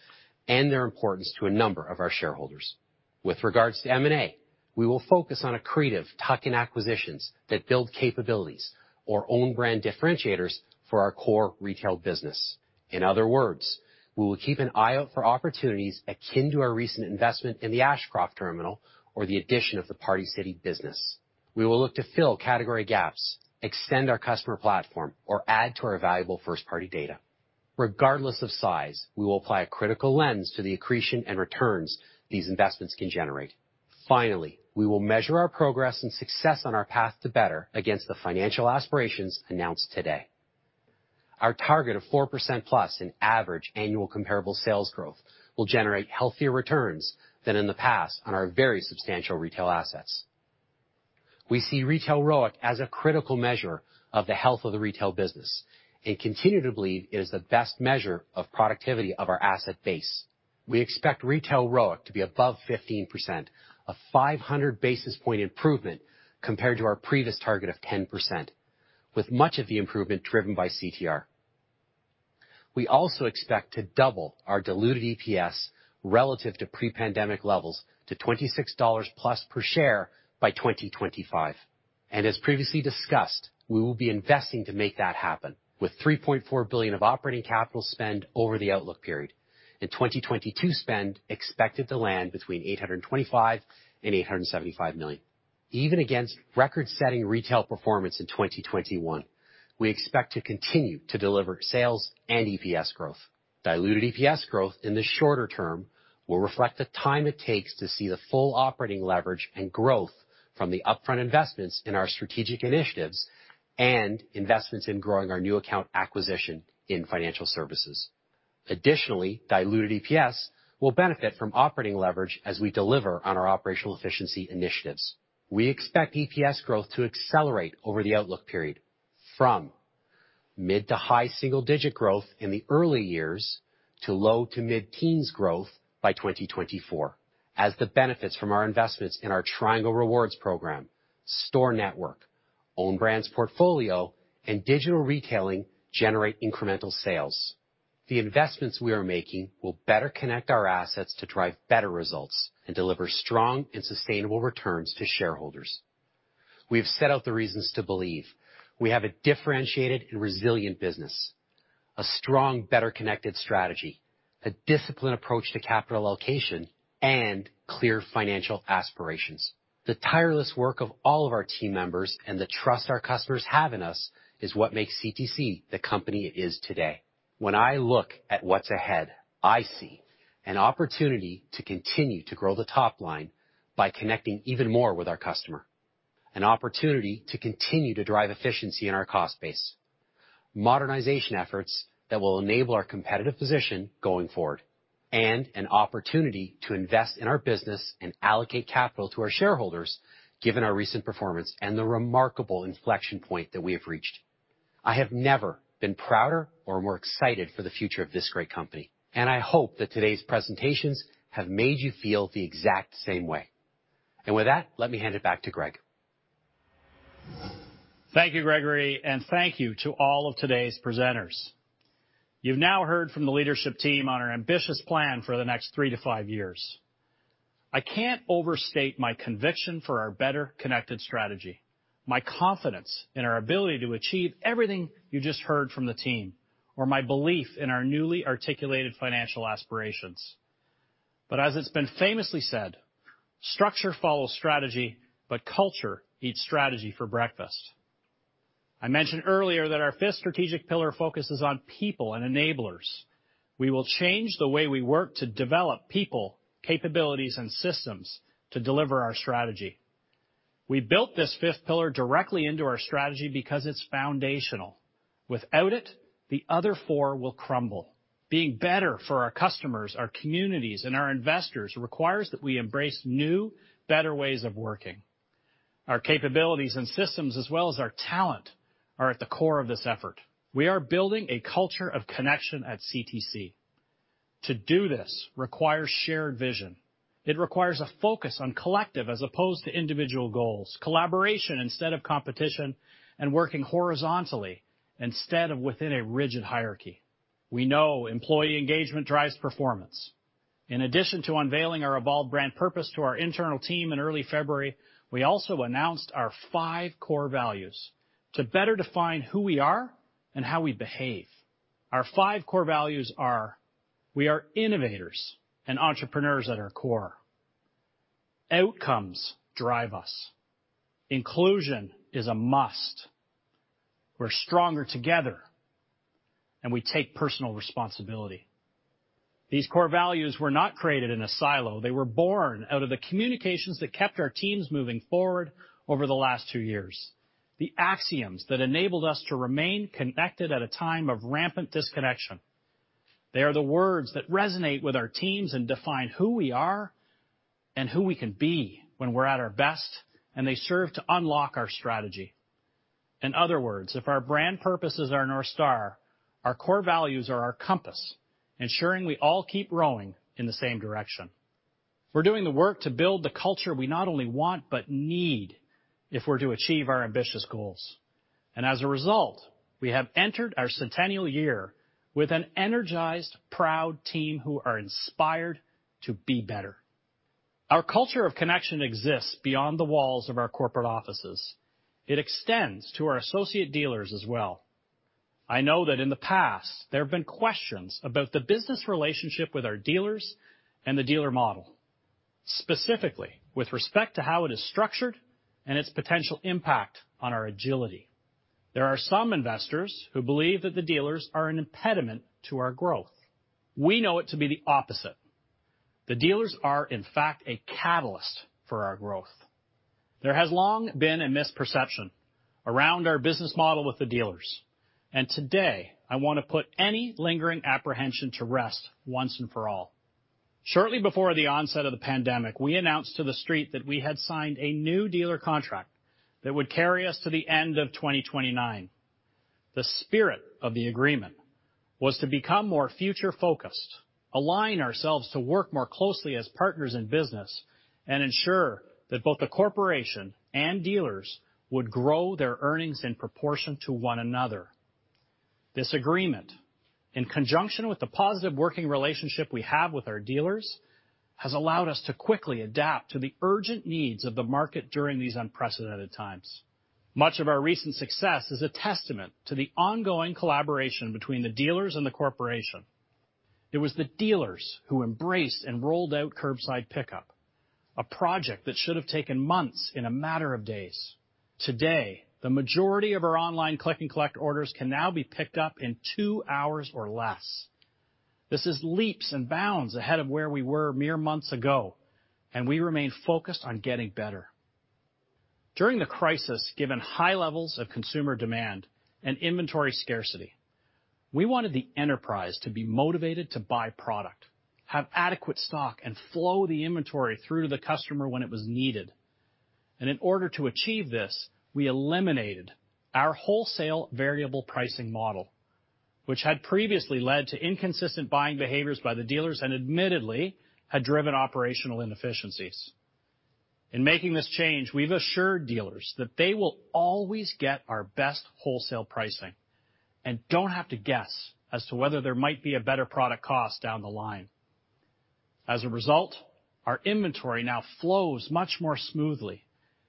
and their importance to a number of our shareholders. With regards to M&A, we will focus on accretive tuck-in acquisitions that build capabilities or own brand differentiators for our core retail business. In other words, we will keep an eye out for opportunities akin to our recent investment in the Ashcroft terminal or the addition of the Party City business. We will look to fill category gaps, extend our customer platform, or add to our valuable first-party data. Regardless of size, we will apply a critical lens to the accretion and returns these investments can generate. Finally, we will measure our progress and success on our path to better against the financial aspirations announced today. Our target of 4%+ in average annual comparable sales growth will generate healthier returns than in the past on our very substantial retail assets. We see retail ROIC as a critical measure of the health of the retail business and continue to believe it is the best measure of productivity of our asset base. We expect retail ROIC to be above 15%, a 500-basis-point improvement compared to our previous target of 10%, with much of the improvement driven by CTR. We also expect to double our diluted EPS relative to pre-pandemic levels to 26+ dollars per share by 2025. As previously discussed, we will be investing to make that happen with 3.4 billion of operating capital spend over the outlook period. In 2022 spend expected to land between 825 million and 875 million. Even against record-setting retail performance in 2021, we expect to continue to deliver sales and EPS growth. Diluted EPS growth in the shorter term will reflect the time it takes to see the full operating leverage and growth from the upfront investments in our strategic initiatives and investments in growing our new account acquisition in financial services. Additionally, diluted EPS will benefit from operating leverage as we deliver on our operational efficiency initiatives. We expect EPS growth to accelerate over the outlook period from mid- to high single-digit growth in the early years to low to mid-teens growth by 2024 as the benefits from our investments in our Triangle Rewards program, store network, own brands portfolio, and digital retailing generate incremental sales. The investments we are making will better connect our assets to drive better results and deliver strong and sustainable returns to shareholders. We have set out the reasons to believe we have a differentiated and resilient business, a strong, Better Connected strategy, a disciplined approach to capital allocation, and clear financial aspirations. The tireless work of all of our team members and the trust our customers have in us is what makes CTC the company it is today. When I look at what's ahead, I see an opportunity to continue to grow the top line by connecting even more with our customer, an opportunity to continue to drive efficiency in our cost base, modernization efforts that will enable our competitive position going forward, and an opportunity to invest in our business and allocate capital to our shareholders, given our recent performance and the remarkable inflection point that we have reached. I have never been prouder or more excited for the future of this great company, and I hope that today's presentations have made you feel the exact same way. With that, let me hand it back to Greg. Thank you, Gregory, and thank you to all of today's presenters. You've now heard from the leadership team on our ambitious plan for the next three to five years. I can't overstate my conviction for our Better Connected strategy, my confidence in our ability to achieve everything you just heard from the team, or my belief in our newly articulated financial aspirations. As it's been famously said, "Structure follows strategy, but culture eats strategy for breakfast." I mentioned earlier that our fifth strategic pillar focuses on people and enablers. We will change the way we work to develop people, capabilities, and systems to deliver our strategy. We built this fifth pillar directly into our strategy because it's foundational. Without it, the other four will crumble. Being better for our customers, our communities, and our investors requires that we embrace new, better ways of working. Our capabilities and systems, as well as our talent, are at the core of this effort. We are building a culture of connection at CTC. To do this requires shared vision. It requires a focus on collective as opposed to individual goals, collaboration instead of competition, and working horizontally instead of within a rigid hierarchy. We know employee engagement drives performance. In addition to unveiling our evolved brand purpose to our internal team in early February, we also announced our five core values to better define who we are and how we behave. Our five core values are, we are innovators and entrepreneurs at our core. Outcomes drive us. Inclusion is a must. We're stronger together, and we take personal responsibility. These core values were not created in a silo. They were born out of the communications that kept our teams moving forward over the last two years, the axioms that enabled us to remain connected at a time of rampant disconnection. They are the words that resonate with our teams and define who we are and who we can be when we're at our best, and they serve to unlock our strategy. In other words, if our brand purpose is our North Star, our core values are our compass, ensuring we all keep rowing in the same direction. We're doing the work to build the culture we not only want, but need if we're to achieve our ambitious goals. As a result, we have entered our centennial year with an energized, proud team who are inspired to be better. Our culture of connection exists beyond the walls of our corporate offices. It extends to our associate dealers as well. I know that in the past, there have been questions about the business relationship with our dealers and the dealer model, specifically with respect to how it is structured and its potential impact on our agility. There are some investors who believe that the dealers are an impediment to our growth. We know it to be the opposite. The dealers are, in fact, a catalyst for our growth. There has long been a misperception around our business model with the dealers, and today, I wanna put any lingering apprehension to rest once and for all. Shortly before the onset of the pandemic, we announced to the Street that we had signed a new dealer contract that would carry us to the end of 2029. The spirit of the agreement was to become more future-focused, align ourselves to work more closely as partners in business, and ensure that both the corporation and dealers would grow their earnings in proportion to one another. This agreement, in conjunction with the positive working relationship we have with our dealers, has allowed us to quickly adapt to the urgent needs of the market during these unprecedented times. Much of our recent success is a testament to the ongoing collaboration between the dealers and the corporation. It was the dealers who embraced and rolled out curbside pickup, a project that should have taken months in a matter of days. Today, the majority of our online Click and Collect orders can now be picked up in two hours or less. This is leaps and bounds ahead of where we were mere months ago, and we remain focused on getting better. During the crisis, given high levels of consumer demand and inventory scarcity, we wanted the enterprise to be motivated to buy product, have adequate stock, and flow the inventory through to the customer when it was needed. In order to achieve this, we eliminated our wholesale variable pricing model, which had previously led to inconsistent buying behaviors by the dealers and admittedly had driven operational inefficiencies. In making this change, we've assured dealers that they will always get our best wholesale pricing and don't have to guess as to whether there might be a better product cost down the line. As a result, our inventory now flows much more smoothly,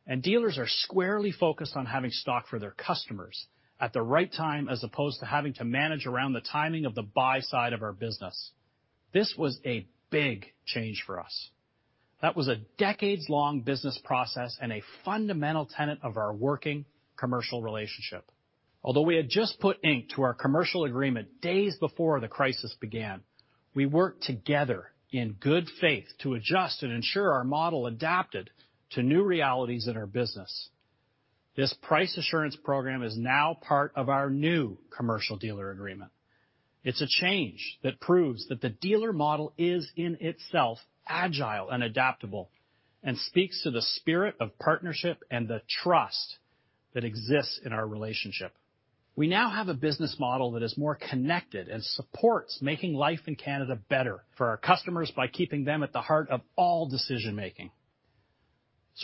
and dealers are squarely focused on having stock for their customers at the right time, as opposed to having to manage around the timing of the buy side of our business. This was a big change for us. That was a decades-long business process and a fundamental tenet of our working commercial relationship. Although we had just put ink to our commercial agreement days before the crisis began, we worked together in good faith to adjust and ensure our model adapted to new realities in our business. This price assurance program is now part of our new commercial dealer agreement. It's a change that proves that the dealer model is in itself agile and adaptable and speaks to the spirit of partnership and the trust that exists in our relationship. We now have a business model that is more connected and supports making life in Canada better for our customers by keeping them at the heart of all decision-making.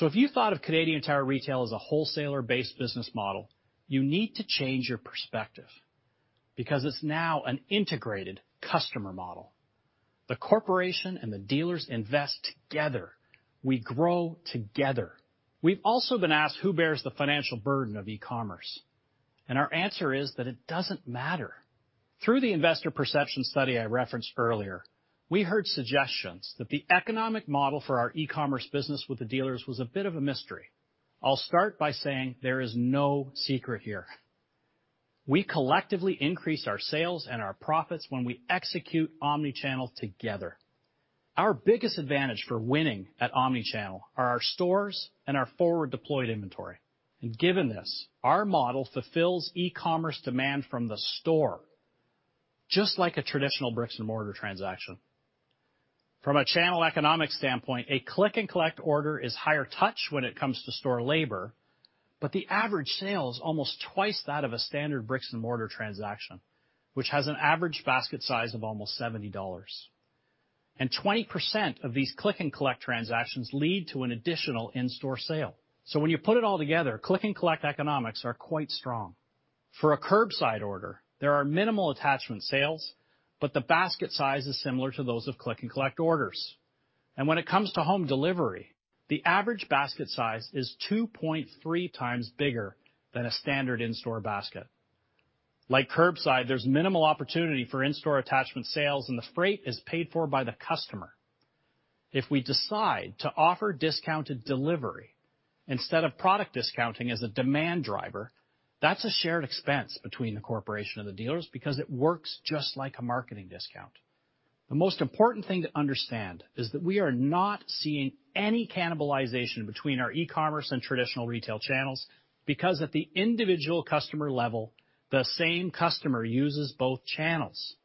If you thought of Canadian Tire Retail as a wholesaler-based business model, you need to change your perspective because it's now an integrated customer model. The corporation and the dealers invest together. We grow together. We've also been asked who bears the financial burden of e-commerce, and our answer is that it doesn't matter. Through the investor perception study I referenced earlier, we heard suggestions that the economic model for our e-commerce business with the dealers was a bit of a mystery. I'll start by saying there is no secret here. We collectively increase our sales and our profits when we execute omnichannel together. Our biggest advantage for winning at omnichannel are our stores and our forward-deployed inventory. Given this, our model fulfills e-commerce demand from the store just like a traditional brick-and-mortar transaction. From a channel economic standpoint, a Click and Collect order is higher touch when it comes to store labor, but the average sales almost twice that of a standard brick-and-mortar transaction, which has an average basket size of almost 70 dollars. Twenty perceft of these Click and Collect transactions lead to an additional in-store sale. When you put it all together, Click and Collect economics are quite strong. For a curbside order, there are minimal attachment sales, but the basket size is similar to those of Click and Collect orders. When it comes to home delivery, the average basket size is 2.3x bigger than a standard in-store basket. Like curbside, there's minimal opportunity for in-store attachment sales, and the freight is paid for by the customer. If we decide to offer discounted delivery instead of product discounting as a demand driver, that's a shared expense between the corporation and the dealers because it works just like a marketing discount. The most important thing to understand is that we are not seeing any cannibalization between our e-commerce and traditional retail channels because at the individual customer level, the same customer uses both channels.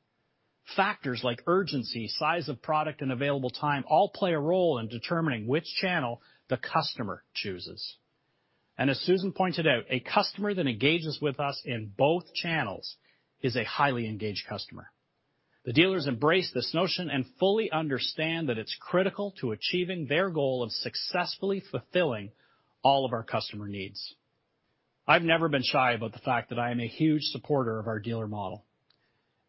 Factors like urgency, size of product, and available time all play a role in determining which channel the customer chooses. As Susan pointed out, a customer that engages with us in both channels is a highly engaged customer. The dealers embrace this notion and fully understand that it's critical to achieving their goal of successfully fulfilling all of our customer needs. I've never been shy about the fact that I am a huge supporter of our dealer model.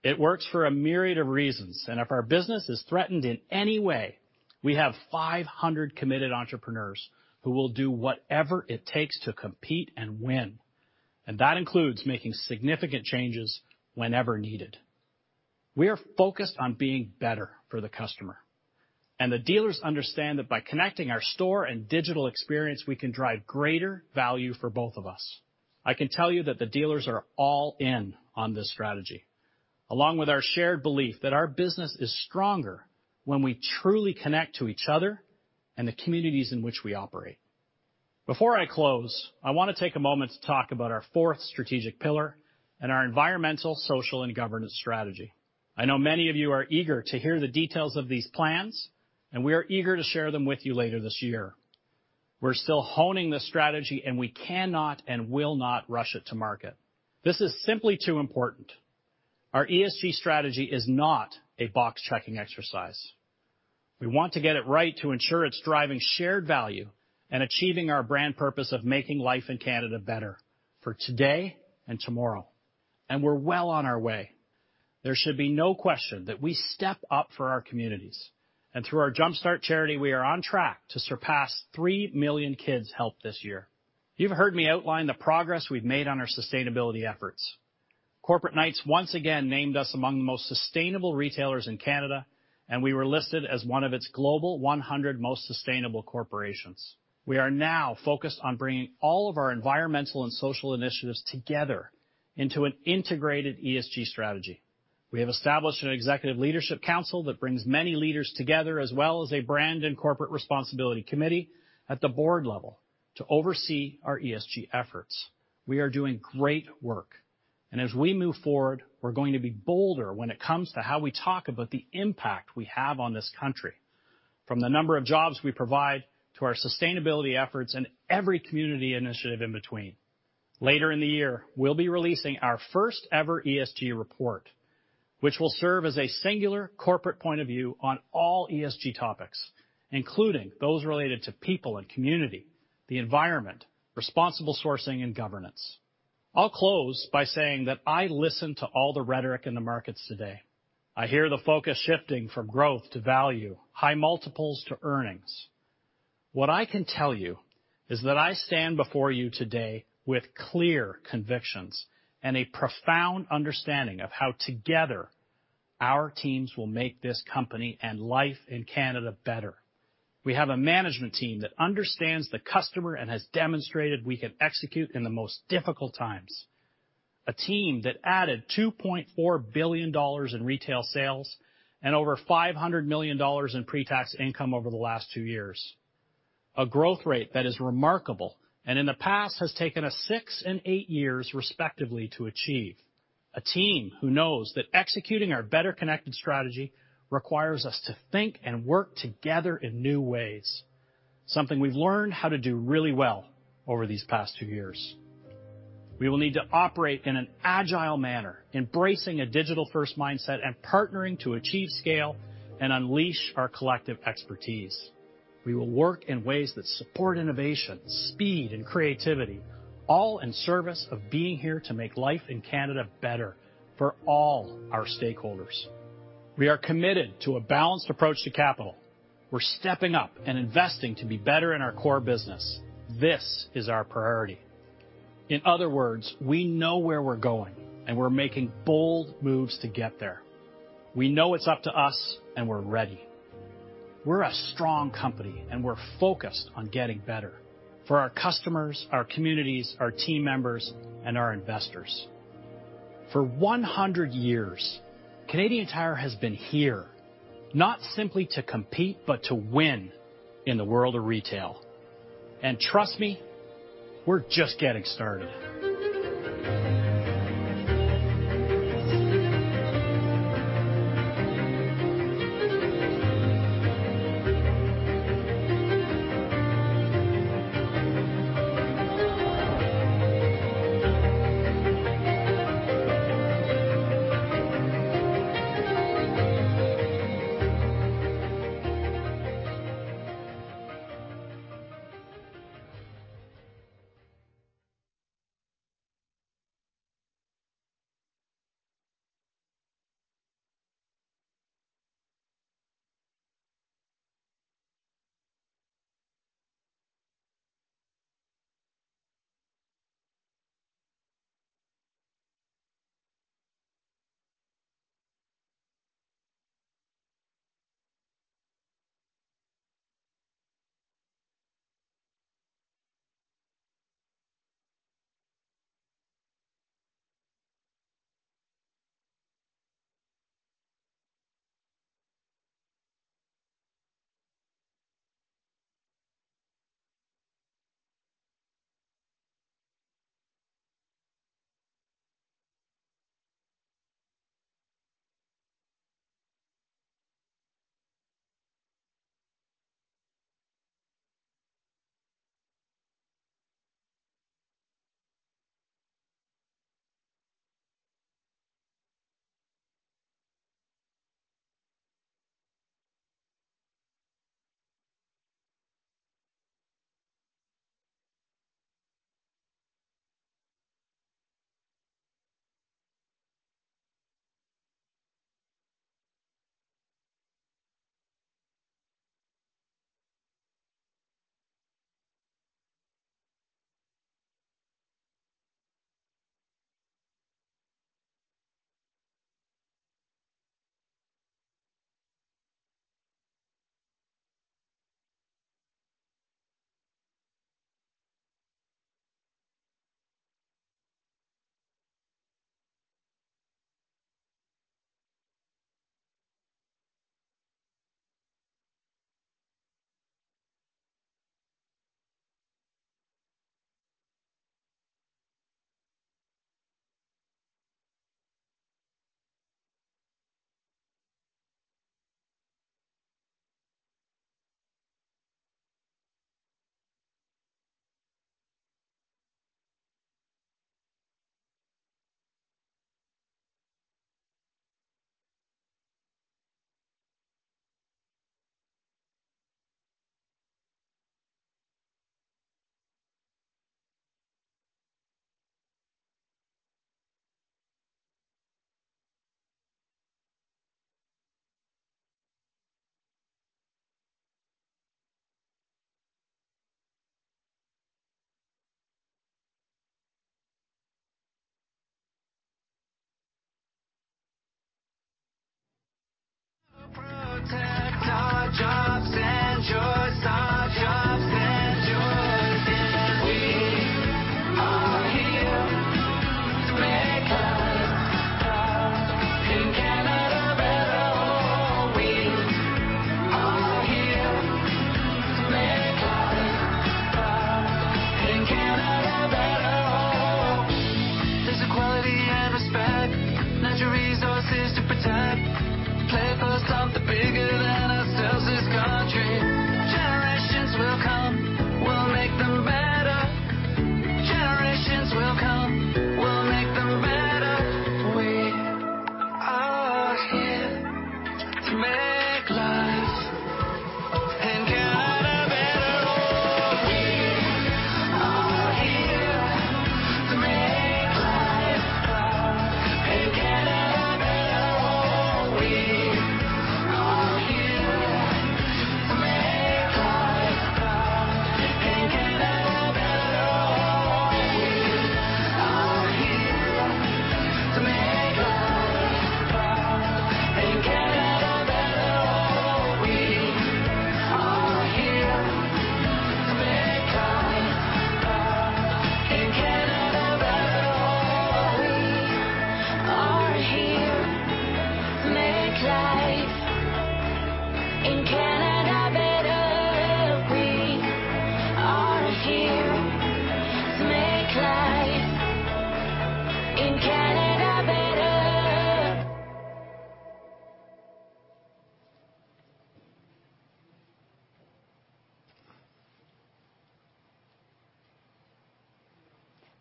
It works for a myriad of reasons, and if our business is threatened in any way, we have 500 committed entrepreneurs who will do whatever it takes to compete and win, and that includes making significant changes whenever needed. We are focused on being better for the customer, and the dealers understand that by connecting our store and digital experience, we can drive greater value for both of us. I can tell you that the dealers are all in on this strategy, along with our shared belief that our business is stronger when we truly connect to each other and the communities in which we operate. Before I close, I want to take a moment to talk about our fourth strategic pillar and our environmental, social, and governance strategy. I know many of you are eager to hear the details of these plans, and we are eager to share them with you later this year. We're still honing the strategy, and we cannot and will not rush it to market. This is simply too important. Our ESG strategy is not a box-checking exercise. We want to get it right to ensure it's driving shared value and achieving our brand purpose of making life in Canada better for today and tomorrow, and we're well on our way. There should be no question that we step up for our communities, and through our Jumpstart charity, we are on track to surpass 3 million kids helped this year. You've heard me outline the progress we've made on our sustainability efforts. Corporate Knights once again named us among the most sustainable retailers in Canada, and we were listed as one of its global 100 most sustainable corporations. We are now focused on bringing all of our environmental and social initiatives together into an integrated ESG strategy. We have established an executive leadership council that brings many leaders together, as well as a brand and corporate responsibility committee at the board level to oversee our ESG efforts. We are doing great work, and as we move forward, we're going to be bolder when it comes to how we talk about the impact we have on this country, from the number of jobs we provide to our sustainability efforts and every community initiative in between. Later in the year, we'll be releasing our first ever ESG report, which will serve as a singular corporate point of view on all ESG topics, including those related to people and community, the environment, responsible sourcing and governance. I'll close by saying that I listen to all the rhetoric in the markets today. I hear the focus shifting from growth to value, high multiples to earnings. What I can tell you is that I stand before you today with clear convictions and a profound understanding of how together our teams will make this company and life in Canada better. We have a management team that understands the customer and has demonstrated we can execute in the most difficult times. A team that added 2.4 billion dollars in retail sales and over 500 million dollars in pre-tax income over the last two years. A growth rate that is remarkable and in the past has taken us six and eight years, respectively, to achieve. A team who knows that executing our Better Connected strategy requires us to think and work together in new ways, something we've learned how to do really well over these past two years. We will need to operate in an agile manner, embracing a digital-first mindset and partnering to achieve scale and unleash our collective expertise. We will work in ways that support innovation, speed and creativity, all in service of being here to make life in Canada better for all our stakeholders. We are committed to a balanced approach to capital. We're stepping up and investing to be better in our core business. This is our priority. In other words, we know where we're going and we're making bold moves to get there. We know it's up to us and we're ready. We're a strong company, and we're focused on getting better for our customers, our communities, our team members and our investors. For 100 years, Canadian Tire has been here not simply to compete, but to win in the world of retail. Trust me, we're just getting started.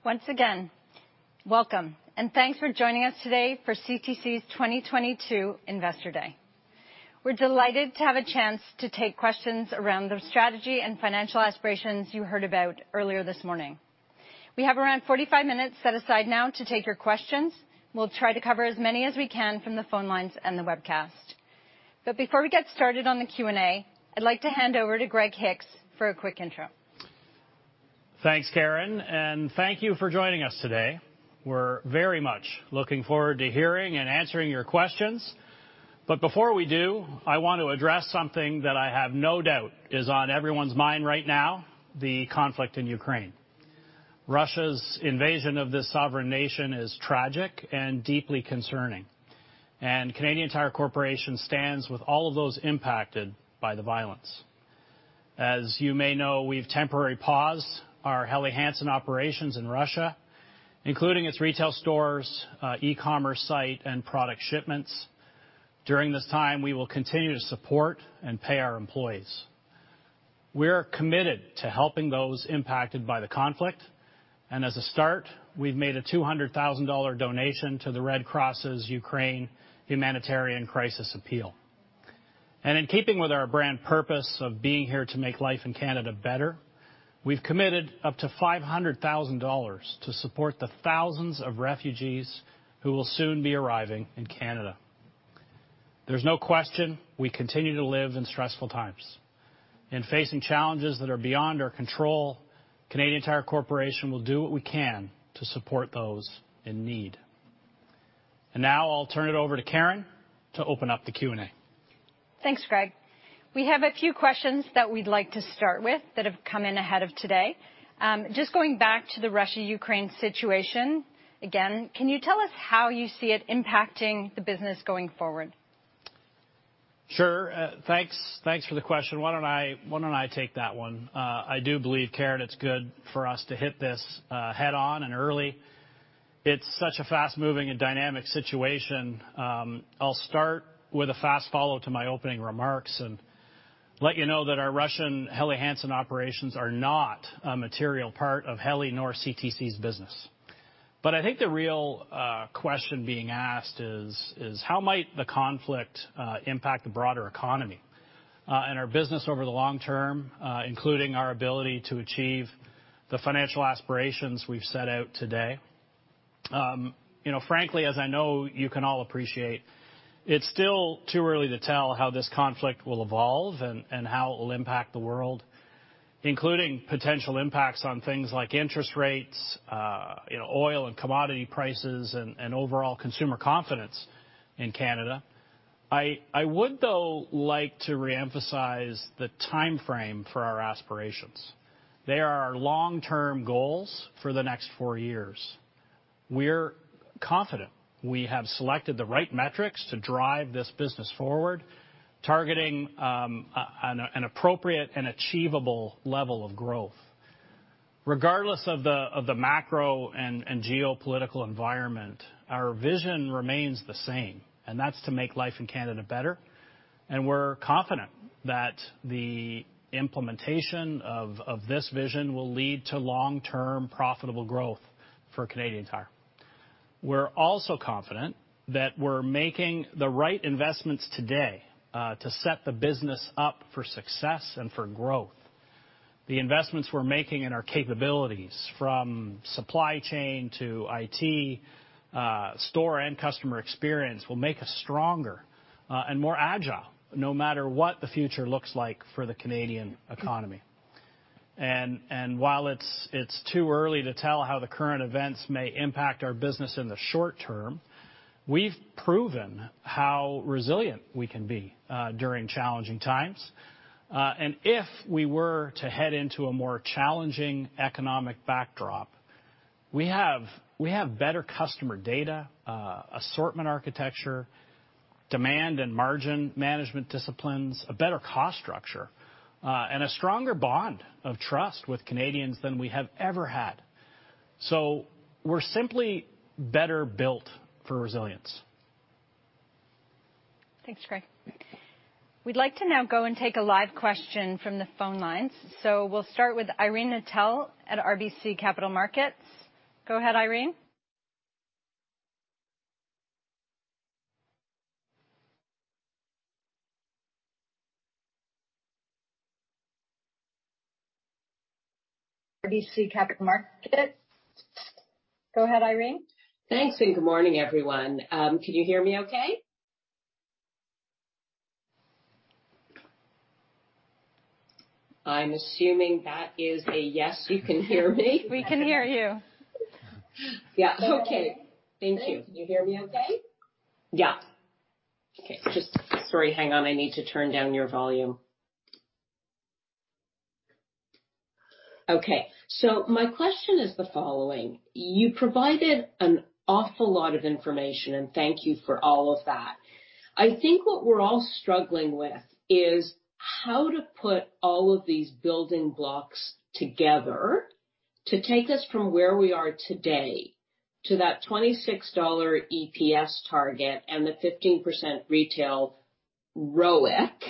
Once again, welcome, and thanks for joining us today for CTC's 2022 Investor Day. We're delighted to have a chance to take questions around the strategy and financial aspirations you heard about earlier this morning. We have around 45 minutes set aside now to take your questions. We'll try to cover as many as we can from the phone lines and the webcast. Before we get started on the Q&A, I'd like to hand over to Greg Hicks for a quick intro. Thanks, Karen, and thank you for joining us today. We're very much looking forward to hearing and answering your questions. Before we do, I want to address something that I have no doubt is on everyone's mind right now, the conflict in Ukraine. Russia's invasion of this sovereign nation is tragic and deeply concerning, and Canadian Tire Corporation stands with all of those impacted by the violence. As you may know, we've temporarily paused our Helly Hansen operations in Russia, including its retail stores, e-commerce site, and product shipments. During this time, we will continue to support and pay our employees. We're committed to helping those impacted by the conflict, and as a start, we've made a 200,000 dollar donation to the Red Cross' Ukraine Humanitarian Crisis Appeal. In keeping with our brand purpose of being here to make life in Canada better, we've committed up to 500,000 dollars to support the thousands of refugees who will soon be arriving in Canada. There's no question we continue to live in stressful times. In facing challenges that are beyond our control, Canadian Tire Corporation will do what we can to support those in need. Now I'll turn it over to Karen to open up the Q&A. Thanks, Greg. We have a few questions that we'd like to start with that have come in ahead of today. Just going back to the Russia-Ukraine situation again. Can you tell us how you see it impacting the business going forward? Sure. Thanks. Thanks for the question. Why don't I take that one. I do believe, Karen, it's good for us to hit this head on and early. It's such a fast-moving and dynamic situation. I'll start with a fast follow to my opening remarks and let you know that our Russian Helly Hansen operations are not a material part of Helly nor CTC's business. I think the real question being asked is how might the conflict impact the broader economy and our business over the long term, including our ability to achieve the financial aspirations we've set out today? You know, frankly, as I know you can all appreciate, it's still too early to tell how this conflict will evolve and how it will impact the world, including potential impacts on things like interest rates, you know, oil and commodity prices and overall consumer confidence in Canada. I would, though, like to reemphasize the timeframe for our aspirations. They are our long-term goals for the next four years. We're confident we have selected the right metrics to drive this business forward, targeting an appropriate and achievable level of growth. Regardless of the macro and geopolitical environment, our vision remains the same, and that's to make life in Canada better, and we're confident that the implementation of this vision will lead to long-term profitable growth for Canadian Tire. We're also confident that we're making the right investments today to set the business up for success and for growth. The investments we're making in our capabilities from supply chain to IT, store and customer experience will make us stronger and more agile, no matter what the future looks like for the Canadian economy. While it's too early to tell how the current events may impact our business in the short term, we've proven how resilient we can be during challenging times. If we were to head into a more challenging economic backdrop, we have better customer data, assortment architecture, demand and margin management disciplines, a better cost structure, and a stronger bond of trust with Canadians than we have ever had. We're simply better built for resilience. Thanks, Greg. We'd like to now go and take a live question from the phone lines. We'll start with Irene Nattel at RBC Capital Markets. Go ahead, Irene. RBC Capital Markets. Go ahead, Irene. Thanks, good morning, everyone. Can you hear me okay? I'm assuming that is a yes, you can hear me. We can hear you. Yeah. Okay. Thank you. Can you hear me okay? Yeah. Okay. Just sorry, hang on, I need to turn down your volume. Okay, so my question is the following. You provided an awful lot of information, and thank you for all of that. I think what we're all struggling with is how to put all of these building blocks together to take us from where we are today to that 26 dollar EPS target and the 15% retail ROIC.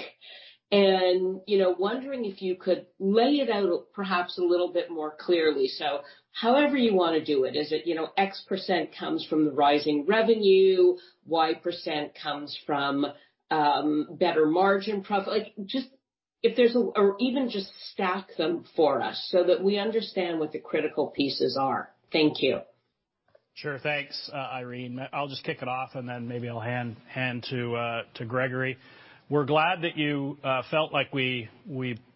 You know, wondering if you could lay it out perhaps a little bit more clearly. So however you wanna do it. Is it, you know, X% comes from the rising revenue, Y% comes from better margin profile? Like, just if there's a. Or even just stack them for us so that we understand what the critical pieces are. Thank you. Sure. Thanks, Irene. I'll just kick it off and then maybe I'll hand to Gregory. We're glad that you felt like we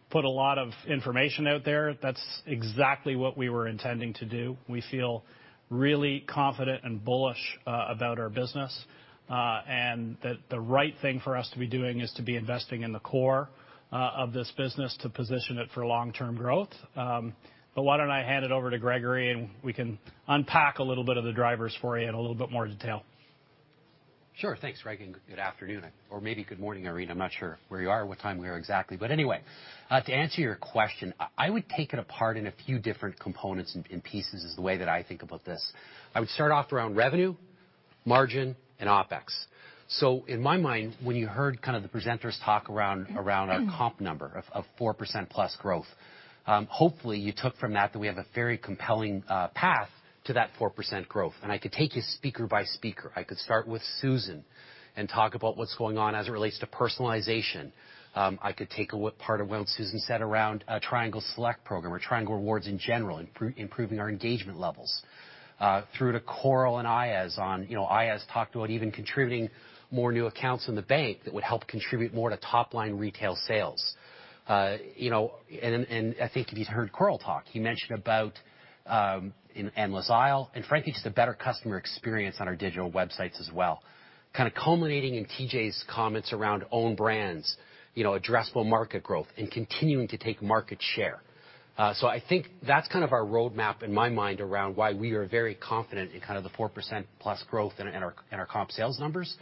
put a lot of information out there. That's exactly what we were intending to do. We feel really confident and bullish about our business, and that the right thing for us to be doing is to be investing in the core of this business to position it for long-term growth. Why don't I hand it over to Gregory, and we can unpack a little bit of the drivers for you in a little bit more detail. Sure. Thanks, Greg, and good afternoon. Or maybe good morning, Irene. I'm not sure where you are, what time we are exactly. But anyway, to answer your question, I would take it apart in a few different components and pieces is the way that I think about this. I would start off around revenue, margin, and OpEx. In my mind, when you heard kind of the presenters talk around our comp number of 4%+ growth, hopefully you took from that that we have a very compelling path to that 4% growth. I could take you speaker by speaker. I could start with Susan and talk about what's going on as it relates to personalization. I could take a part of what Susan said around Triangle Select program or Triangle Rewards in general, improving our engagement levels. Through to Koryl and Aayaz on, you know, Aayaz talked about even contributing more new accounts in the bank that would help contribute more to top-line retail sales. You know, and I think if you'd heard Koryl talk, he mentioned about an Endless Aisle and frankly, just a better customer experience on our digital websites as well, kind of culminating in TJ's comments around own brands, you know, addressable market growth and continuing to take market share. I think that's kind of our roadmap in my mind around why we are very confident in kind of the 4%+ growth in our comp sales numbers.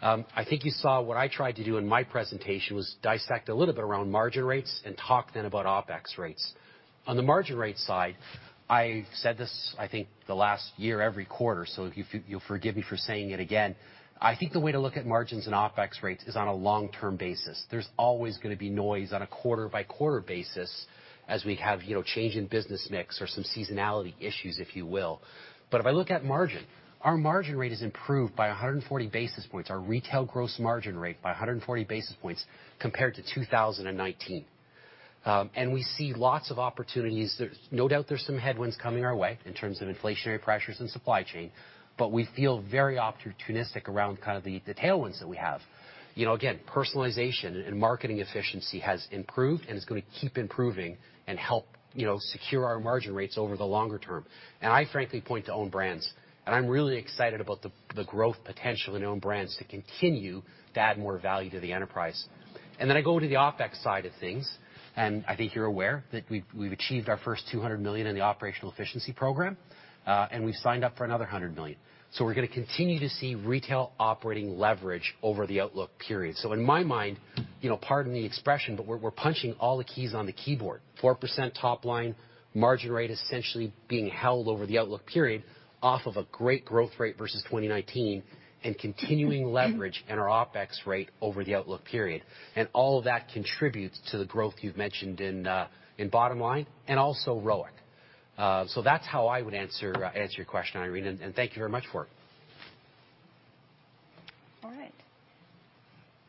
I think you saw what I tried to do in my presentation was dissect a little bit around margin rates and talk then about OpEx rates. On the margin rate side, I said this, I think the last year every quarter, so if you'll forgive me for saying it again. I think the way to look at margins and OpEx rates is on a long-term basis. There's always gonna be noise on a quarter-by-quarter basis as we have, you know, change in business mix or some seasonality issues, if you will. If I look at margin, our margin rate has improved by 140 basis points, our retail gross margin rate by 140 basis points compared to 2019. We see lots of opportunities. There's no doubt there's some headwinds coming our way in terms of inflationary pressures and supply chain, but we feel very opportunistic around kind of the tailwinds that we have. You know, again, personalization and marketing efficiency has improved and is gonna keep improving and help, you know, secure our margin rates over the longer term. I frankly point to own brands, and I'm really excited about the growth potential in own brands to continue to add more value to the enterprise. Then I go to the OpEx side of things, and I think you're aware that we've achieved our first 200 million in the operational efficiency program, and we've signed up for another 100 million. We're gonna continue to see retail operating leverage over the outlook period. In my mind, you know, pardon the expression, but we're punching all the keys on the keyboard, 4% top line, margin rate essentially being held over the outlook period off of a great growth rate versus 2019 and continuing leverage in our OpEx rate over the outlook period. All of that contributes to the growth you've mentioned in bottom line and also ROIC. So that's how I would answer your question, Irene, and thank you very much for it. All right.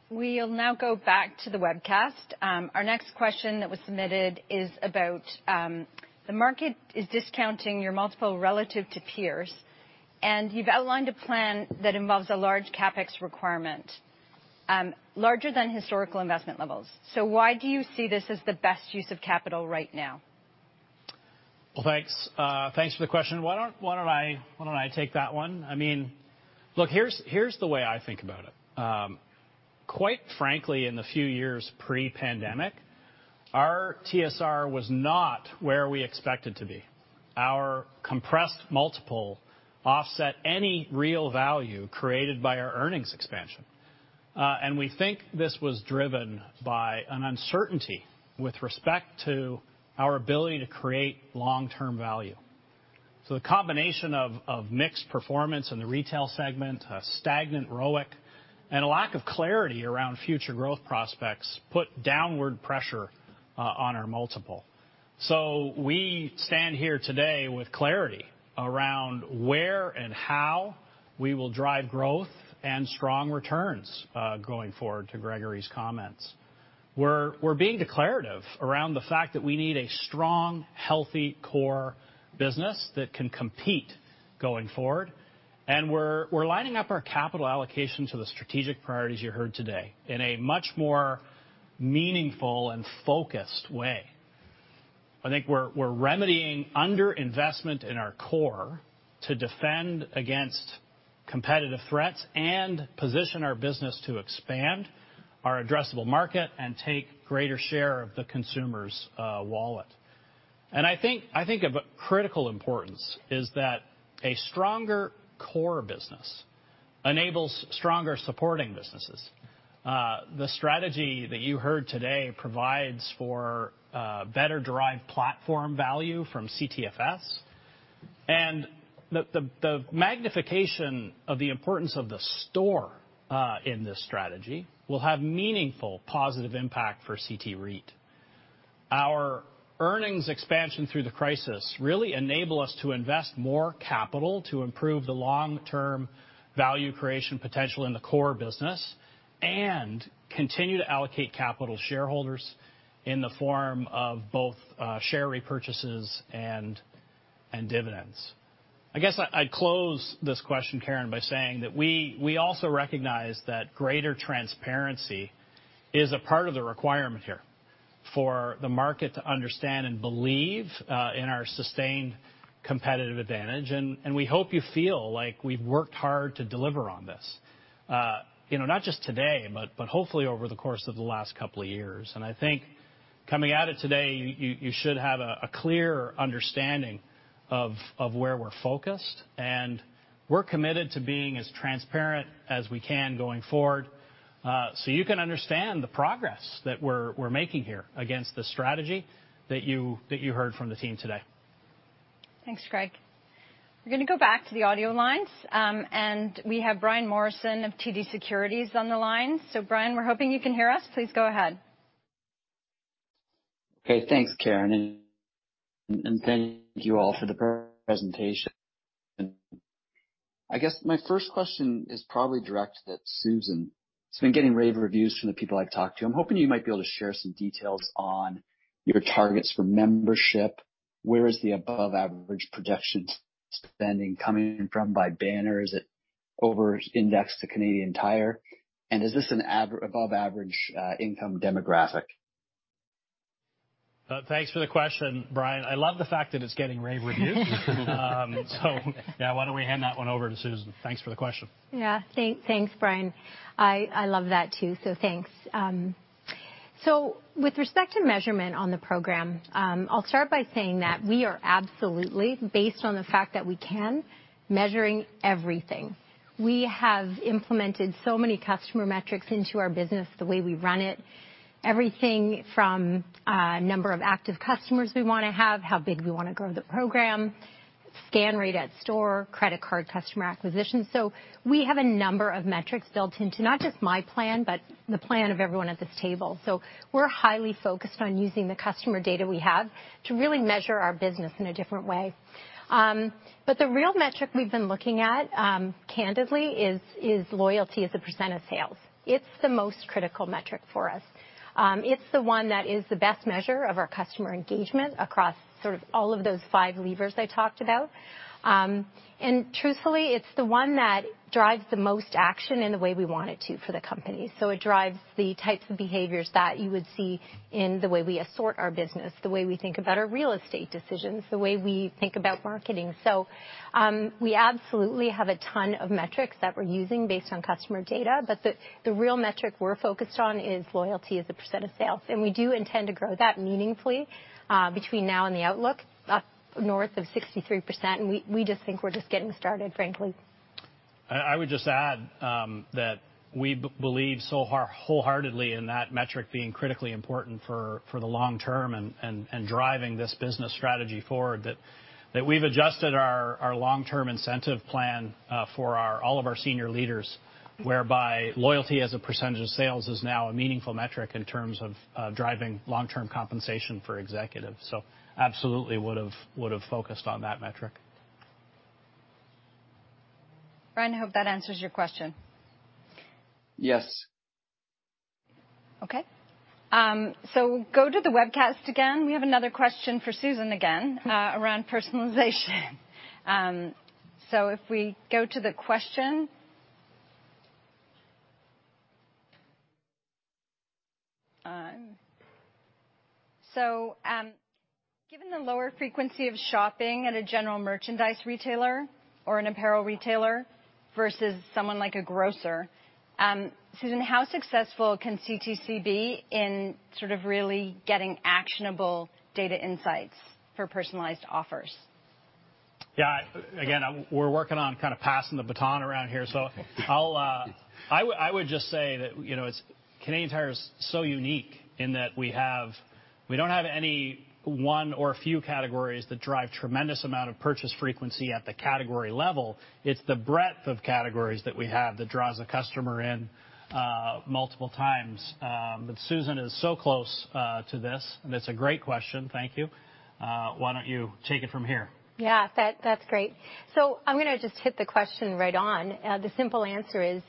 We'll now go back to the webcast. Our next question that was submitted is about the market is discounting your multiple relative to peers, and you've outlined a plan that involves a large CapEx requirement, larger than historical investment levels. Why do you see this as the best use of capital right now? Well, thanks. Thanks for the question. Why don't I take that one? I mean, look, here's the way I think about it. Quite frankly, in the few years pre-pandemic, our TSR was not where we expected to be. Our compressed multiple offset any real value created by our earnings expansion. We think this was driven by an uncertainty with respect to our ability to create long-term value. The combination of mixed performance in the retail segment, a stagnant ROIC, and a lack of clarity around future growth prospects put downward pressure on our multiple. We stand here today with clarity around where and how we will drive growth and strong returns going forward, to Gregory's comments. We're being declarative around the fact that we need a strong, healthy core business that can compete going forward, and we're lining up our capital allocation to the strategic priorities you heard today in a much more meaningful and focused way. I think we're remedying underinvestment in our core to defend against competitive threats and position our business to expand our addressable market and take greater share of the consumer's wallet. I think of a critical importance is that a stronger core business enables stronger supporting businesses. The strategy that you heard today provides for better derived platform value from CTFS. The magnification of the importance of the store in this strategy will have meaningful positive impact for CT REIT. Our earnings expansion through the crisis really enable us to invest more capital to improve the long-term value creation potential in the core business and continue to allocate capital to shareholders in the form of both share repurchases and dividends. I guess I'd close this question, Karen, by saying that we also recognize that greater transparency is a part of the requirement here for the market to understand and believe in our sustained competitive advantage. We hope you feel like we've worked hard to deliver on this. You know, not just today, but hopefully over the course of the last couple of years. I think coming at it today, you should have a clearer understanding of where we're focused, and we're committed to being as transparent as we can going forward, so you can understand the progress that we're making here against the strategy that you heard from the team today. Thanks, Greg. We're gonna go back to the audio lines, and we have Brian Morrison of TD Securities on the line. Brian, we're hoping you can hear us. Please go ahead. Okay. Thanks, Karen, and thank you all for the presentation. I guess my first question is probably direct to Susan. It's been getting rave reviews from the people I've talked to. I'm hoping you might be able to share some details on your targets for membership. Where is the above average production spending coming from by banners that over-index to Canadian Tire? And is this an above average income demographic? Thanks for the question, Brian. I love the fact that it's getting rave reviews. Why don't we hand that one over to Susan? Thanks for the question. Yeah. Thanks, Brian. I love that too, thanks. With respect to measurement on the program, I'll start by saying that we are absolutely measuring everything. We have implemented so many customer metrics into our business, the way we run it, everything from number of active customers we wanna have, how big we wanna grow the program, scan rate at store, credit card customer acquisition. We have a number of metrics built into not just my plan, but the plan of everyone at this table. We're highly focused on using the customer data we have to really measure our business in a different way. The real metric we've been looking at, candidly, is loyalty as a percent of sales. It's the most critical metric for us. It's the one that is the best measure of our customer engagement across sort of all of those five levers I talked about. Truthfully, it's the one that drives the most action in the way we want it to for the company. It drives the types of behaviors that you would see in the way we assort our business, the way we think about our real estate decisions, the way we think about marketing. We absolutely have a ton of metrics that we're using based on customer data, but the real metric we're focused on is loyalty as a percent of sales, and we do intend to grow that meaningfully, between now and the outlook up north of 63%. We just think we're just getting started, frankly. I would just add that we believe so wholeheartedly in that metric being critically important for the long term and driving this business strategy forward that we've adjusted our long-term incentive plan for all of our senior leaders, whereby loyalty as a percentage of sales is now a meaningful metric in terms of driving long-term compensation for executives. Absolutely would've focused on that metric. Brian, I hope that answers your question. Yes. Okay. Go to the webcast again. We have another question for Susan again, around personalization. If we go to the question, given the lower frequency of shopping at a general merchandise retailer or an apparel retailer versus someone like a grocer, Susan, how successful can CTC be in sort of really getting actionable data insights for personalized offers? Yeah. Again, we're working on kind of passing the baton around here. I would just say that, you know, Canadian Tire is so unique in that we don't have any one or a few categories that drive tremendous amount of purchase frequency at the category level. It's the breadth of categories that we have that draws the customer in, multiple times. But Susan is so close to this, and it's a great question, thank you. Why don't you take it from here? I'm gonna just hit the question right on. The simple answer is,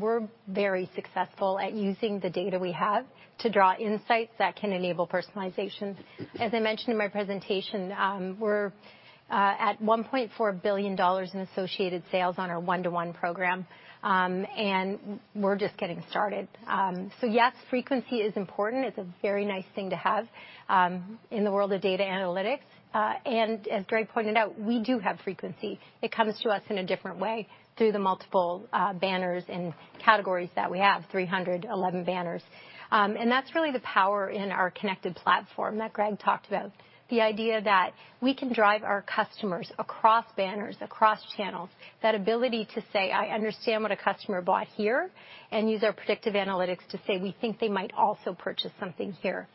we're very successful at using the data we have to draw insights that can enable personalizations. As I mentioned in my presentation, we're at 1.4 billion dollars in associated sales on our One-to-One program. and we're just getting started. yes, frequency is important. It's a very nice thing to have, in the world of data analytics. and as Greg pointed out, we do have frequency. It comes to us in a different way through the multiple banners and categories that we have, 311 banners. and that's really the power in our connected platform that Greg talked about. The idea that we can drive our customers across banners, across channels. That ability to say, "I understand what a customer bought here," and use our predictive analytics to say, "We think they might also purchase something here."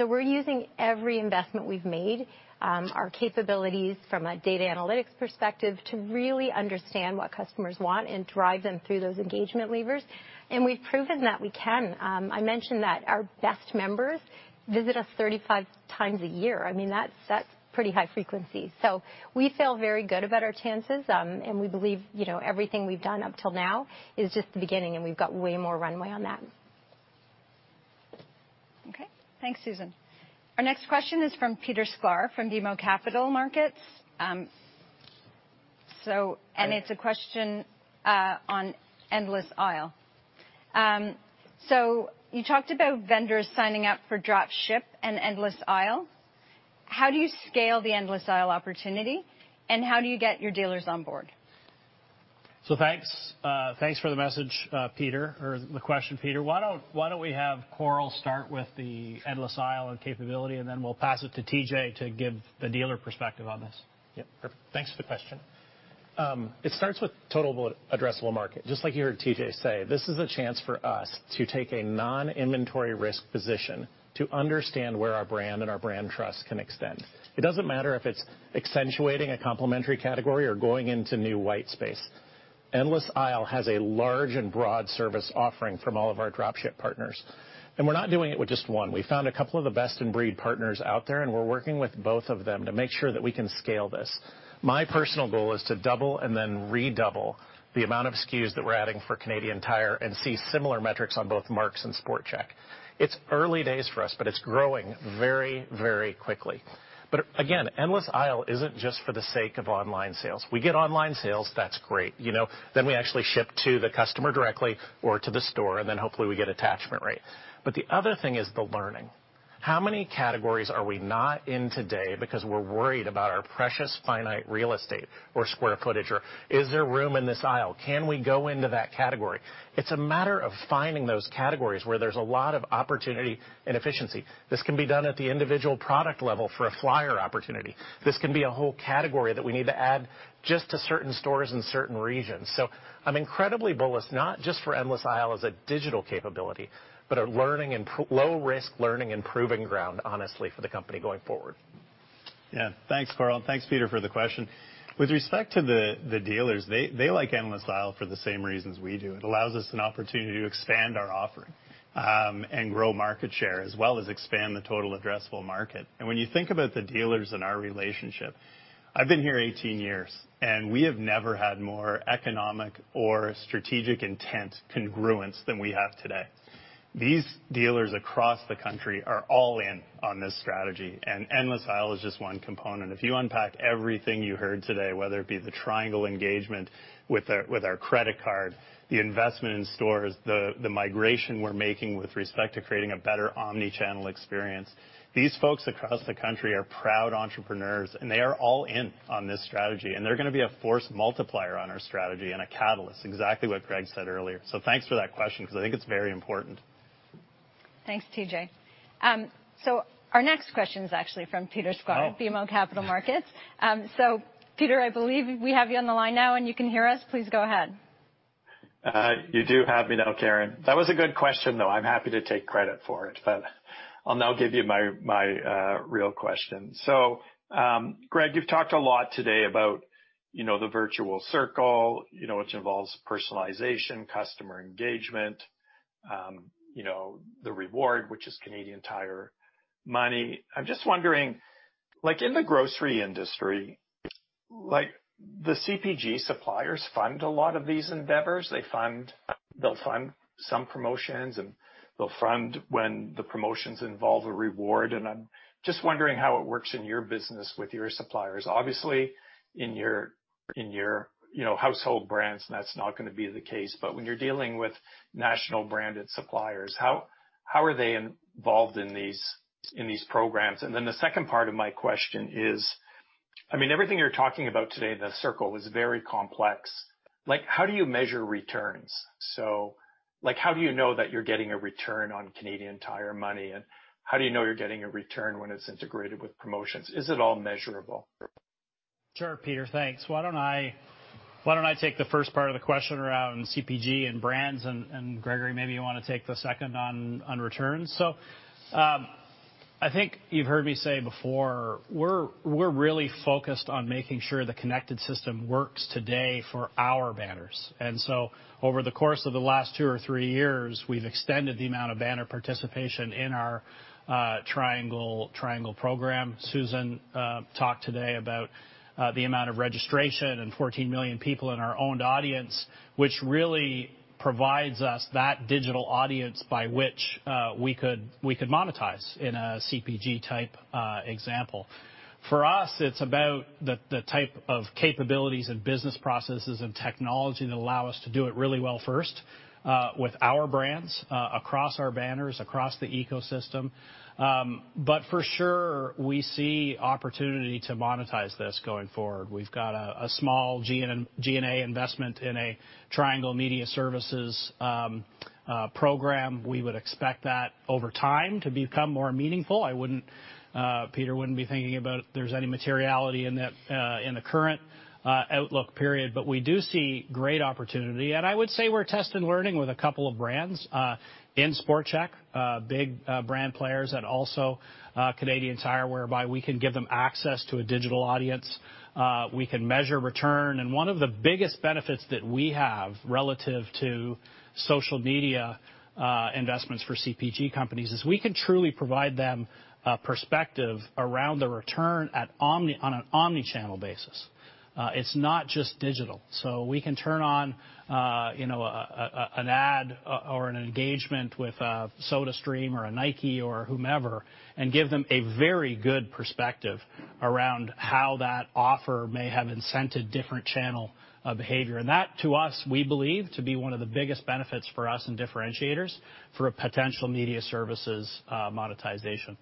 We're using every investment we've made, our capabilities from a data analytics perspective to really understand what customers want and drive them through those engagement levers. We've proven that we can. I mentioned that our best members visit us 35x a year. I mean, that's pretty high frequency. We feel very good about our chances. We believe, you know, everything we've done up till now is just the beginning, and we've got way more runway on that. Okay. Thanks, Susan. Our next question is from Peter Sklar from BMO Capital Markets. It's a question on Endless Aisle. You talked about vendors signing up for Dropship and Endless Aisle. How do you scale the Endless Aisle opportunity, and how do you get your dealers on board? Thanks. Thanks for the message, Peter, or the question, Peter. Why don't we have Koryl start with the Endless Aisle and capability, and then we'll pass it to TJ to give the dealer perspective on this. Yeah. Perfect. Thanks for the question. It starts with total addressable market. Just like you heard TJ say, this is a chance for us to take a non-inventory risk position to understand where our brand and our brand trust can extend. It doesn't matter if it's accentuating a complementary category or going into new white space. Endless Aisle has a large and broad service offering from all of our Dropship partners, and we're not doing it with just one. We found a couple of the best in breed partners out there, and we're working with both of them to make sure that we can scale this. My personal goal is to double and then redouble the amount of SKUs that we're adding for Canadian Tire and see similar metrics on both Mark's and SportChek. It's early days for us, but it's growing very, very quickly. Again, Endless Aisle isn't just for the sake of online sales. We get online sales, that's great. You know, then we actually ship to the customer directly or to the store, and then hopefully we get attachment rate. The other thing is the learning. How many categories are we not in today because we're worried about our precious finite real estate or square footage? Or is there room in this aisle? Can we go into that category? It's a matter of finding those categories where there's a lot of opportunity and efficiency. This can be done at the individual product level for a flyer opportunity. This can be a whole category that we need to add just to certain stores in certain regions. I'm incredibly bullish, not just for Endless Aisle as a digital capability, but a low risk learning and proving ground, honestly, for the company going forward. Yeah. Thanks, Koryl. Thanks, Peter, for the question. With respect to the dealers, they like Endless Aisle for the same reasons we do. It allows us an opportunity to expand our offering, and grow market share, as well as expand the total addressable market. When you think about the dealers and our relationship, I've been here 18 years, and we have never had more economic or strategic intent congruence than we have today. These dealers across the country are all in on this strategy, and Endless Aisle is just one component. If you unpack everything you heard today, whether it be the Triangle engagement with our credit card, the investment in stores, the migration we're making with respect to creating a better omnichannel experience, these folks across the country are proud entrepreneurs, and they are all in on this strategy, and they're gonna be a force multiplier on our strategy and a catalyst, exactly what Greg said earlier. Thanks for that question because I think it's very important. Thanks, TJ. Our next question is actually from Peter Sklar... Oh. at BMO Capital Markets. Peter, I believe we have you on the line now, and you can hear us. Please go ahead. You do have me now, Karen. That was a good question, though. I'm happy to take credit for it. I'll now give you my real question. Greg, you've talked a lot today about, you know, the virtuous circle, you know, which involves personalization, customer engagement. You know, the reward, which is Canadian Tire Money. I'm just wondering, like in the grocery industry, like the CPG suppliers fund a lot of these endeavors. They'll fund some promotions, and they'll fund when the promotions involve a reward. I'm just wondering how it works in your business with your suppliers. Obviously, in your, you know, household brands, that's not gonna be the case. But when you're dealing with national branded suppliers, how are they involved in these programs? Then the second part of my question is, I mean, everything you're talking about today in the circle was very complex. Like, how do you measure returns? So like, how do you know that you're getting a return on Canadian Tire Money? How do you know you're getting a return when it's integrated with promotions? Is it all measurable? Sure, Peter, thanks. Why don't I take the first part of the question around CPG and brands, and Gregory, maybe you want to take the second on returns. I think you've heard me say before, we're really focused on making sure the connected system works today for our banners. Over the course of the last two or three years, we've extended the amount of banner participation in our triangle program. Susan talked today about the amount of registration and 14 million people in our owned audience, which really provides us that digital audience by which we could monetize in a CPG type example. For us, it's about the type of capabilities and business processes and technology that allow us to do it really well first, with our brands, across our banners, across the ecosystem. But for sure, we see opportunity to monetize this going forward. We've got a small G&A investment in a Triangle Retail Media program. We would expect that over time to become more meaningful. I wouldn't, Peter, be thinking about if there's any materiality in that, in the current outlook period. But we do see great opportunity. I would say we're test and learning with a couple of brands, in SportChek, big brand players also at Canadian Tire, whereby we can give them access to a digital audience. We can measure return. One of the biggest benefits that we have relative to social media investments for CPG companies is we can truly provide them a perspective around the return on an omnichannel basis. It's not just digital. We can turn on, you know, an ad or an engagement with a SodaStream or a Nike or whomever and give them a very good perspective around how that offer may have incented different channel behavior. That, to us, we believe to be one of the biggest benefits for us and differentiators for a potential media services monetization.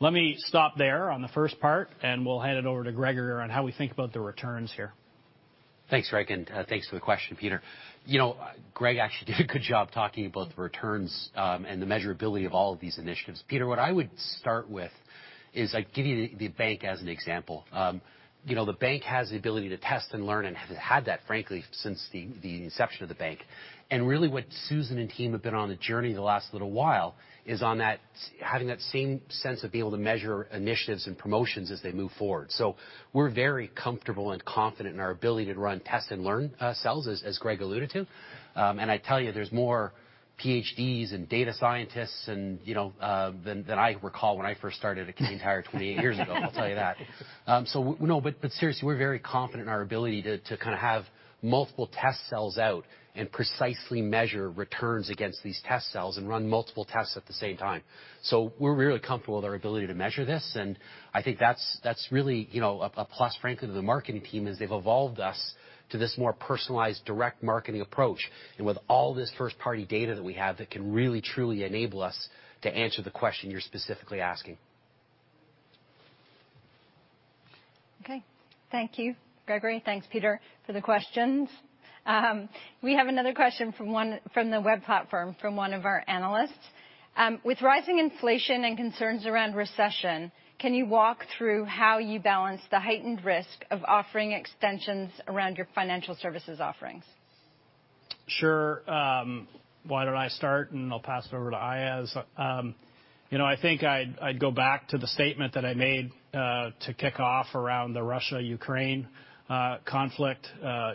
Let me stop there on the first part, and we'll hand it over to Gregory on how we think about the returns here. Thanks, Greg, and thanks for the question, Peter. You know, Greg actually did a good job talking about the returns, and the measurability of all of these initiatives. Peter, what I would start with is I'd give you the bank as an example. You know, the bank has the ability to test and learn and have had that, frankly, since the inception of the bank. Really what Susan and team have been on the journey the last little while is on that, having that same sense of being able to measure initiatives and promotions as they move forward. We're very comfortable and confident in our ability to run test and learn sales, as Greg alluded to. I tell you, there's more PhDs and data scientists and, you know, than I recall when I first started at Canadian Tire 28 years ago, I'll tell you that. Seriously, we're very confident in our ability to kinda have multiple test cells out and precisely measure returns against these test cells and run multiple tests at the same time. We're really comfortable with our ability to measure this, and I think that's really, you know, a plus, frankly, to the marketing team as they've evolved us to this more personalized direct marketing approach and with all this first-party data that we have that can really truly enable us to answer the question you're specifically asking. Okay. Thank you, Gregory. Thanks, Peter, for the questions. We have another question from the web platform, from one of our analysts. With rising inflation and concerns around recession, can you walk through how you balance the heightened risk of offering extensions around your financial services offerings? Sure. Why don't I start, and I'll pass it over to Aayaz. You know, I think I'd go back to the statement that I made to kick off around the Russia-Ukraine conflict.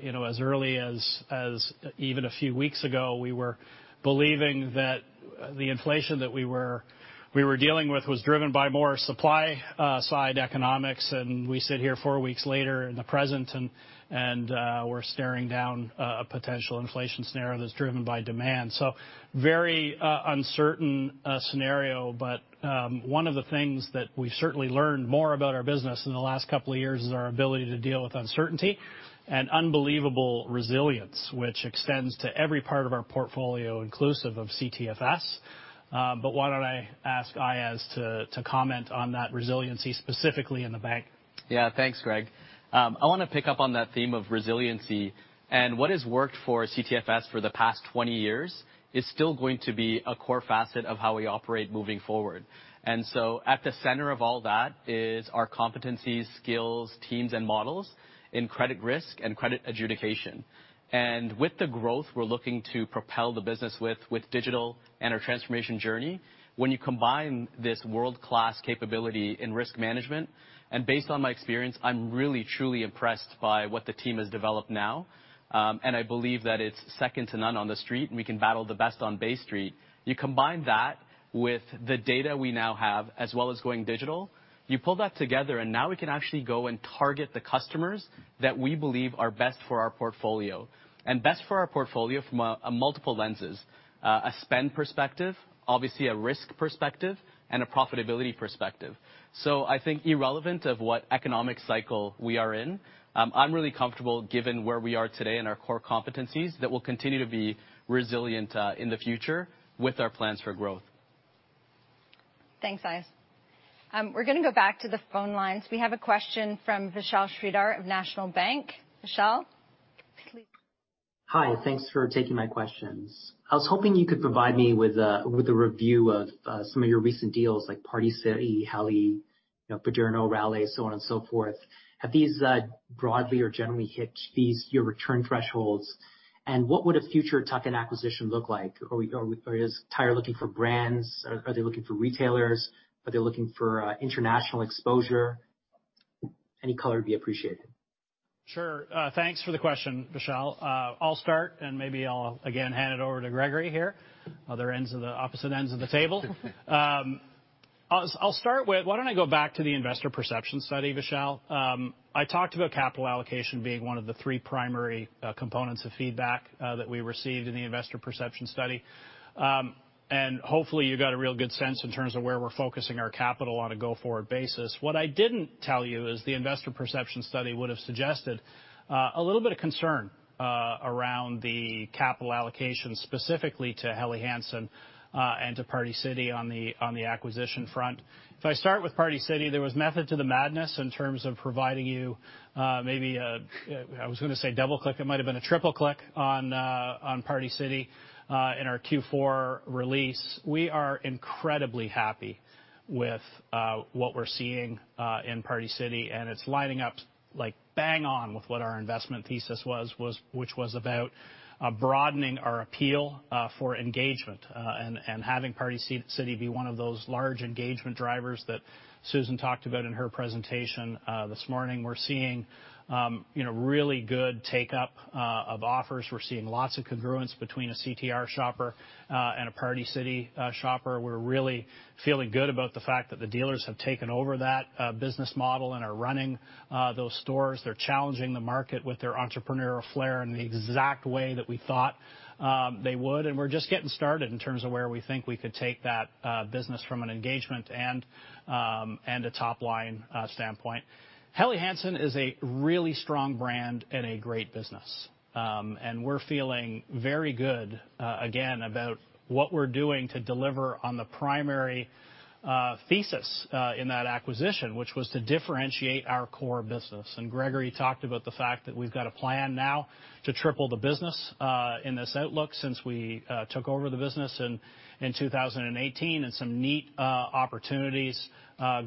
You know, as early as even a few weeks ago, we were believing that the inflation that we were dealing with was driven by more supply side economics, and we sit here four weeks later in the present and we're staring down a potential inflation scenario that's driven by demand. So very uncertain scenario, but one of the things that we've certainly learned more about our business in the last couple of years is our ability to deal with uncertainty and unbelievable resilience, which extends to every part of our portfolio, inclusive of CTFS. Why don't I ask Aayaz to comment on that resiliency specifically in the bank? Yeah, thanks, Greg. I wanna pick up on that theme of resiliency and what has worked for CTFS for the past 20 years is still going to be a core facet of how we operate moving forward. At the center of all that is our competencies, skills, teams and models in credit risk and credit adjudication. With the growth we're looking to propel the business with digital and our transformation journey, when you combine this world-class capability in risk management, and based on my experience, I'm really truly impressed by what the team has developed now, and I believe that it's second to none on The Street, and we can battle the best on Bay Street. You combine that with the data we now have, as well as going digital, you pull that together, and now we can actually go and target the customers that we believe are best for our portfolio, and best for our portfolio from a multiple lenses, a spend perspective, obviously a risk perspective and a profitability perspective. I think irrespective of what economic cycle we are in, I'm really comfortable given where we are today in our core competencies that will continue to be resilient, in the future with our plans for growth. Thanks, Aayaz. We're gonna go back to the phone lines. We have a question from Vishal Shreedhar of National Bank. Vishal? Hi, thanks for taking my questions. I was hoping you could provide me with a review of some of your recent deals like Party City, Helly, you know PADERNO, Raleigh, so on and so forth. Have these broadly or generally hit your return thresholds? What would a future tuck-in acquisition look like? Is Tire looking for brands? Are they looking for retailers? Are they looking for international exposure? Any color would be appreciated. Sure. Thanks for the question, Vishal. I'll start, and maybe I'll again hand it over to Gregory here, opposite ends of the table. I'll start with why don't I go back to the investor perception study, Vishal? I talked about capital allocation being one of the three primary components of feedback that we received in the investor perception study. Hopefully you got a real good sense in terms of where we're focusing our capital on a go-forward basis. What I didn't tell you is the investor perception study would have suggested a little bit of concern around the capital allocation, specifically to Helly Hansen and to Party City on the acquisition front. If I start with Party City, there was method to the madness in terms of providing you, maybe a, I was gonna say double click, it might have been a triple click on Party City, in our Q4 release. We are incredibly happy with what we're seeing in Party City, and it's lining up like bang on with what our investment thesis was, which was about broadening our appeal for engagement, and having Party City be one of those large engagement drivers that Susan talked about in her presentation this morning. We're seeing, you know, really good take-up of offers. We're seeing lots of congruence between a CTR shopper and a Party City shopper. We're really feeling good about the fact that the dealers have taken over that business model and are running those stores. They're challenging the market with their entrepreneurial flair in the exact way that we thought they would. We're just getting started in terms of where we think we could take that business from an engagement and a top-line standpoint. Helly Hansen is a really strong brand and a great business. We're feeling very good again about what we're doing to deliver on the primary thesis in that acquisition, which was to differentiate our core business. Gregory talked about the fact that we've got a plan now to triple the business in this outlook since we took over the business in 2018, and some neat opportunities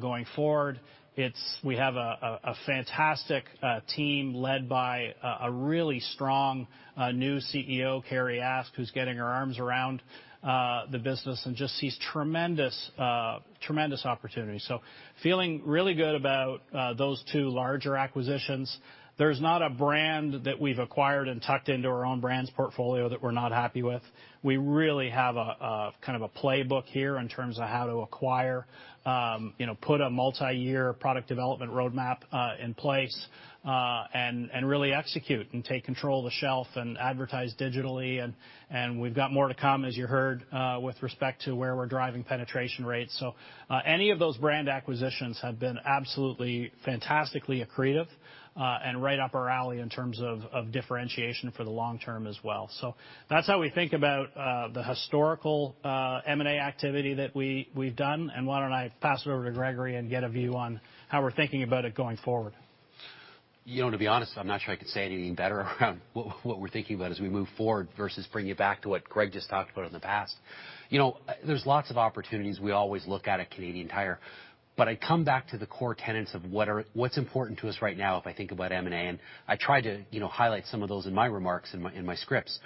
going forward. We have a fantastic team led by a really strong new CEO, Carrie Ask, who's getting her arms around the business and just sees tremendous opportunities. Feeling really good about those two larger acquisitions. There's not a brand that we've acquired and tucked into our own brands portfolio that we're not happy with. We really have a kind of a playbook here in terms of how to acquire, you know, put a multi-year product development roadmap in place, and really execute and take control of the shelf and advertise digitally, and we've got more to come, as you heard, with respect to where we're driving penetration rates. Any of those brand acquisitions have been absolutely fantastically accretive, and right up our alley in terms of differentiation for the long term as well. That's how we think about the historical M&A activity that we've done, and why don't I pass it over to Gregory and get a view on how we're thinking about it going forward. You know, to be honest, I'm not sure I could say it any better around what we're thinking about as we move forward versus bringing it back to what Greg just talked about in the past. You know, there's lots of opportunities we always look at Canadian Tire, but I come back to the core tenets of what's important to us right now, if I think about M&A, and I try to, you know, highlight some of those in my remarks in my scripts.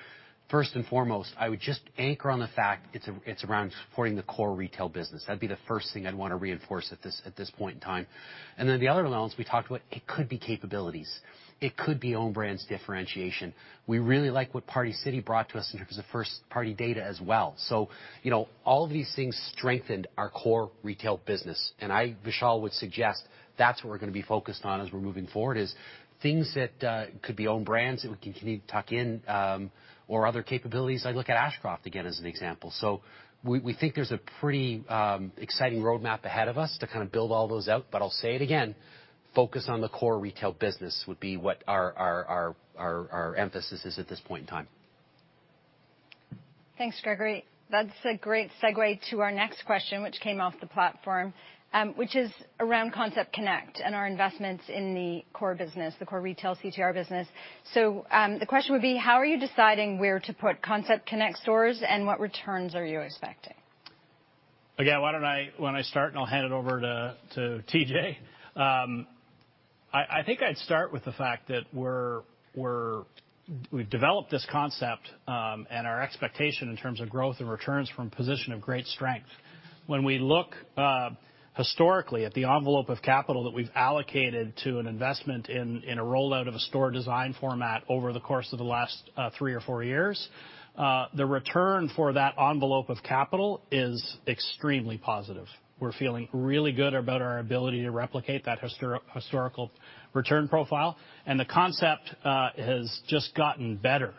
First and foremost, I would just anchor on the fact it's around supporting the core retail business. That'd be the first thing I'd want to reinforce at this point in time. The other allowance we talked about, it could be capabilities, it could be own brands differentiation. We really like what Party City brought to us in terms of first-party data as well. You know, all of these things strengthened our core retail business. I, Vishal, would suggest that's what we're gonna be focused on as we're moving forward, is things that could be own brands that we can continue to tuck in, or other capabilities. I look at Ashcroft again as an example. We think there's a pretty exciting roadmap ahead of us to kind of build all those out. I'll say it again, focus on the core retail business would be what our emphasis is at this point in time. Thanks, Gregory. That's a great segue to our next question, which came off the platform, which is around Concept Connect and our investments in the core business, the core retail CTR business. The question would be: how are you deciding where to put Concept Connect stores, and what returns are you expecting? Again, why don't I start, and I'll hand it over to TJ. I think I'd start with the fact that we've developed this concept, and our expectation in terms of growth and returns from a position of great strength. When we look historically at the envelope of capital that we've allocated to an investment in a rollout of a store design format over the course of the last three or four years, the return for that envelope of capital is extremely positive. We're feeling really good about our ability to replicate that historical return profile, and the concept has just gotten better,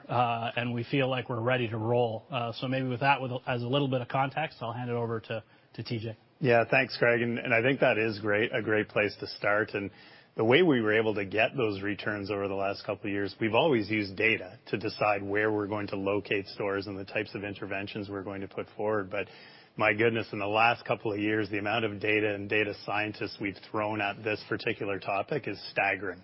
and we feel like we're ready to roll. Maybe with that as a little bit of context, I'll hand it over to TJ. Yeah. Thanks, Greg, I think that is great, a great place to start. The way we were able to get those returns over the last couple of years, we've always used data to decide where we're going to locate stores and the types of interventions we're going to put forward. My goodness, in the last couple of years, the amount of data and data scientists we've thrown at this particular topic is staggering.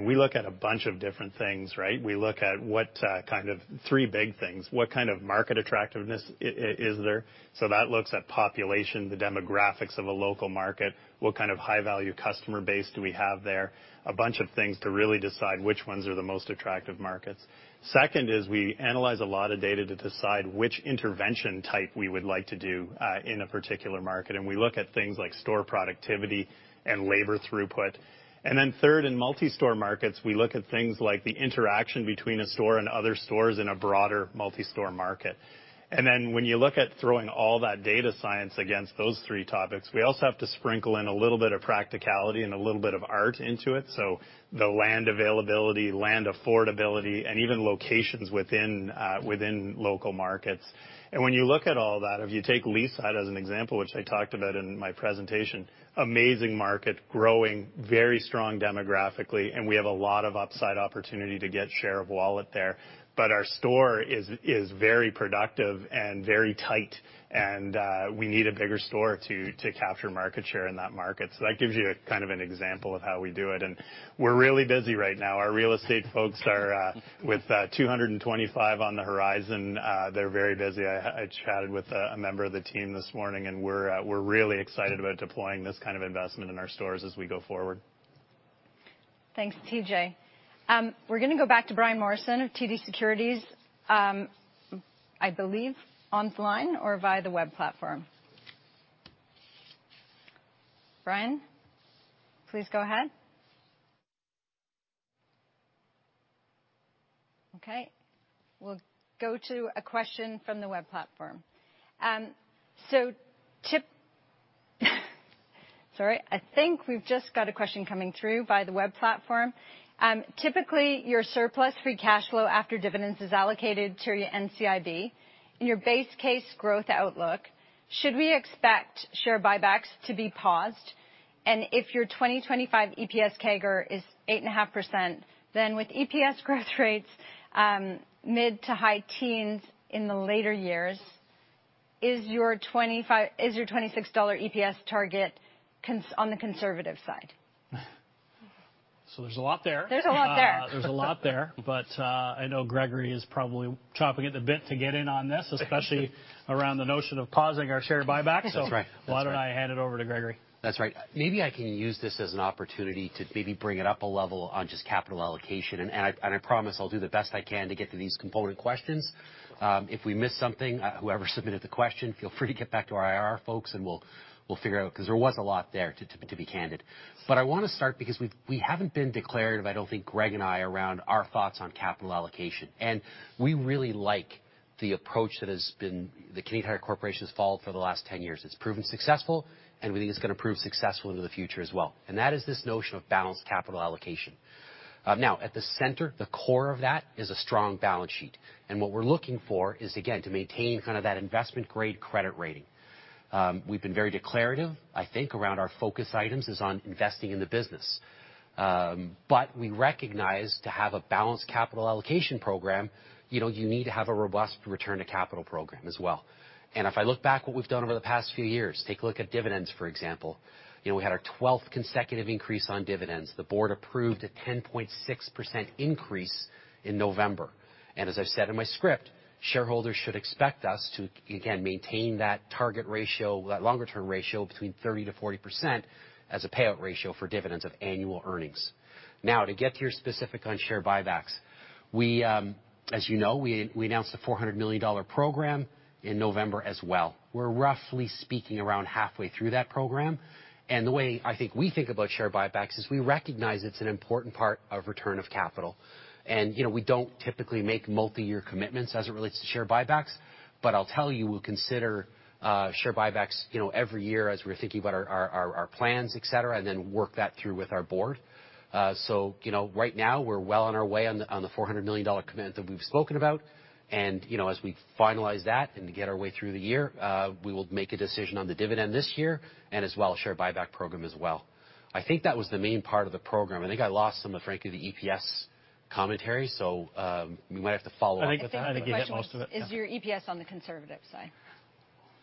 We look at a bunch of different things, right? We look at what, kind of three big things. What kind of market attractiveness is there? That looks at population, the demographics of a local market. What kind of high-value customer base do we have there? A bunch of things to really decide which ones are the most attractive markets. Second is we analyze a lot of data to decide which intervention type we would like to do in a particular market, and we look at things like store productivity and labor throughput. Then third, in multi-store markets, we look at things like the interaction between a store and other stores in a broader multi-store market. When you look at throwing all that data science against those three topics, we also have to sprinkle in a little bit of practicality and a little bit of art into it, so the land availability, land affordability, and even locations within local markets. When you look at all that, if you take Leaside as an example, which I talked about in my presentation, amazing market, growing, very strong demographically, and we have a lot of upside opportunity to get share of wallet there. Our store is very productive and very tight, and we need a bigger store to capture market share in that market. That gives you a kind of an example of how we do it. We're really busy right now. Our real estate folks are with 225 on the horizon, they're very busy. I chatted with a member of the team this morning, and we're really excited about deploying this kind of investment in our stores as we go forward. Thanks, TJ. We're gonna go back to Brian Morrison of TD Securities, I believe online or via the web platform. Brian, please go ahead. Okay. We'll go to a question from the web platform. I think we've just got a question coming through via the web platform. Typically, your surplus free cash flow after dividends is allocated to your NCIB. In your base case growth outlook, should we expect share buybacks to be paused? And if your 2025 EPS CAGR is 8.5%, then with EPS growth rates mid to high-teens in the later years, is your 26 dollar EPS target on the conservative side? There's a lot there. There's a lot there. There's a lot there, but I know Gregory is probably chomping at the bit to get in on this, especially around the notion of pausing our share buyback. That's right. Why don't I hand it over to Gregory? That's right. Maybe I can use this as an opportunity to maybe bring it up a level on just capital allocation, and I promise I'll do the best I can to get to these component questions. If we miss something, whoever submitted the question, feel free to get back to our IR folks, and we'll figure it out, 'cause there was a lot there, to be candid. I wanna start because we haven't been declarative, I don't think, Greg and I, around our thoughts on capital allocation. We really like the approach that the Canadian Tire Corporation has followed for the last 10 years. It's proven successful, and we think it's gonna prove successful into the future as well, and that is this notion of balanced capital allocation. Now, at the center, the core of that is a strong balance sheet, and what we're looking for is, again, to maintain kind of that investment-grade credit rating. We've been very declarative, I think, around our focus items is on investing in the business. But we recognize to have a balanced capital allocation program, you know, you need to have a robust return to capital program as well. If I look back what we've done over the past few years, take a look at dividends, for example. You know, we had our 12th consecutive increase on dividends. The board approved a 10.6% increase in November. As I've said in my script, shareholders should expect us to, again, maintain that target ratio, that longer-term ratio between 30%–40% as a payout ratio for dividends of annual earnings. Now, to get to your specific on share buybacks, as you know, we announced a 400 million dollar program in November as well. We're roughly speaking around halfway through that program. The way I think we think about share buybacks is we recognize it's an important part of return of capital. You know, we don't typically make multiyear commitments as it relates to share buybacks, but I'll tell you, we'll consider share buybacks, you know, every year as we're thinking about our plans, et cetera, and then work that through with our board. You know, right now we're well on our way on the 400 million dollar commitment that we've spoken about. You know, as we finalize that and get our way through the year, we will make a decision on the dividend this year and as well a share buyback program as well. I think that was the main part of the program. I think I lost some of, frankly, the EPS commentary, so we might have to follow up with that. I think you hit most of it. Yeah. Is your EPS on the conservative side?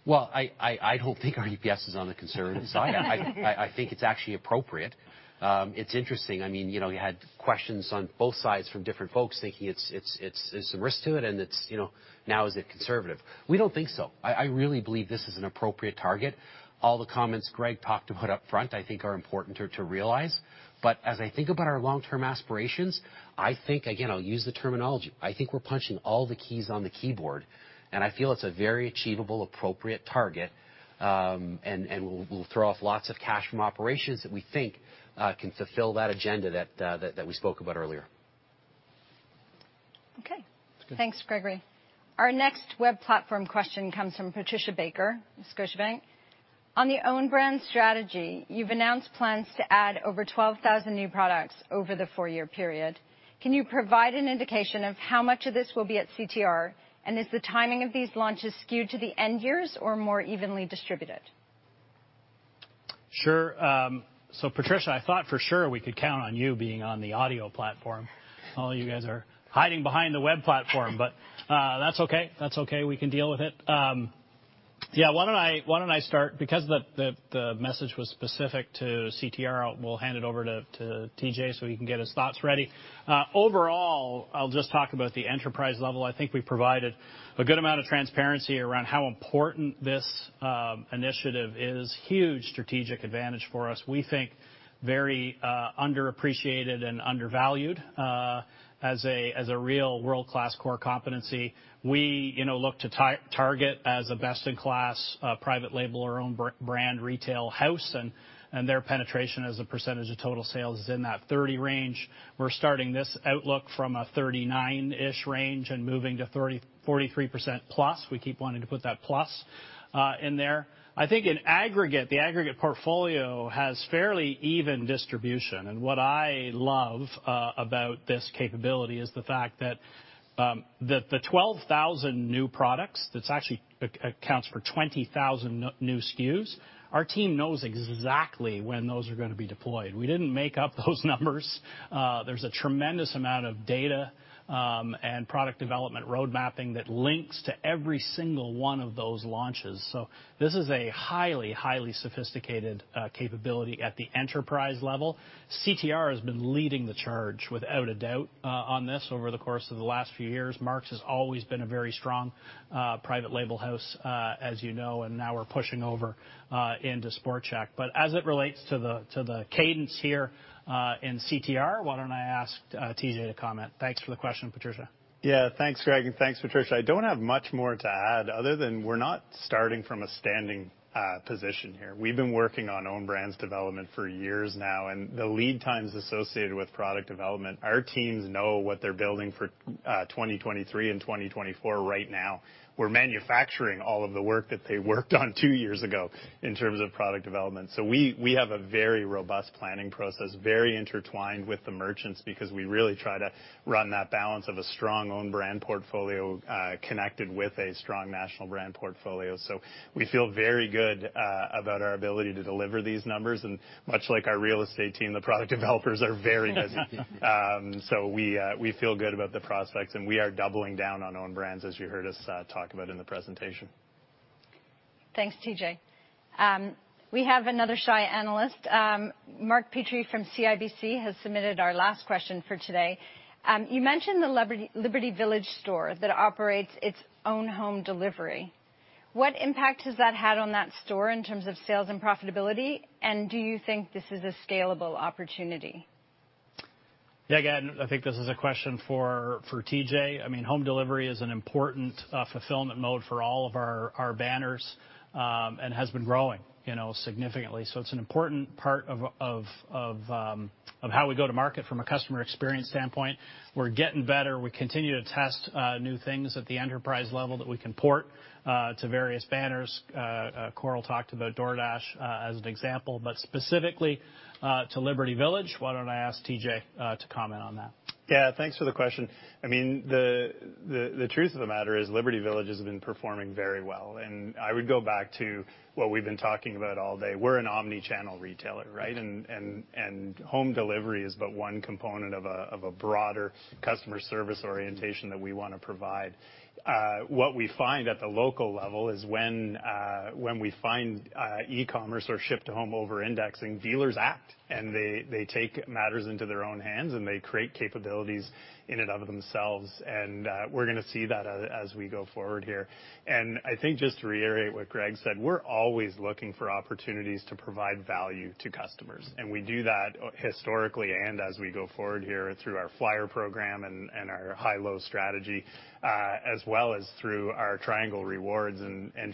Well, I don't think our EPS is on the conservative side. I think it's actually appropriate. It's interesting, I mean, you know, you had questions on both sides from different folks thinking it's some risk to it and it's, you know, now, is it conservative? We don't think so. I really believe this is an appropriate target. All the comments Greg talked about up front I think are important to realize. But as I think about our long-term aspirations, I think, again, I'll use the terminology, I think we're punching all the keys on the keyboard, and I feel it's a very achievable, appropriate target, and will throw off lots of cash from operations that we think can fulfill that agenda that we spoke about earlier. Okay. Thanks, Gregory. Our next web platform question comes from Patricia Baker, Scotiabank. On the own brand strategy, you've announced plans to add over 12,000 new products over the four-year period. Can you provide an indication of how much of this will be at CTR, and is the timing of these launches skewed to the end years or more evenly distributed? Sure. So Patricia, I thought for sure we could count on you being on the audio platform. All you guys are hiding behind the web platform, but that's okay. That's okay, we can deal with it. Yeah, why don't I start? Because the message was specific to CTR, we'll hand it over to TJ so he can get his thoughts ready. Overall, I'll just talk about the enterprise level. I think we've provided a good amount of transparency around how important this initiative is. Huge strategic advantage for us. We think very underappreciated and undervalued as a real world-class core competency. You know, we look to Target as a best-in-class private label or own brand retail house, and their penetration as a percentage of total sales is in that 30% range. We're starting this outlook from a 39%-ish range and moving to 43% plus. We keep wanting to put that plus in there. I think in aggregate, the portfolio has fairly even distribution, and what I love about this capability is the fact that the 12,000 new products, that's actually accounts for 20,000 new SKUs, our team knows exactly when those are gonna be deployed. We didn't make up those numbers. There's a tremendous amount of data and product development road mapping that links to every single one of those launches. This is a highly sophisticated capability at the enterprise level. CTR has been leading the charge, without a doubt, on this over the course of the last few years. Mark's has always been a very strong private label house, as you know, and now we're pushing over into SportChek. As it relates to the cadence here in CTR, why don't I ask TJ to comment? Thanks for the question, Patricia. Yeah. Thanks, Greg, and thanks, Patricia. I don't have much more to add other than we're not starting from a standing position here. We've been working on own brands development for years now, and the lead times associated with product development, our teams know what they're building for 2023 and 2024 right now. We're manufacturing all of the work that they worked on two years ago in terms of product development. We have a very robust planning process, very intertwined with the merchants because we really try to run that balance of a strong own brand portfolio connected with a strong national brand portfolio. We feel very good about our ability to deliver these numbers and much like our real estate team, the product developers are very busy. We feel good about the prospects, and we are doubling down on own brands as you heard us talk about in the presentation. Thanks, TJ. We have another shy analyst. Mark Petrie from CIBC has submitted our last question for today. You mentioned the Liberty Village store that operates its own home delivery. What impact has that had on that store in terms of sales and profitability, and do you think this is a scalable opportunity? Yeah, again, I think this is a question for TJ. I mean, home delivery is an important fulfillment mode for all of our banners and has been growing, you know, significantly. It's an important part of how we go to market from a customer experience standpoint. We're getting better. We continue to test new things at the enterprise level that we can port to various banners. Koryl talked about DoorDash as an example, but specifically to Liberty Village, why don't I ask TJ to comment on that? Yeah. Thanks for the question. I mean, the truth of the matter is Liberty Village has been performing very well. I would go back to what we've been talking about all day. We're an omnichannel retailer, right? Home delivery is but one component of a broader customer service orientation that we wanna provide. What we find at the local level is when we find e-commerce or ship-to-home over-indexing, dealers act, and they take matters into their own hands, and they create capabilities in and of themselves. We're gonna see that as we go forward here. I think just to reiterate what Greg said, we're always looking for opportunities to provide value to customers, and we do that historically and as we go forward here through our flyer program and our high-low strategy, as well as through our Triangle Rewards.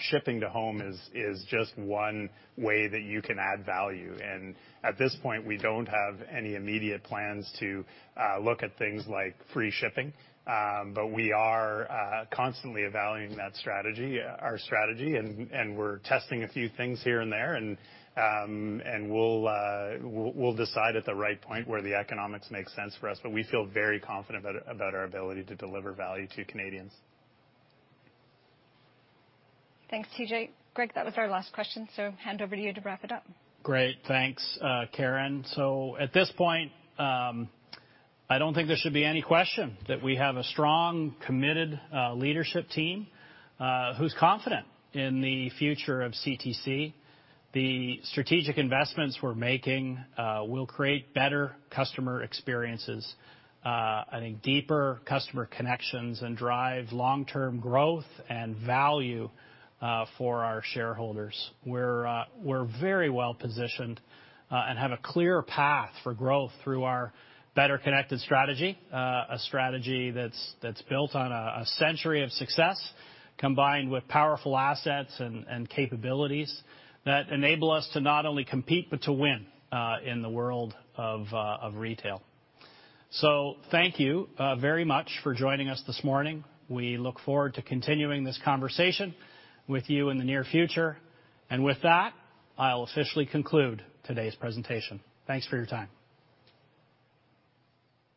Shipping to home is just one way that you can add value. At this point, we don't have any immediate plans to look at things like free shipping, but we are constantly evaluating that strategy, our strategy, and we're testing a few things here and there. We'll decide at the right point where the economics make sense for us, but we feel very confident about our ability to deliver value to Canadians. Thanks, TJ. Greg, that was our last question, so hand over to you to wrap it up. Great. Thanks, Karen. So at this point, I don't think there should be any question that we have a strong, committed leadership team who's confident in the future of CTC. The strategic investments we're making will create better customer experiences, I think deeper customer connections, and drive long-term growth and value for our shareholders. We're very well positioned and have a clear path for growth through our Better Connected strategy, a strategy that's built on a century of success, combined with powerful assets and capabilities that enable us to not only compete, but to win in the world of retail. So thank you very much for joining us this morning. We look forward to continuing this conversation with you in the near future. With that, I'll officially conclude today's presentation. Thanks for your time.